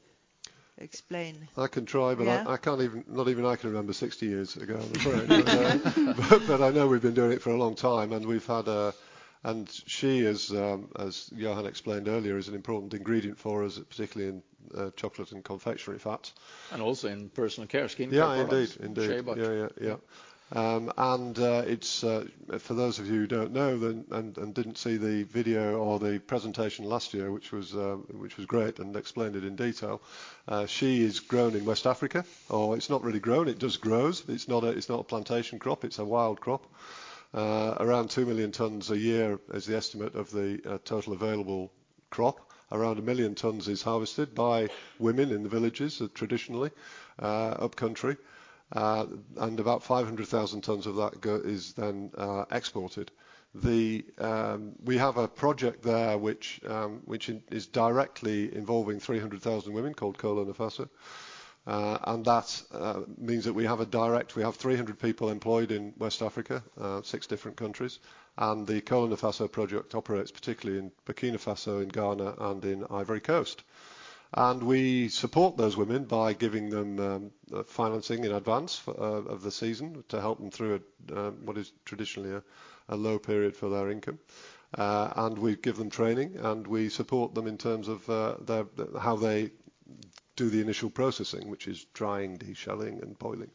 B: explain?
J: I can try, but I...
B: Yeah
J: ...I can't even, not even I can remember 60 years ago. I know we've been doing it for a long time, and we've had. Shea is, as Johan explained earlier, is an important ingredient for us, particularly in chocolate and confectionery fats.
A: Also in personal care scheme.
J: Yeah. Indeed. Indeed.
A: Shea butter.
J: Yeah. Yeah. Yeah. It's for those of you who don't know and didn't see the video or the presentation last year, which was great and explained it in detail, shea is grown in West Africa, or it's not really grown, it just grows. It's not a plantation crop, it's a wild crop. Around 2 million tons a year is the estimate of the total available crop. Around 1 million tons is harvested by women in the villages traditionally, upcountry. About 500,000 tons of that is then exported. We have a project there which is directly involving 300,000 women called Kolo Nafaso. That means that we have 300 people employed in West Africa, 6 different countries. The Kolo Nafaso project operates particularly in Burkina Faso, in Ghana, and in Ivory Coast. We support those women by giving them financing in advance for of the season to help them through what is traditionally a low period for their income. We give them training, and we support them in terms of how they do the initial processing, which is drying, de-shelling, and boiling.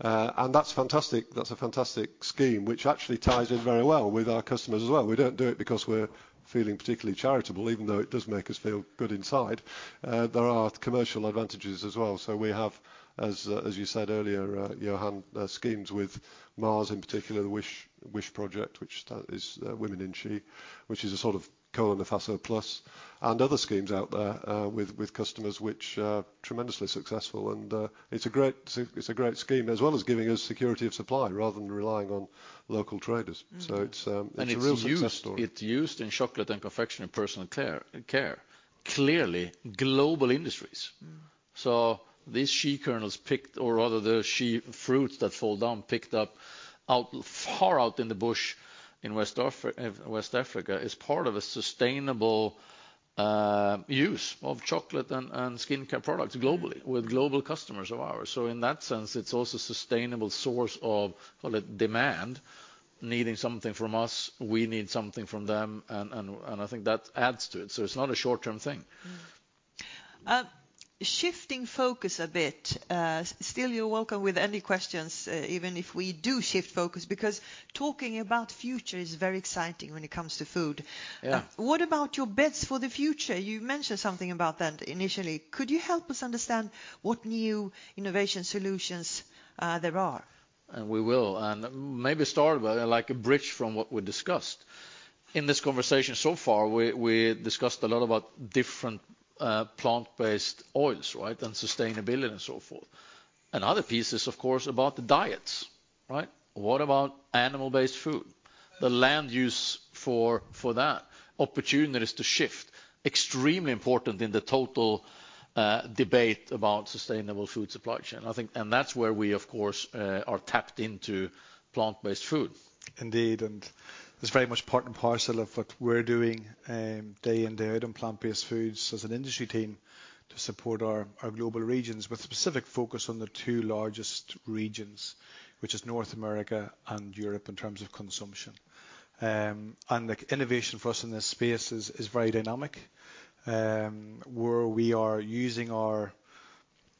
J: That's fantastic. That's a fantastic scheme, which actually ties in very well with our customers as well. We don't do it because we're feeling particularly charitable, even though it does make us feel good inside. There are commercial advantages as well. We have, as you said earlier, Johan, schemes with Mars in particular, the WISH project, which that is, Women in Shea, which is a sort of Kolo Nafaso plus, and other schemes out there, with customers which are tremendously successful. It's a great scheme, as well as giving us security of supply rather than relying on local traders.
B: Mm-hmm.
J: It's a real success story.
B: It's used in chocolate and confection and personal care. Clearly global industries. Mm-hmm.
A: These shea kernels picked, or rather the shea fruits that fall down, picked up out, far out in the bush in West Africa, is part of a sustainable use of chocolate and skincare products globally with global customers of ours. In that sense, it's also sustainable source of demand, needing something from us, we need something from them, and I think that adds to it. It's not a short-term thing.
B: Shifting focus a bit, still you're welcome with any questions, even if we do shift focus, because talking about future is very exciting when it comes to food.
A: Yeah.
B: What about your bets for the future? You mentioned something about that initially. Could you help us understand what new innovation solutions there are?
A: We will. Maybe start with like a bridge from what we discussed. In this conversation so far, we discussed a lot about different plant-based oils, right? Sustainability and so forth. Another piece is, of course, about the diets, right? What about animal-based food? The land use for that. Opportunities to shift. Extremely important in the total debate about sustainable food supply chain, I think. That's where we, of course, are tapped into plant-based food.
K: Indeed. It's very much part and parcel of what we're doing, day in, day out on plant-based foods as an industry team to support our global regions with specific focus on the two largest regions, which is North America and Europe in terms of consumption. The innovation for us in this space is very dynamic, where we are using our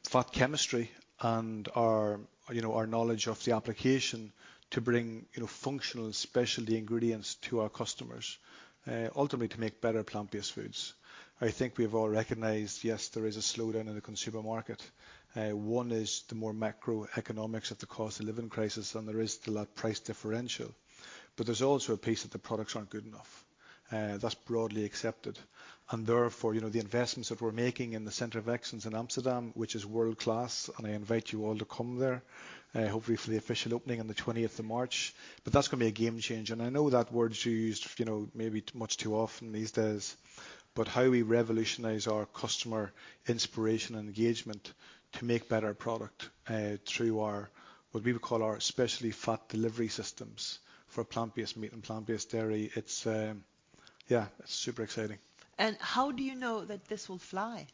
K: Fat chemistry and our, you know, our knowledge of the application to bring, you know, functional specialty ingredients to our customers, ultimately to make better plant-based foods. I think we've all recognized, yes, there is a slowdown in the consumer market. One is the more macroeconomics of the cost of living crisis, and there is still that price differential, but there's also a piece that the products aren't good enough. That's broadly accepted. Therefore, you know, the investments that we're making in the Center of Excellence in Amsterdam, which is world-class, and I invite you all to come there, hopefully for the official opening on the 20th of March. That's gonna be a game changer, and I know that word's used, you know, maybe much too often these days, but how we revolutionize our customer inspiration and engagement to make better product, through our, what we would call our specialty fat delivery systems for plant-based meat and plant-based dairy, it's, yeah, it's super exciting.
A: How do you know that this will fly?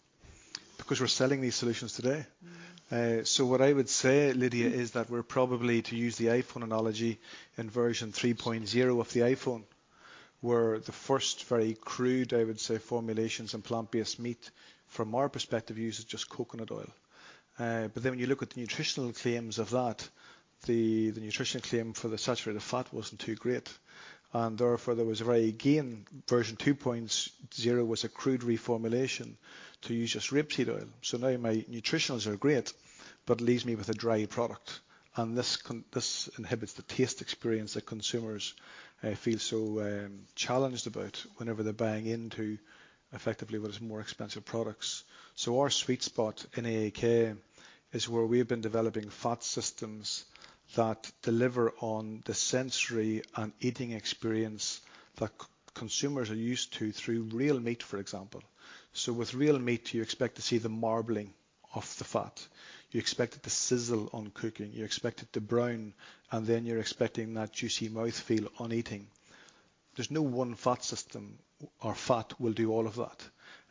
K: Because we're selling these solutions today.
B: Mm-hmm.
K: What I would say, Lidia, is that we're probably, to use the iPhone analogy, in version 3.0 of the iPhone. The first very crude, I would say, formulations in plant-based meat, from our perspective, uses just coconut oil. When you look at the nutritional claims of that, the nutritional claim for the saturated fat wasn't too great. Version 2.0 was a crude reformulation to use just rapeseed oil. Now my nutritionals are great, but leaves me with a dry product, and this inhibits the taste experience that consumers feel so challenged about whenever they're buying into effectively what is more expensive products. Our sweet spot in AAK is where we have been developing fat systems that deliver on the sensory and eating experience that consumers are used to through real meat, for example. With real meat, you expect to see the marbling of the fat. You expect it to sizzle on cooking. You expect it to brown, and then you're expecting that juicy mouthfeel on eating. There's no one fat system or fat will do all of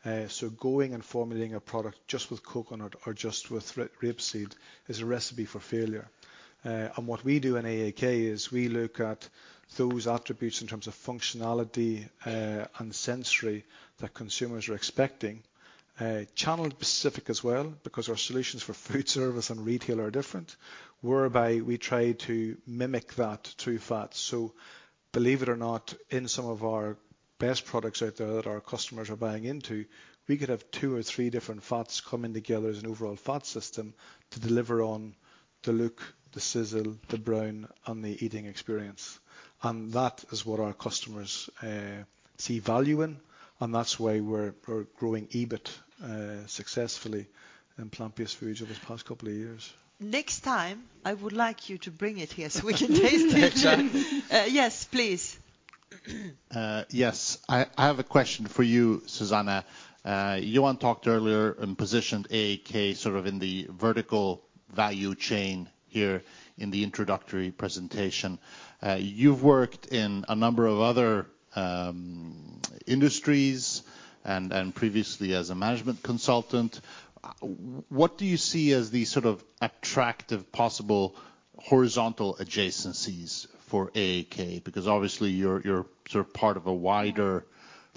K: that. Going and formulating a product just with coconut or just with rapeseed is a recipe for failure. What we do in AAK is we look at those attributes in terms of functionality, and sensory that consumers are expecting. Channel specific as well, because our solutions for food service and retail are different, whereby we try to mimic that through fat. Believe it or not, in some of our best products out there that our customers are buying into, we could have two or three different fats coming together as an overall fat system to deliver on the look, the sizzle, the brown, and the eating experience. That is what our customers see value in, and that's why we're growing EBIT successfully in plant-based foods over the past couple of years.
B: Next time, I would like you to bring it here so we can taste it. Yes, please.
E: Yes. I have a question for you, Susanne. Johan talked earlier and positioned AAK sort of in the vertical value chain here in the introductory presentation. You've worked in a number of other industries and previously as a management consultant. What do you see as the sort of attractive possible horizontal adjacencies for AAK? Because obviously you're sort of part of a wider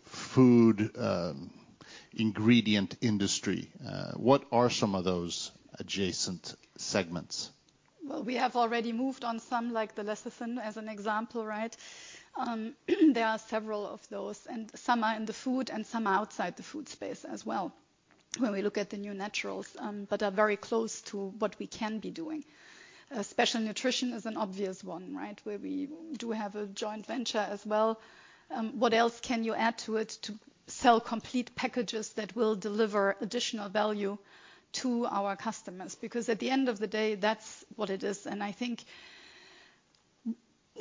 E: food ingredient industry. What are some of those adjacent segments?
L: We have already moved on some like the lecithin as an example, right? There are several of those, and some are in the food and some are outside the food space as well, when we look at the new naturals, but are very close to what we can be doing. Special Nutrition is an obvious one, right? Where we do have a joint venture as well. What else can you add to it to sell complete packages that will deliver additional value to our customers? Because at the end of the day, that's what it is. I think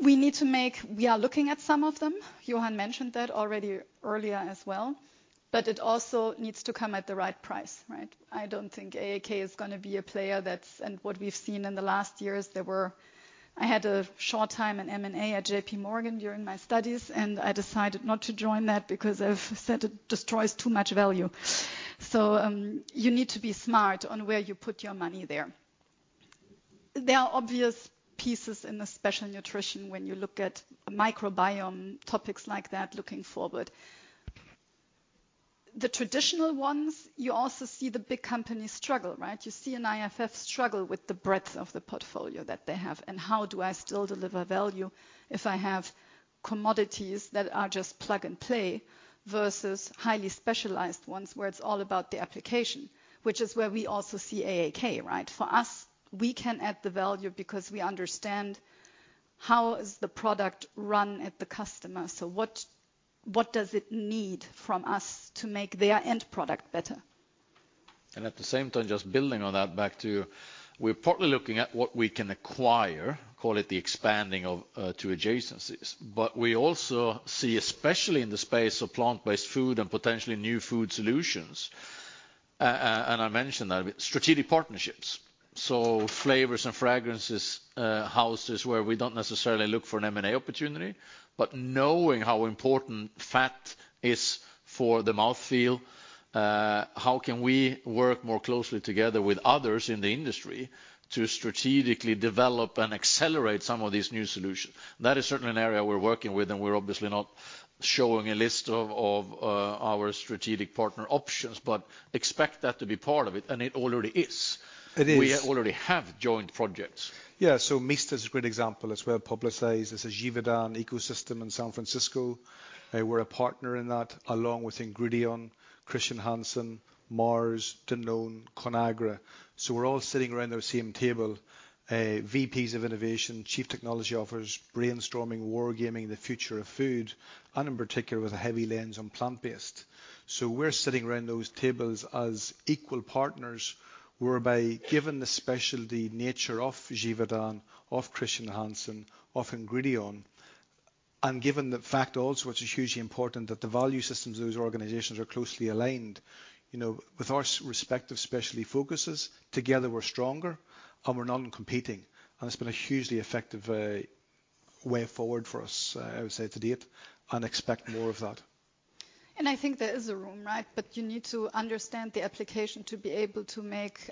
L: we are looking at some of them. Johan mentioned that already earlier as well. It also needs to come at the right price, right? I don't think AAK is gonna be a player that's... What we've seen in the last years, I had a short time in M&A at JPMorgan during my studies, and I decided not to join that because I've said it destroys too much value. You need to be smart on where you put your money there. There are obvious pieces in the Special Nutrition when you look at microbiome, topics like that looking forward. The traditional ones, you also see the big companies struggle, right? You see an IFF struggle with the breadth of the portfolio that they have, and how do I still deliver value if I have commodities that are just plug and play versus highly specialized ones where it's all about the application, which is where we also see AAK, right? For us, we can add the value because we understand how is the product run at the customer. What does it need from us to make their end product better?
A: At the same time, just building on that back to we're partly looking at what we can acquire, call it the expanding of two adjacencies. We also see, especially in the space of plant-based food and potentially new food solutions, and I mentioned that, strategic partnerships. Flavors and fragrances houses where we don't necessarily look for an M&A opportunity, but knowing how important fat is for the mouthfeel, how can we work more closely together with others in the industry to strategically develop and accelerate some of these new solutions. That is certainly an area we're working with, and we're obviously not showing a list of our strategic partner options, but expect that to be part of it, and it already is.
K: It is.
A: We already have joint projects.
K: MISTA is a great example. It's well-publicized. There's a Givaudan ecosystem in San Francisco, we're a partner in that along with Ingredion, Chr. Hansen, Mars, Danone, Conagra. We're all sitting around the same table, VPs of innovation, chief technology officers, brainstorming, wargaming the future of food, and in particular with a heavy lens on plant-based. We're sitting around those tables as equal partners whereby given the specialty nature of Givaudan, of Chr. Hansen, of Ingredion, and given the fact also, which is hugely important, that the value systems of those organizations are closely aligned. You know, with our respective specialty focuses, together we're stronger and we're non-competing, and it's been a hugely effective way forward for us, I would say to date, and expect more of that.
L: I think there is a room, right? You need to understand the application to be able to make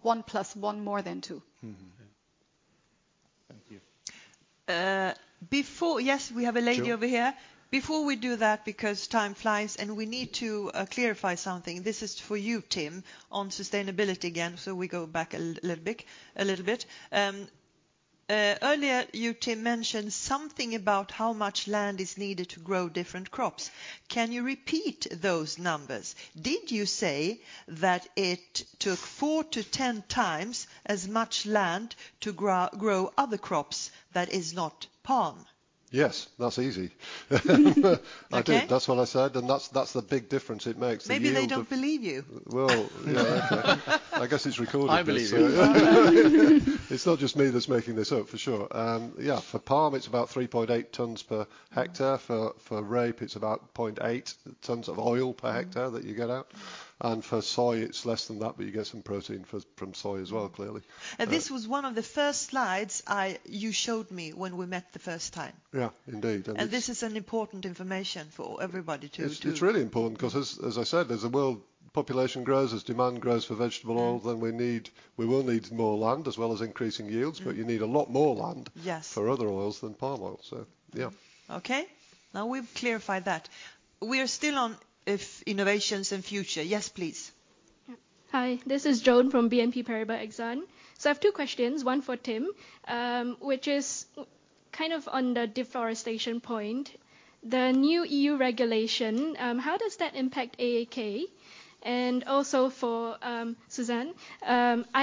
L: one plus one more than two.
K: Mm-hmm.
A: Yeah. Thank you.
B: Yes, we have a lady over here.
J: Sure.
B: Before we do that, because time flies, and we need to clarify something. This is for you, Tim, on sustainability again. We go back a little bit. Earlier you, Tim, mentioned something about how much land is needed to grow different crops. Can you repeat those numbers? Did you say that it took 4x to 10x as much land to grow other crops that is not palm?
J: Yes. That's easy.
B: Okay.
J: I did. That's what I said, and that's the big difference it makes, the yield of-
B: Maybe they don't believe you.
J: Well, yeah, okay. I guess it's recorded, so -
K: I believe you.
J: It's not just me that's making this up, for sure. For palm it's about 3.8 tons per hectare. For rape it's about 0.8 tons of oil per hectare that you get out. For soy it's less than that, but you get some protein from soy as well, clearly.
B: This was one of the first slides you showed me when we met the first time.
J: Yeah, indeed. This is an important information for everybody to. It's really important 'cause as I said, as the world population grows, as demand grows for vegetable oil.
B: Mm-hmm
J: We will need more land as well as increasing yields.
B: Mm-hmm.
J: You need a lot more land.
B: Yes
J: ...for other oils than palm oil. Yeah.
B: Okay. Now we've clarified that. We are still on if innovations and future. Yes, please.
N: Yeah. Hi. This is Joan from BNP Paribas Exane. I have two questions, one for Tim, which is kind of on the deforestation point. The new EU regulation, how does that impact AAK? Also for Susanne,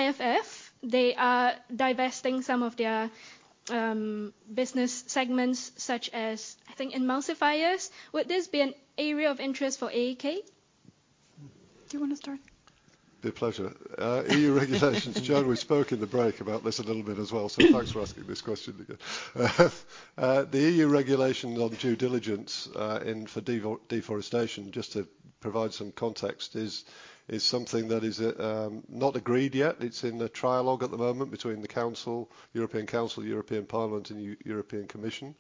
N: IFF, they are divesting some of their business segments such as, I think, emulsifiers. Would this be an area of interest for AAK?
L: Do you wanna start?
J: Be a pleasure. EU regulations. Joan, we spoke in the break about this a little bit as well. Thanks for asking this question again. The EU regulations on due diligence in for deforestation, just to provide some context, is something that is not agreed yet. It's in the trilogue at the moment between the Council, European Council, European Parliament, and European Commission.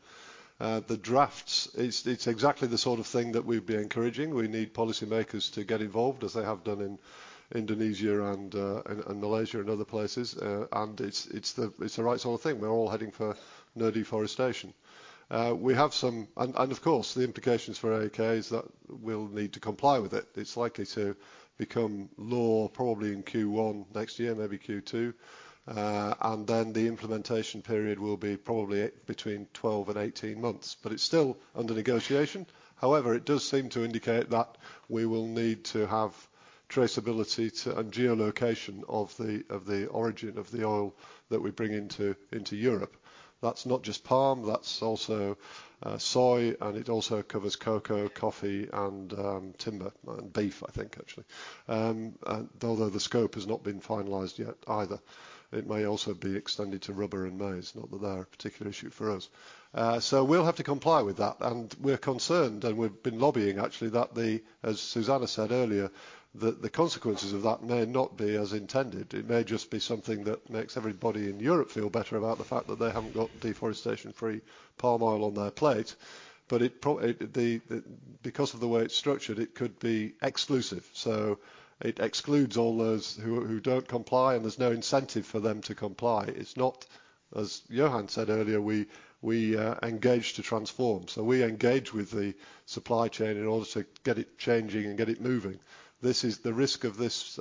J: The drafts, it's exactly the sort of thing that we'd be encouraging. We need policymakers to get involved as they have done in Indonesia and Malaysia and other places. It's the right sort of thing. We're all heading for no deforestation. Of course, the implications for AAK is that we'll need to comply with it. It's likely to become law probably in Q1 next year, maybe Q2. The implementation period will be probably between 12 and 18 months, but it's still under negotiation. However, it does seem to indicate that we will need to have traceability to, and geolocation of the origin of the oil that we bring into Europe. That's not just palm, that's also soy, it also covers cocoa, coffee, timber, and beef, I think, actually. Although the scope has not been finalized yet either. It may also be extended to rubber and maize, not that they're a particular issue for us. We'll have to comply with that, and we're concerned, and we've been lobbying actually, that the, as Susanne said earlier, that the consequences of that may not be as intended. It may just be something that makes everybody in Europe feel better about the fact that they haven't got deforestation-free palm oil on their plate. Because of the way it's structured, it could be exclusive, so it excludes all those who don't comply, and there's no incentive for them to comply. It's not, as Johan said earlier, we engage to transform. We engage with the supply chain in order to get it changing and get it moving. This is the risk of this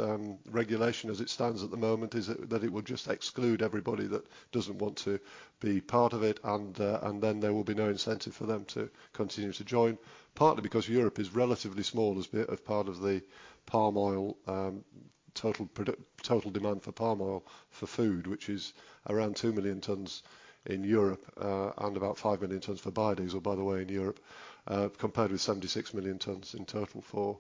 J: regulation as it stands at the moment, that it will just exclude everybody that doesn't want to be part of it and then there will be no incentive for them to continue to join. Partly because Europe is relatively small as bit, as part of the palm oil, total demand for palm oil for food, which is around 2 million tons in Europe, and about 5 million tons for biodiesel, by the way, in Europe, compared with 76 million tons in total for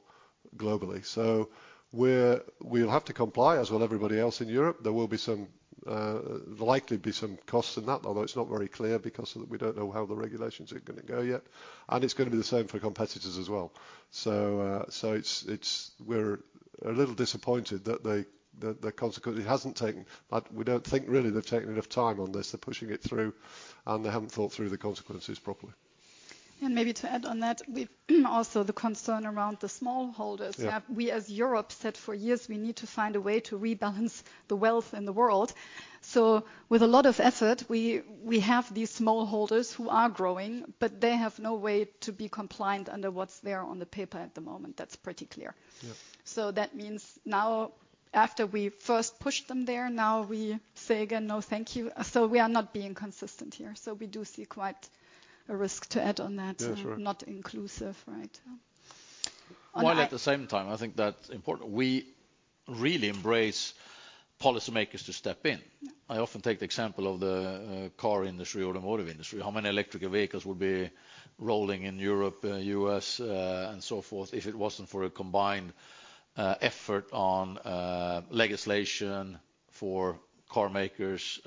J: globally. We'll have to comply, as will everybody else in Europe. There will be some, there'll likely be some costs in that, although it's not very clear because of that we don't know how the regulations are gonna go yet. It's gonna be the same for competitors as well. It's, we're a little disappointed that the consequence hasn't taken... We don't think really they've taken enough time on this. They're pushing it through, and they haven't thought through the consequences properly.
L: Maybe to add on that, we also the concern around the smallholders.
J: Yeah.
L: We, as Europe, said for years we need to find a way to rebalance the wealth in the world. With a lot of effort, we have these small holders who are growing, but they have no way to be compliant under what's there on the paper at the moment. That's pretty clear.
J: Yeah.
L: That means now after we first pushed them there, now we say again, "No, thank you." We are not being consistent here. We do see quite a risk to add on that...
J: Yeah, sure.
L: ...not inclusive, right? On that-
J: At the same time, I think that's important, we really embrace policymakers to step in.
L: Yeah.
J: I often take the example of the car industry, automotive industry. How many electrical vehicles would be rolling in Europe, U.S., and so forth if it wasn't for a combined effort on legislation for car makers,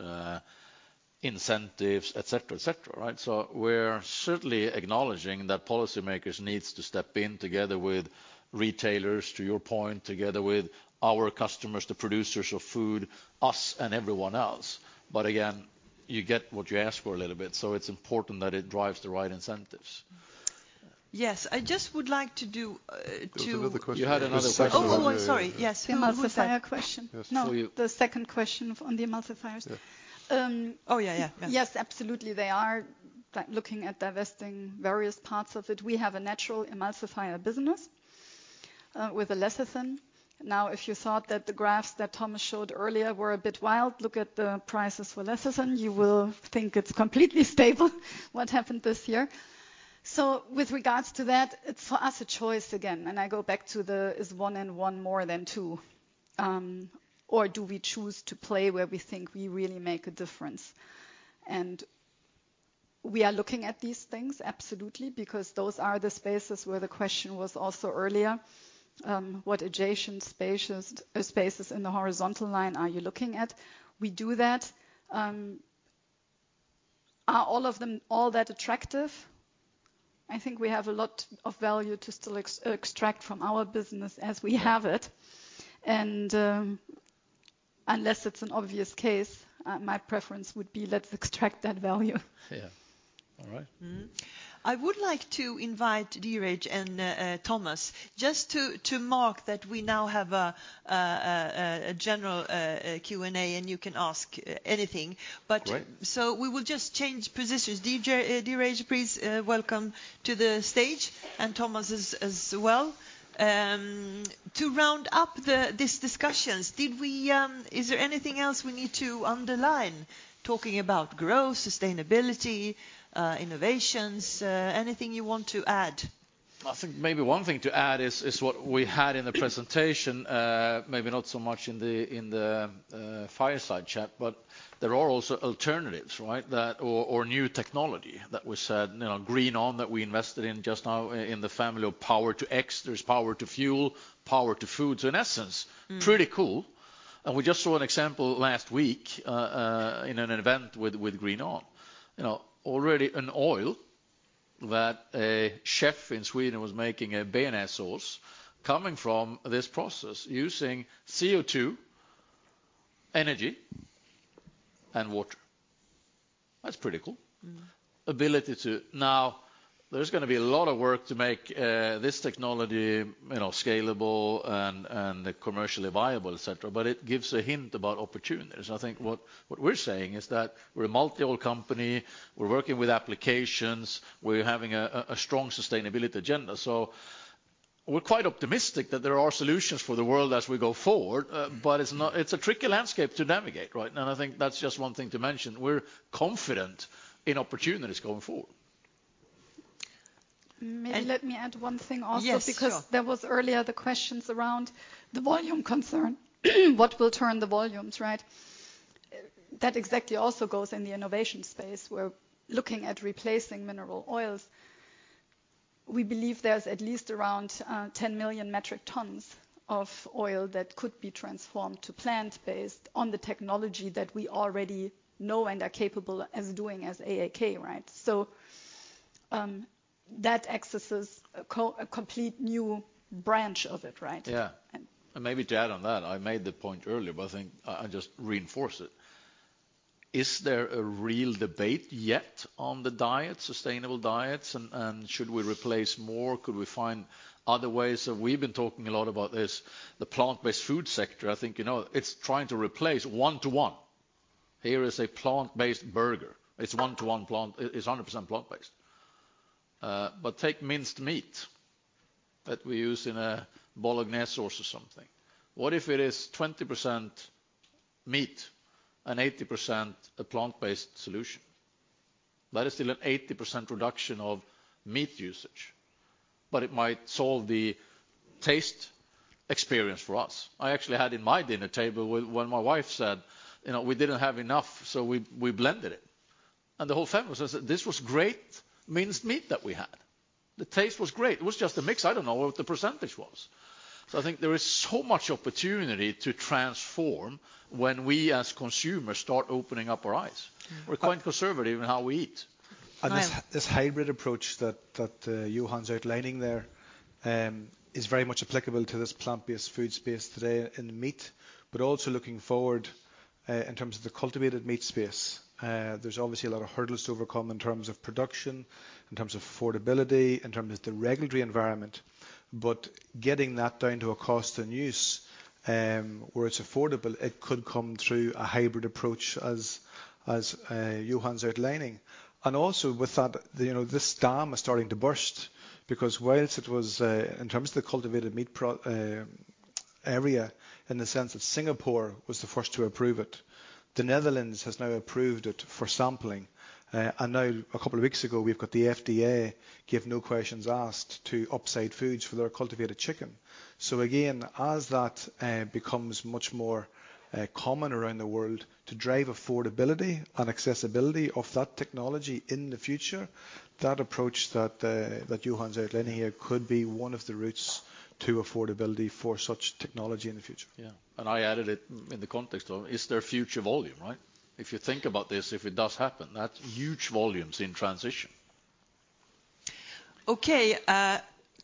J: incentives, et cetera, et cetera, right? We're certainly acknowledging that policymakers needs to step in together with retailers, to your point, together with our customers, the producers of food, us and everyone else. Again, you get what you ask for a little bit, so it's important that it drives the right incentives.
L: Yes. I just would like to do.
J: There was another question.
A: You had another question.
B: There's a second one, yeah.
L: Oh, oh, sorry. Yes. Emulsifier question.
J: Yes, still you.
L: No, the second question on the emulsifiers.
B: Yeah.
L: Um...
B: Oh, yeah.
L: Yes, absolutely. They are looking at divesting various parts of it. We have a natural emulsifier business with a lecithin. Now, if you thought that the graphs that Tomas showed earlier were a bit wild, look at the prices for lecithin. You will think it's completely stable what happened this year. With regards to that, it's for us a choice again, and I go back to the, is one and one more than two? Or do we choose to play where we think we really make a difference? We are looking at these things, absolutely, because those are the spaces where the question was also earlier, what adjacent spaces in the horizontal line are you looking at? We do that. Are all of them all that attractive? I think we have a lot of value to still extract from our business as we have it. Unless it's an obvious case, my preference would be let's extract that value.
J: Yeah. All right.
B: Mm-hmm. I would like to invite Dheeraj and Tomas just to mark that we now have a general Q&A, and you can ask anything.
I: Great
B: ...we will just change positions. Dheeraj, please, welcome to the stage, and Tomas as well. To round up this discussions, did we, is there anything else we need to underline, talking about growth, sustainability, innovations? Anything you want to add?
C: I think maybe one thing to add is what we had in the presentation, maybe not so much in the, in the, fireside chat, but there are also alternatives, right? or new technology that we said, you know, GreenOn that we invested in just now in the family of Power-to-X. There's power to fuel, power to food. So in essence.
B: Mm-hmm
C: pretty cool. We just saw an example last week in an event with GreenOn. You know, already an oil that a chef in Sweden was making a béarnaise sauce coming from this process using CO2, energy, and water. That's pretty cool.
B: Mm-hmm.
C: Ability to. Now, there's gonna be a lot of work to make this technology, you know, scalable and commercially viable, et cetera, it gives a hint about opportunities. I think what we're saying is that we're a multi-oil company. We're working with applications. We're having a strong sustainability agenda. We're quite optimistic that there are solutions for the world as we go forward. It's not. It's a tricky landscape to navigate, right? I think that's just one thing to mention. We're confident in opportunities going forward.
L: May- Let me add one thing also-
B: Yes, sure.
L: because there was earlier the questions around the volume concern. What will turn the volumes, right? That exactly also goes in the innovation space. We're looking at replacing mineral oils. We believe there's at least around 10 million metric tons of oil that could be transformed to plant-based on the technology that we already know and are capable as doing as AAK, right? That accesses a complete new branch of it, right?
C: Yeah.
L: And-
C: Maybe to add on that, I made the point earlier, but I think I just reinforce it. Is there a real debate yet on the diet, sustainable diets and should we replace more? Could we find other ways? We've been talking a lot about this, the plant-based food sector. I think, you know, it's trying to replace one-to-one. Here is a plant-based burger. It is 100% plant based. Take minced meat that we use in a bolognese sauce or something. What if it is 20% meat and 80% a plant-based solution? That is still an 80% reduction of meat usage, but it might solve the taste experience for us. I actually had in my dinner table with... when my wife said, "You know, we didn't have enough, so we blended it." The whole family said, "This was great minced meat that we had." The taste was great. It was just a mix. I don't know what the percentage was. I think there is so much opportunity to transform when we as consumers start opening up our eyes.
B: Mm-hmm.
C: We're quite conservative in how we eat.
B: Niall.
K: This hybrid approach that Johan's outlining there is very much applicable to this plant-based food space today in meat. Also looking forward in terms of the cultivated meat space, there's obviously a lot of hurdles to overcome in terms of production, in terms of affordability, in terms of the regulatory environment. Getting that down to a cost and use, where it's affordable, it could come through a hybrid approach as Johan's outlining. Also with that, you know, this dam is starting to burst because whilst it was in terms of the cultivated meat area, in the sense that Singapore was the first to approve it, the Netherlands has now approved it for sampling. Now a couple of weeks ago, we've got the FDA give no questions asked to UPSIDE Foods for their cultivated chicken. Again, as that becomes much more common around the world to drive affordability and accessibility of that technology in the future, that approach that Johan's outlining here could be one of the routes to affordability for such technology in the future.
A: I added it in the context of is there future volume, right? If you think about this, if it does happen, that's huge volumes in transition.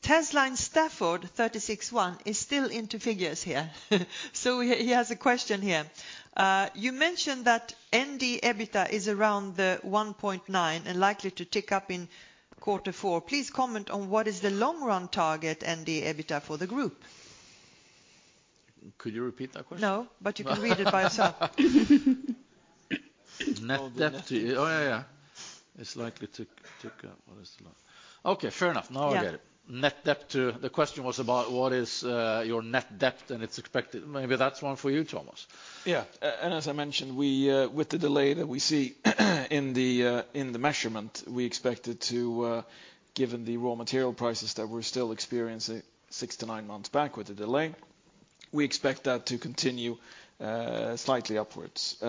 B: Tesline Stafford thirty-six one is still into figures here. He has a question here. You mentioned that ND EBITDA is around the 1.9 and likely to tick up in quarter four. Please comment on what is the long run target ND EBITDA for the group.
A: Could you repeat that question?
B: No, you can read it by yourself.
A: Net debt to... Oh, yeah. It's likely to tick up. What is the long... Okay, fair enough. Yeah. Now I get it. The question was about what is your net debt, and it's expected... Maybe that's one for you, Tomas.
C: Yeah. As I mentioned, we, with the delay that we see in the measurement, we expected to, given the raw material prices that we're still experiencing six to nine months back with the delay, we expect that to continue, slightly upwards.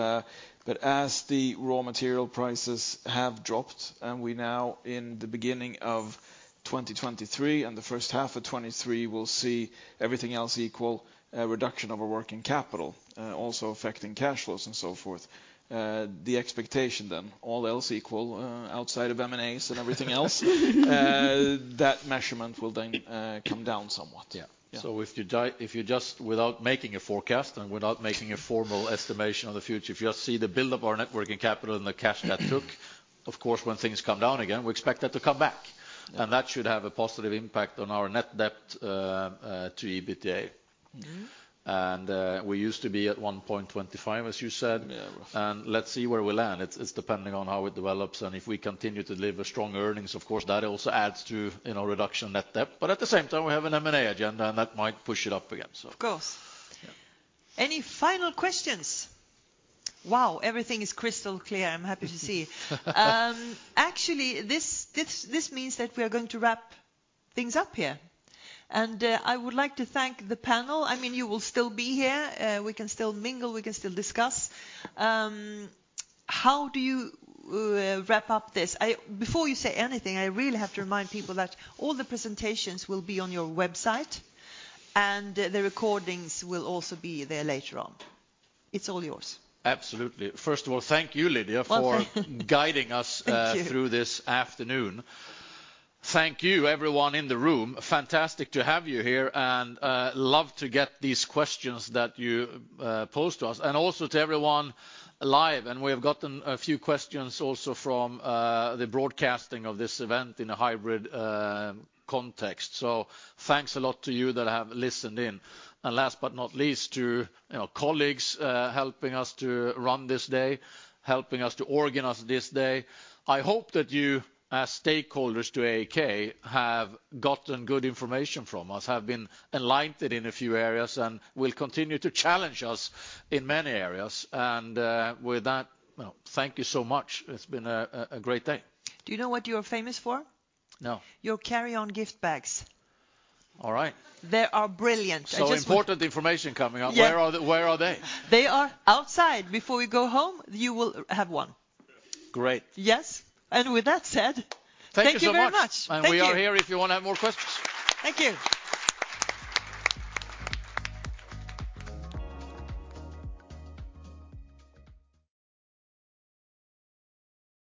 C: As the raw material prices have dropped and we now in the beginning of 2023 and the first half of 2023 will see everything else equal, reduction of our working capital, also affecting cash flows and so forth, the expectation then, all else equal, outside of M&As and everything else, that measurement will then, come down somewhat. Yeah. Yeah.
A: If you just, without making a forecast and without making a formal estimation of the future, if you just see the buildup our net working capital and the cash that took, of course, when things come down again, we expect that to come back.
B: Yeah.
A: That should have a positive impact on our net debt to EBITDA.
B: Mm-hmm.
A: we used to be at 1.25, as you said.
C: Yeah, roughly.
A: Let's see where we land. It's depending on how it develops, and if we continue to deliver strong earnings, of course, that also adds to, you know, reduction net debt. At the same time, we have an M&A agenda, and that might push it up again, so.
B: Of course.
A: Yeah.
B: Any final questions? Wow, everything is crystal clear, I'm happy to see. Actually this means that we are going to wrap things up here. I would like to thank the panel. I mean, you will still be here. We can still mingle, we can still discuss. How do you wrap up this? Before you say anything, I really have to remind people that all the presentations will be on your website and the recordings will also be there later on. It's all yours.
A: Absolutely. First of all, thank you, Lidia.
B: Well, thank you....
A: for guiding.
B: Thank you....
A: through this afternoon. Thank you everyone in the room. Fantastic to have you here and love to get these questions that you pose to us. Also to everyone live, and we have gotten a few questions also from the broadcasting of this event in a hybrid context. Thanks a lot to you that have listened in. Last but not least to, you know, colleagues helping us to run this day, helping us to organize this day. I hope that you, as stakeholders to AAK, have gotten good information from us, have been enlightened in a few areas, and will continue to challenge us in many areas. With that, well, thank you so much. It's been a great day.
B: Do you know what you're famous for?
A: No.
B: Your carry-on gift bags.
A: All right.
B: They are brilliant. I just.
A: Important information coming up.
B: Yeah.
A: Where are they?
B: They are outside. Before you go home, you will have one.
A: Great.
B: Yes. With that said, thank you very much.
A: Thank you so much.
B: Thank you.
A: We are here if you want to have more questions.
B: Thank you.